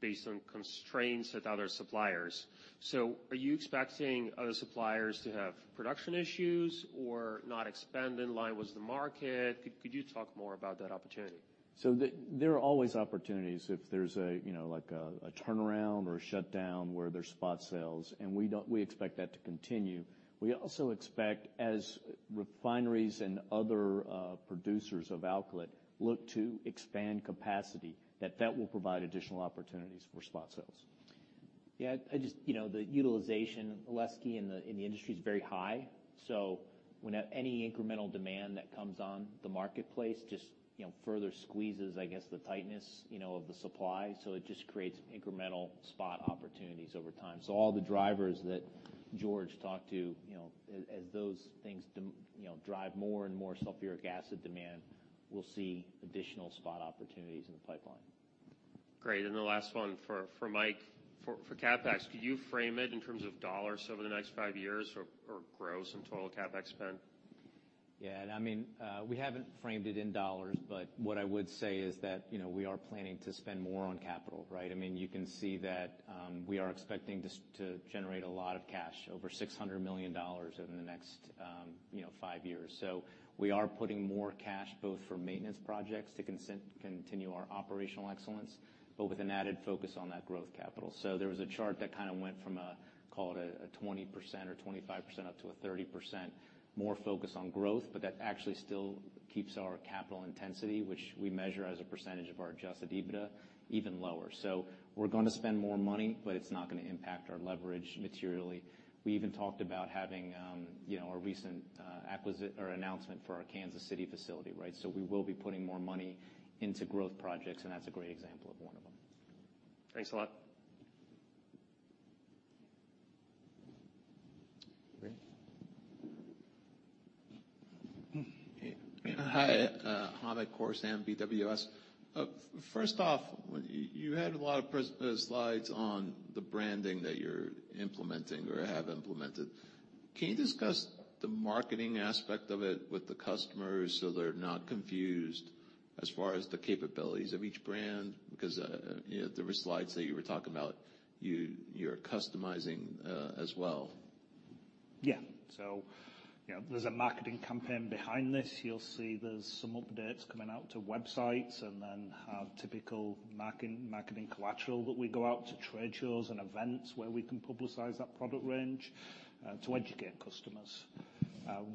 [SPEAKER 9] based on constraints with other suppliers. So are you expecting other suppliers to have production issues or not expand in line with the market? Could you talk more about that opportunity?
[SPEAKER 4] So there are always opportunities if there's a, you know, like a, a turnaround or a shutdown where there's spot sales, and we expect that to continue. We also expect, as refineries and other, producers of alkylate look to expand capacity, that that will provide additional opportunities for spot sales.
[SPEAKER 2] Yeah, I just, you know, the utilization, Aleksey, in the, in the industry is very high. So when any incremental demand that comes on the marketplace just, you know, further squeezes, I guess, the tightness, you know, of the supply, so it just creates incremental spot opportunities over time. So all the drivers that George talked to, you know, as those things, you know, drive more and more sulfuric acid demand, we'll see additional spot opportunities in the pipeline.
[SPEAKER 9] Great. And the last one for Mike. For CapEx, could you frame it in terms of dollars over the next five years or gross and total CapEx spend?
[SPEAKER 6] Yeah, I mean, we haven't framed it in dollars, but what I would say is that, you know, we are planning to spend more on capital, right? I mean, you can see that, we are expecting this to generate a lot of cash, over $600 million over the next, you know, five years. So we are putting more cash, both for maintenance projects to continue our operational excellence, but with an added focus on that growth capital. So there was a chart that kind of went from a, call it a, 20% or 25%, up to a 30% more focus on growth, but that actually still keeps our capital intensity, which we measure as a percentage of our Adjusted EBITDA, even lower. So we're gonna spend more money, but it's not gonna impact our leverage materially. We even talked about having, you know, a recent acquisition or announcement for our Kansas City facility, right? So we will be putting more money into growth projects, and that's a great example of one of them.
[SPEAKER 9] Thanks a lot.
[SPEAKER 2] Great.
[SPEAKER 10] Hey. Hi, Hamed Khorsand, BWS. First off, you had a lot of slides on the branding that you're implementing or have implemented. Can you discuss the marketing aspect of it with the customers so they're not confused as far as the capabilities of each brand? Because, you know, there were slides that you were talking about, you're customizing as well.
[SPEAKER 5] Yeah. So, you know, there's a marketing campaign behind this. You'll see there's some updates coming out to websites and then our typical marketing collateral that we go out to trade shows and events, where we can publicize that product range to educate customers.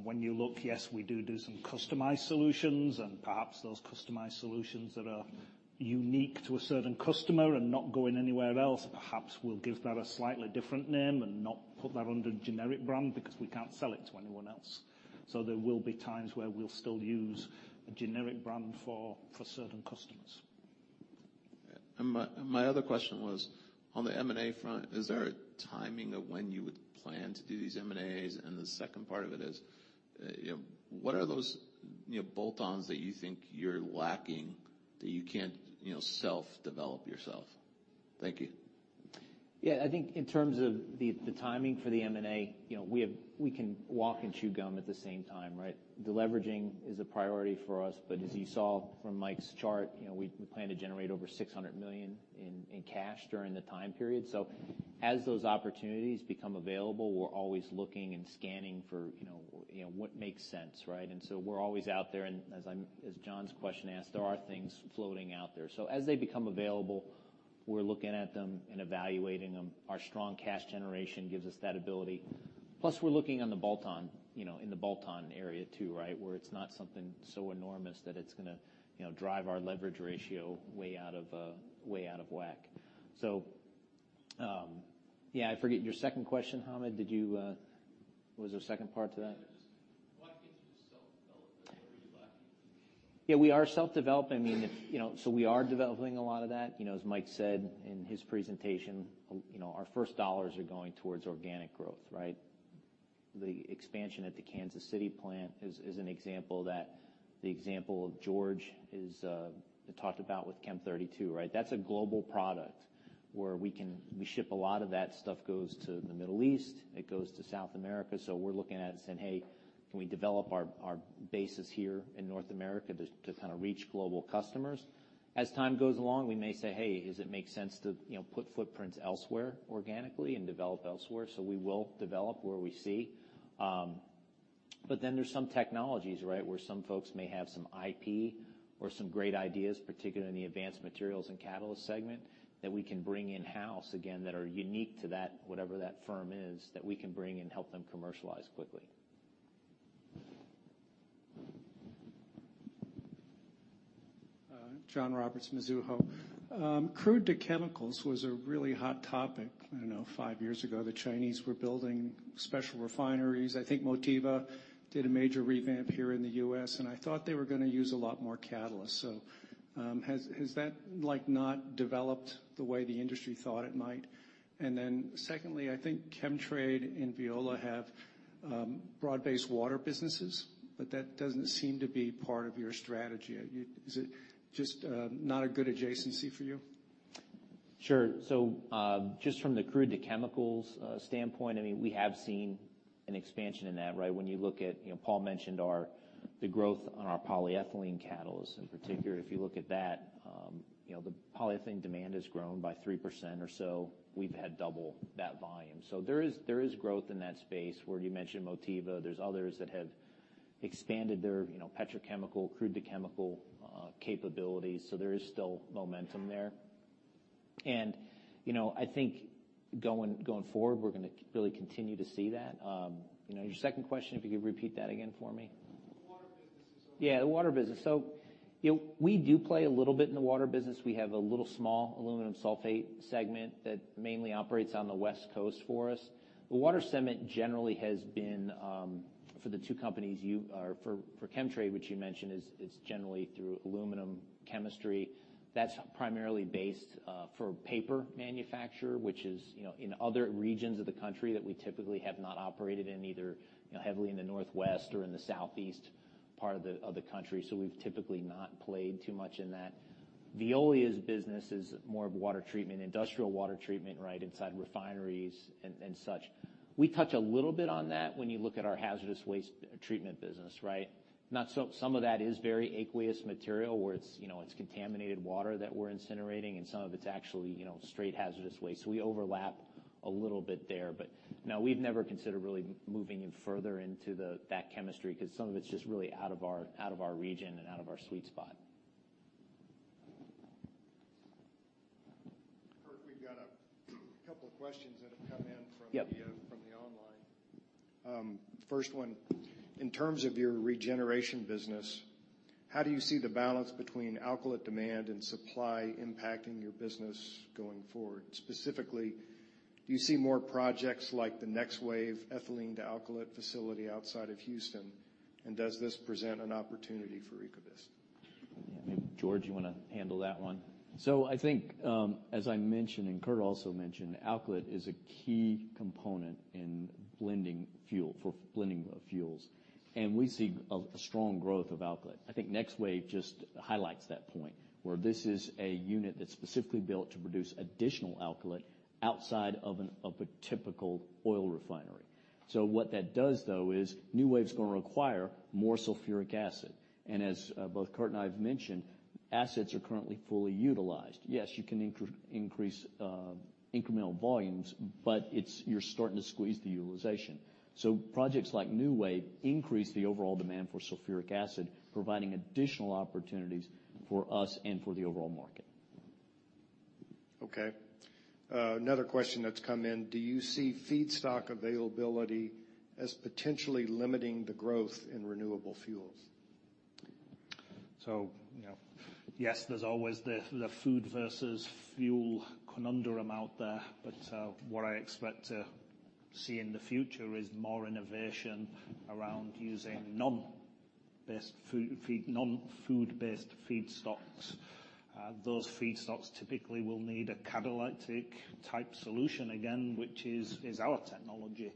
[SPEAKER 5] When you look, yes, we do do some customized solutions, and perhaps those customized solutions that are unique to a certain customer and not going anywhere else, perhaps we'll give that a slightly different name and not put that under a generic brand because we can't sell it to anyone else. So there will be times where we'll still use a generic brand for certain customers....
[SPEAKER 10] And my other question was, on the M&A front, is there a timing of when you would plan to do these M&As? And the second part of it is, you know, what are those, you know, bolt-ons that you think you're lacking, that you can't, you know, self-develop yourself? Thank you.
[SPEAKER 2] Yeah, I think in terms of the timing for the M&A, you know, we have, we can walk and chew gum at the same time, right? Deleveraging is a priority for us, but as you saw from Mike's chart, you know, we plan to generate over $600 million in cash during the time period. So as those opportunities become available, we're always looking and scanning for, you know, what makes sense, right? And so we're always out there, and as John's question asked, there are things floating out there. So as they become available, we're looking at them and evaluating them. Our strong cash generation gives us that ability. Plus, we're looking on the bolt-on, you know, in the bolt-on area too, right? Where it's not something so enormous that it's gonna, you know, drive our leverage ratio way out of way out of whack. So, yeah, I forget your second question, Hamed. Did you... What was the second part to that?
[SPEAKER 10] Why can't you just self-develop what you're lacking?
[SPEAKER 2] Yeah, we are self-developing. I mean, if, you know, so we are developing a lot of that. You know, as Mike said in his presentation, you know, our first dollars are going towards organic growth, right? The expansion at the Kansas City plant is an example that the example of George talked about with Chem32, right? That's a global product where we can, we ship a lot of that stuff, it goes to the Middle East, it goes to South America. So we're looking at it and saying, "Hey, can we develop our bases here in North America to kind of reach global customers?" As time goes along, we may say, "Hey, does it make sense to, you know, put footprints elsewhere organically and develop elsewhere?" So we will develop where we see. But then there's some technologies, right? Where some folks may have some IP or some great ideas, particularly in the advanced materials and catalyst segment, that we can bring in-house, again, that are unique to that, whatever that firm is, that we can bring and help them commercialize quickly.
[SPEAKER 11] John Roberts, Mizuho. Crude to chemicals was a really hot topic. I don't know, five years ago, the Chinese were building special refineries. I think Motiva did a major revamp here in the U.S., and I thought they were gonna use a lot more catalysts. So, has that, like, not developed the way the industry thought it might? And then secondly, I think Chemtrade and Veolia have broad-based water businesses, but that doesn't seem to be part of your strategy. Is it just not a good adjacency for you?
[SPEAKER 2] Sure. So, just from the crude to chemicals standpoint, I mean, we have seen an expansion in that, right? When you look at, you know, Paul mentioned the growth on our polyethylene catalysts. In particular, if you look at that, you know, the polyethylene demand has grown by 3% or so. We've had double that volume. So there is growth in that space where you mentioned Motiva. There's others that have expanded their, you know, petrochemical, crude to chemical capabilities, so there is still momentum there. And, you know, I think going forward, we're gonna really continue to see that. You know, your second question, if you could repeat that again for me.
[SPEAKER 11] The water businesses.
[SPEAKER 2] Yeah, the water business. So, you know, we do play a little bit in the water business. We have a little small aluminum sulfate segment that mainly operates on the West Coast for us. The water segment generally has been for the two companies you mentioned, for Chemtrade, which you mentioned, is generally through aluminum chemistry. That's primarily based for paper manufacture, which is, you know, in other regions of the country that we typically have not operated in, either, you know, heavily in the Northwest or in the Southeast part of the country. So we've typically not played too much in that. Veolia's business is more of water treatment, industrial water treatment, right, inside refineries and such. We touch a little bit on that when you look at our hazardous waste treatment business, right? Not so. Some of that is very aqueous material, where it's, you know, it's contaminated water that we're incinerating, and some of it's actually, you know, straight hazardous waste. So we overlap a little bit there, but no, we've never considered really moving in further into that chemistry, 'cause some of it's just really out of our, out of our region and out of our sweet spot.
[SPEAKER 1] Kurt, we've got a couple of questions that have come in from the-
[SPEAKER 2] Yep...
[SPEAKER 1] from the online. First one: In terms of your regeneration business, how do you see the balance between alkylate demand and supply impacting your business going forward? Specifically, do you see more projects like the Next Wave ethylene to alkylate facility outside of Houston, and does this present an opportunity for Ecovyst?
[SPEAKER 2] Yeah. Maybe, George, you wanna handle that one?
[SPEAKER 4] So I think, as I mentioned, and Kurt also mentioned, alkylate is a key component in blending fuel, for blending fuels, and we see a strong growth of alkylate. I think Next Wave just highlights that point, where this is a unit that's specifically built to produce additional alkylate outside of of a typical oil refinery. So what that does, though, is Next Wave's gonna require more sulfuric acid, and as both Kurt and I have mentioned, assets are currently fully utilized. Yes, you can increase incremental volumes, but you're starting to squeeze the utilization. So projects like Next Wave increase the overall demand for sulfuric acid, providing additional opportunities for us and for the overall market.
[SPEAKER 1] Okay. Another question that's come in: Do you see feedstock availability as potentially limiting the growth in renewable fuels?
[SPEAKER 5] So, you know, yes, there's always the food versus fuel conundrum out there, but what I expect to see in the future is more innovation around using non-food-based feedstocks. Those feedstocks typically will need a catalytic-type solution again, which is our technology.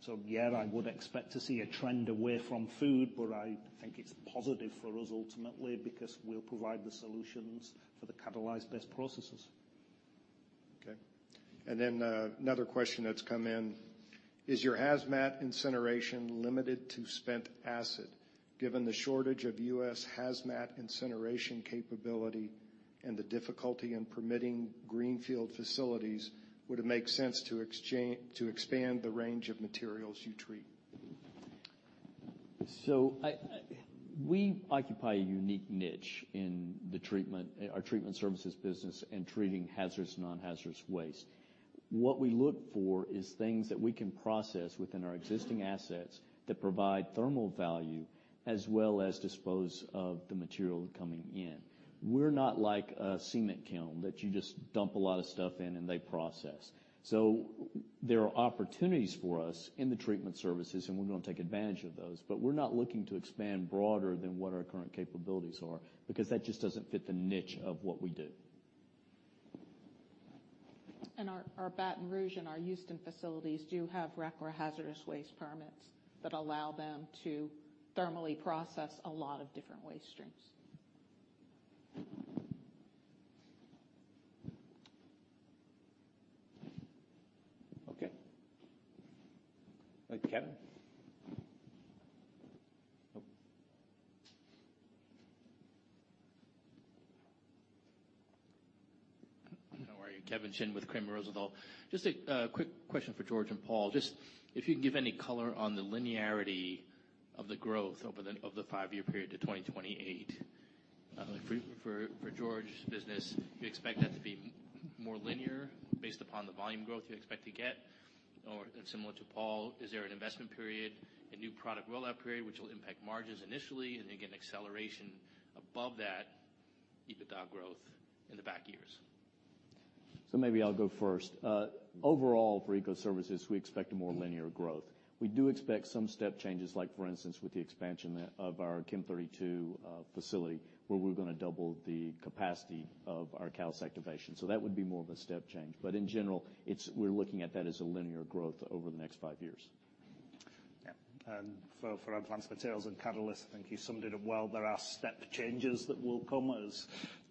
[SPEAKER 5] So yeah, I would expect to see a trend away from food, but I think it's positive for us ultimately, because we'll provide the solutions for the catalyzed-based processes.
[SPEAKER 1] Okay. Then, another question that's come in: Is your hazmat incineration limited to spent acid? Given the shortage of U.S. hazmat incineration capability and the difficulty in permitting greenfield facilities, would it make sense to expand the range of materials you treat?
[SPEAKER 2] So we occupy a unique niche in the treatment, our Treatment Services business and treating hazardous and nonhazardous waste. What we look for is things that we can process within our existing assets that provide thermal value, as well as dispose of the material coming in. We're not like a cement kiln that you just dump a lot of stuff in, and they process. So there are opportunities for us in the Treatment Services, and we're going to take advantage of those, but we're not looking to expand broader than what our current capabilities are because that just doesn't fit the niche of what we do.
[SPEAKER 3] Our Baton Rouge and our Houston facilities do have RCRA hazardous waste permits that allow them to thermally process a lot of different waste streams.
[SPEAKER 5] Okay. Thank you. Kevin? Nope.
[SPEAKER 12] How are you? Kevin Chin with Cramer Rosenthal. Just a quick question for George and Paul. Just if you can give any color on the linearity of the growth over the five-year period to 2028. For George's business, do you expect that to be more linear based upon the volume growth you expect to get? Or similar to Paul, is there an investment period, a new product rollout period, which will impact margins initially, and then get an acceleration above that EBITDA growth in the back years?
[SPEAKER 4] So maybe I'll go first. Overall, for Ecoservices, we expect a more linear growth. We do expect some step changes, like for instance, with the expansion of our Chem32 facility, where we're going to double the capacity of our calcination. So that would be more of a step change. But in general, it's. We're looking at that as a linear growth over the next five years.
[SPEAKER 5] Yeah. And for our Advanced Materials & Catalysts, I think you summed it up well. There are step changes that will come as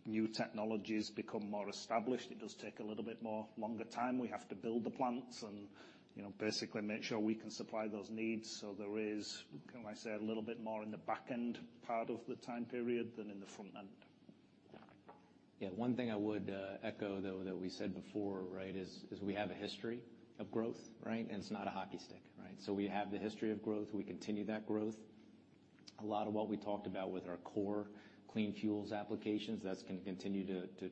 [SPEAKER 5] new technologies become more established. It does take a little bit more longer time. We have to build the plants and, you know, basically make sure we can supply those needs. So there is, can I say, a little bit more in the back-end part of the time period than in the front end.
[SPEAKER 6] Yeah. One thing I would echo, though, that we said before, right, is we have a history of growth, right? And it's not a hockey stick, right? So we have the history of growth. We continue that growth. A lot of what we talked about with our core clean fuels applications, that's going to continue to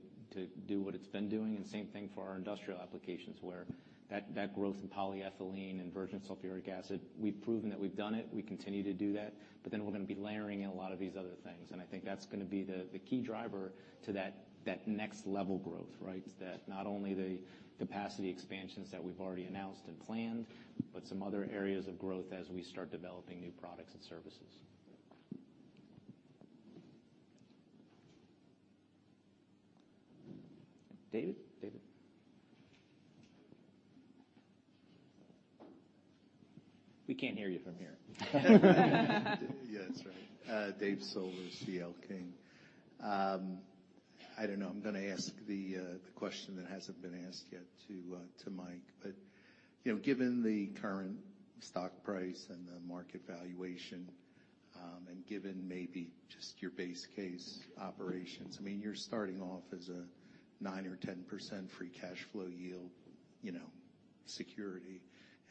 [SPEAKER 6] do what it's been doing, and same thing for our industrial applications, where that growth in polyethylene and Virgin Sulfuric Acid, we've proven that we've done it, we continue to do that, but then we're going to be layering in a lot of these other things. And I think that's going to be the key driver to that next level growth, right? Is that not only the capacity expansions that we've already announced and planned, but some other areas of growth as we start developing new products and services. David? David. We can't hear you from here.
[SPEAKER 7] Yeah, that's right. Dave Silver, C.L. King. I don't know. I'm going to ask the, the question that hasn't been asked yet to, to Mike. But, you know, given the current stock price and the market valuation, and given maybe just your base case operations, I mean, you're starting off as a 9% or 10% free cash flow yield, you know, security,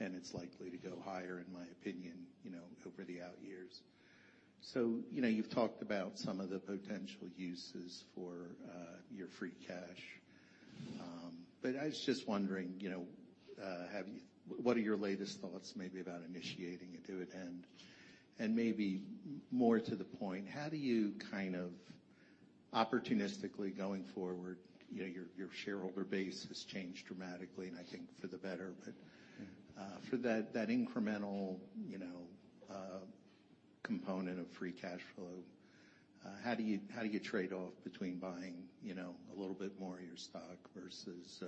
[SPEAKER 7] and it's likely to go higher, in my opinion, you know, over the out years. So, you know, you've talked about some of the potential uses for, your free cash. But I was just wondering, you know, have you-- what are your latest thoughts maybe about initiating a dividend? And maybe more to the point, how do you kind of opportunistically going forward, you know, your, your shareholder base has changed dramatically, and I think for the better. But, for that, that incremental, you know, component of free cash flow, how do you, how do you trade off between buying, you know, a little bit more of your stock versus,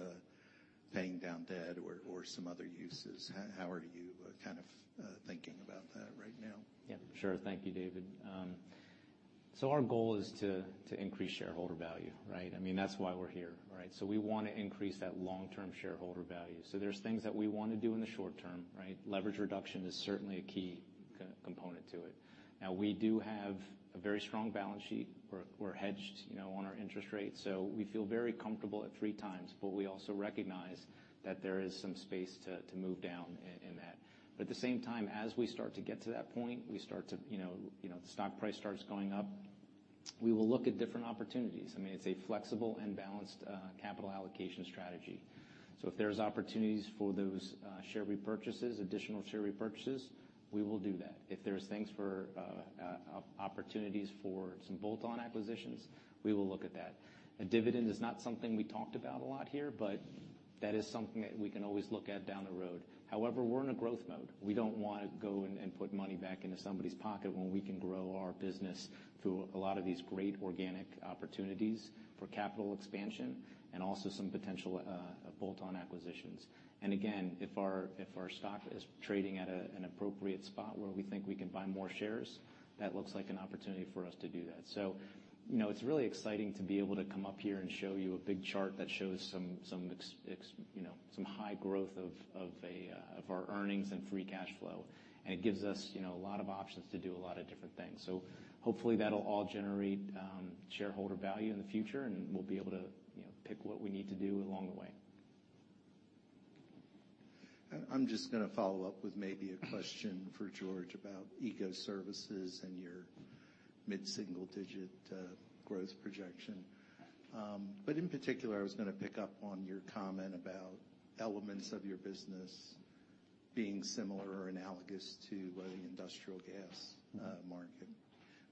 [SPEAKER 7] paying down debt or, or some other uses? How, how are you, kind of, thinking about that right now?
[SPEAKER 6] Yeah, sure. Thank you, David. So our goal is to increase shareholder value, right? I mean, that's why we're here, right? So there's things that we want to do in the short term, right? Leverage reduction is certainly a key component to it. Now, we do have a very strong balance sheet. We're hedged, you know, on our interest rates, so we feel very comfortable at three times, but we also recognize that there is some space to move down in that. But at the same time, as we start to get to that point, we start to, you know, the stock price starts going up, we will look at different opportunities. I mean, it's a flexible and balanced capital allocation strategy. So if there's opportunities for those, share repurchases, additional share repurchases, we will do that. If there's opportunities for some bolt-on acquisitions, we will look at that. A dividend is not something we talked about a lot here, but...... that is something that we can always look at down the road. However, we're in a growth mode. We don't wanna go and put money back into somebody's pocket when we can grow our business through a lot of these great organic opportunities for capital expansion and also some potential bolt-on acquisitions. And again, if our stock is trading at an appropriate spot where we think we can buy more shares, that looks like an opportunity for us to do that. So, you know, it's really exciting to be able to come up here and show you a big chart that shows some high growth of our earnings and free cash flow. And it gives us, you know, a lot of options to do a lot of different things. Hopefully, that'll all generate shareholder value in the future, and we'll be able to, you know, pick what we need to do along the way.
[SPEAKER 7] I'm just gonna follow up with maybe a question for George about Ecoservices and your mid-single-digit growth projection. But in particular, I was gonna pick up on your comment about elements of your business being similar or analogous to the industrial gas market.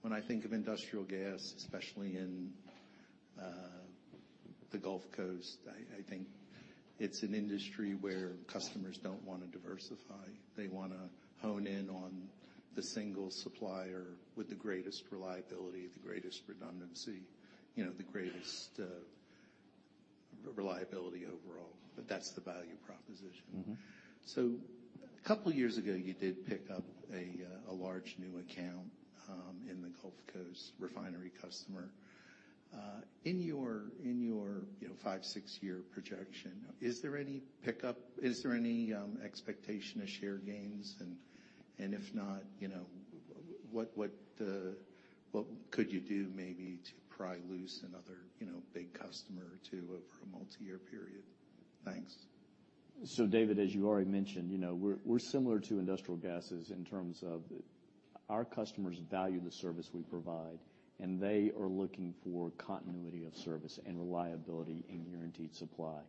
[SPEAKER 7] When I think of industrial gas, especially in the Gulf Coast, I think it's an industry where customers don't wanna diversify. They wanna hone in on the single supplier with the greatest reliability, the greatest redundancy, you know, the greatest reliability overall. But that's the value proposition.
[SPEAKER 4] Mm-hmm.
[SPEAKER 7] So a couple of years ago, you did pick up a large new account in the Gulf Coast refinery customer. In your, you know, five-to-six-year projection, is there any pickup? Is there any expectation of share gains? And if not, you know, what could you do maybe to pry loose another, you know, big customer or two over a multiyear period? Thanks.
[SPEAKER 4] So, David, as you already mentioned, you know, we're similar to industrial gases in terms of our customers value the service we provide, and they are looking for continuity of service and reliability and guaranteed supply.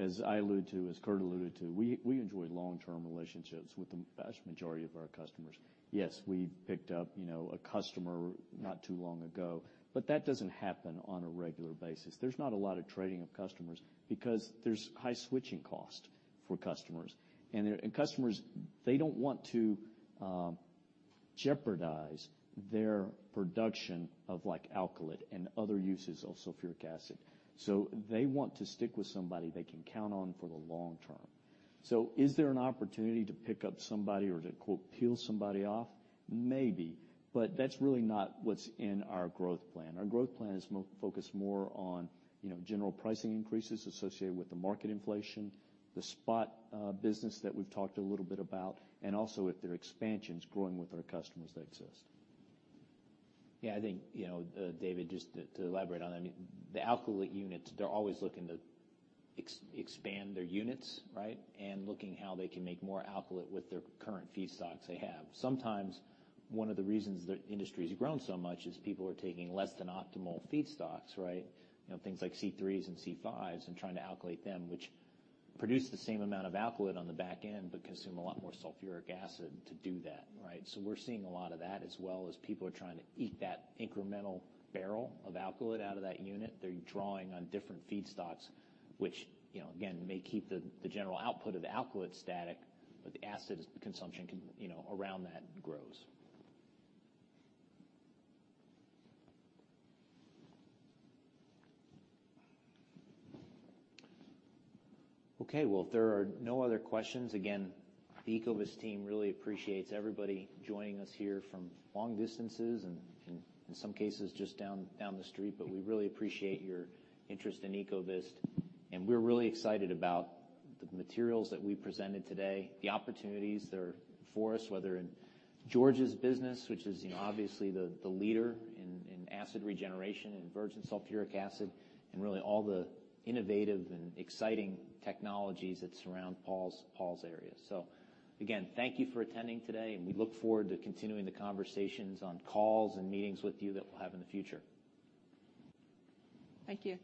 [SPEAKER 4] As I allude to, as Kurt alluded to, we enjoy long-term relationships with the vast majority of our customers. Yes, we've picked up, you know, a customer not too long ago, but that doesn't happen on a regular basis. There's not a lot of trading of customers because there's high switching cost for customers. And customers, they don't want to jeopardize their production of, like, alkylate and other uses of sulfuric acid. So they want to stick with somebody they can count on for the long term. So is there an opportunity to pick up somebody or to, quote, "peel somebody off"? Maybe, but that's really not what's in our growth plan. Our growth plan is focused more on, you know, general pricing increases associated with the market inflation, the spot business that we've talked a little bit about, and also with their expansions growing with our customers that exist.
[SPEAKER 2] Yeah, I think, you know, David, just to elaborate on that, I mean, the alkylate units, they're always looking to expand their units, right? And looking how they can make more alkylate with their current feedstocks they have. Sometimes one of the reasons the industry has grown so much is people are taking less than optimal feedstocks, right? You know, things like C3s and C5s and trying to alkylate them, which produce the same amount of alkylate on the back end, but consume a lot more sulfuric acid to do that, right? So we're seeing a lot of that, as well as people are trying to eke that incremental barrel of alkylate out of that unit. They're drawing on different feedstocks, which, you know, again, may keep the general output of the alkylate static, but the acid consumption can, you know, around that grows. Okay, well, if there are no other questions, again, the Ecovyst team really appreciates everybody joining us here from long distances and, and in some cases, just down, down the street. But we really appreciate your interest in Ecovyst, and we're really excited about the materials that we presented today, the opportunities that are before us, whether in George's business, which is, you know, obviously the, the leader in, in acid regeneration and Virgin Sulfuric Acid, and really all the innovative and exciting technologies that surround Paul's, Paul's area. So again, thank you for attending today, and we look forward to continuing the conversations on calls and meetings with you that we'll have in the future.
[SPEAKER 3] Thank you.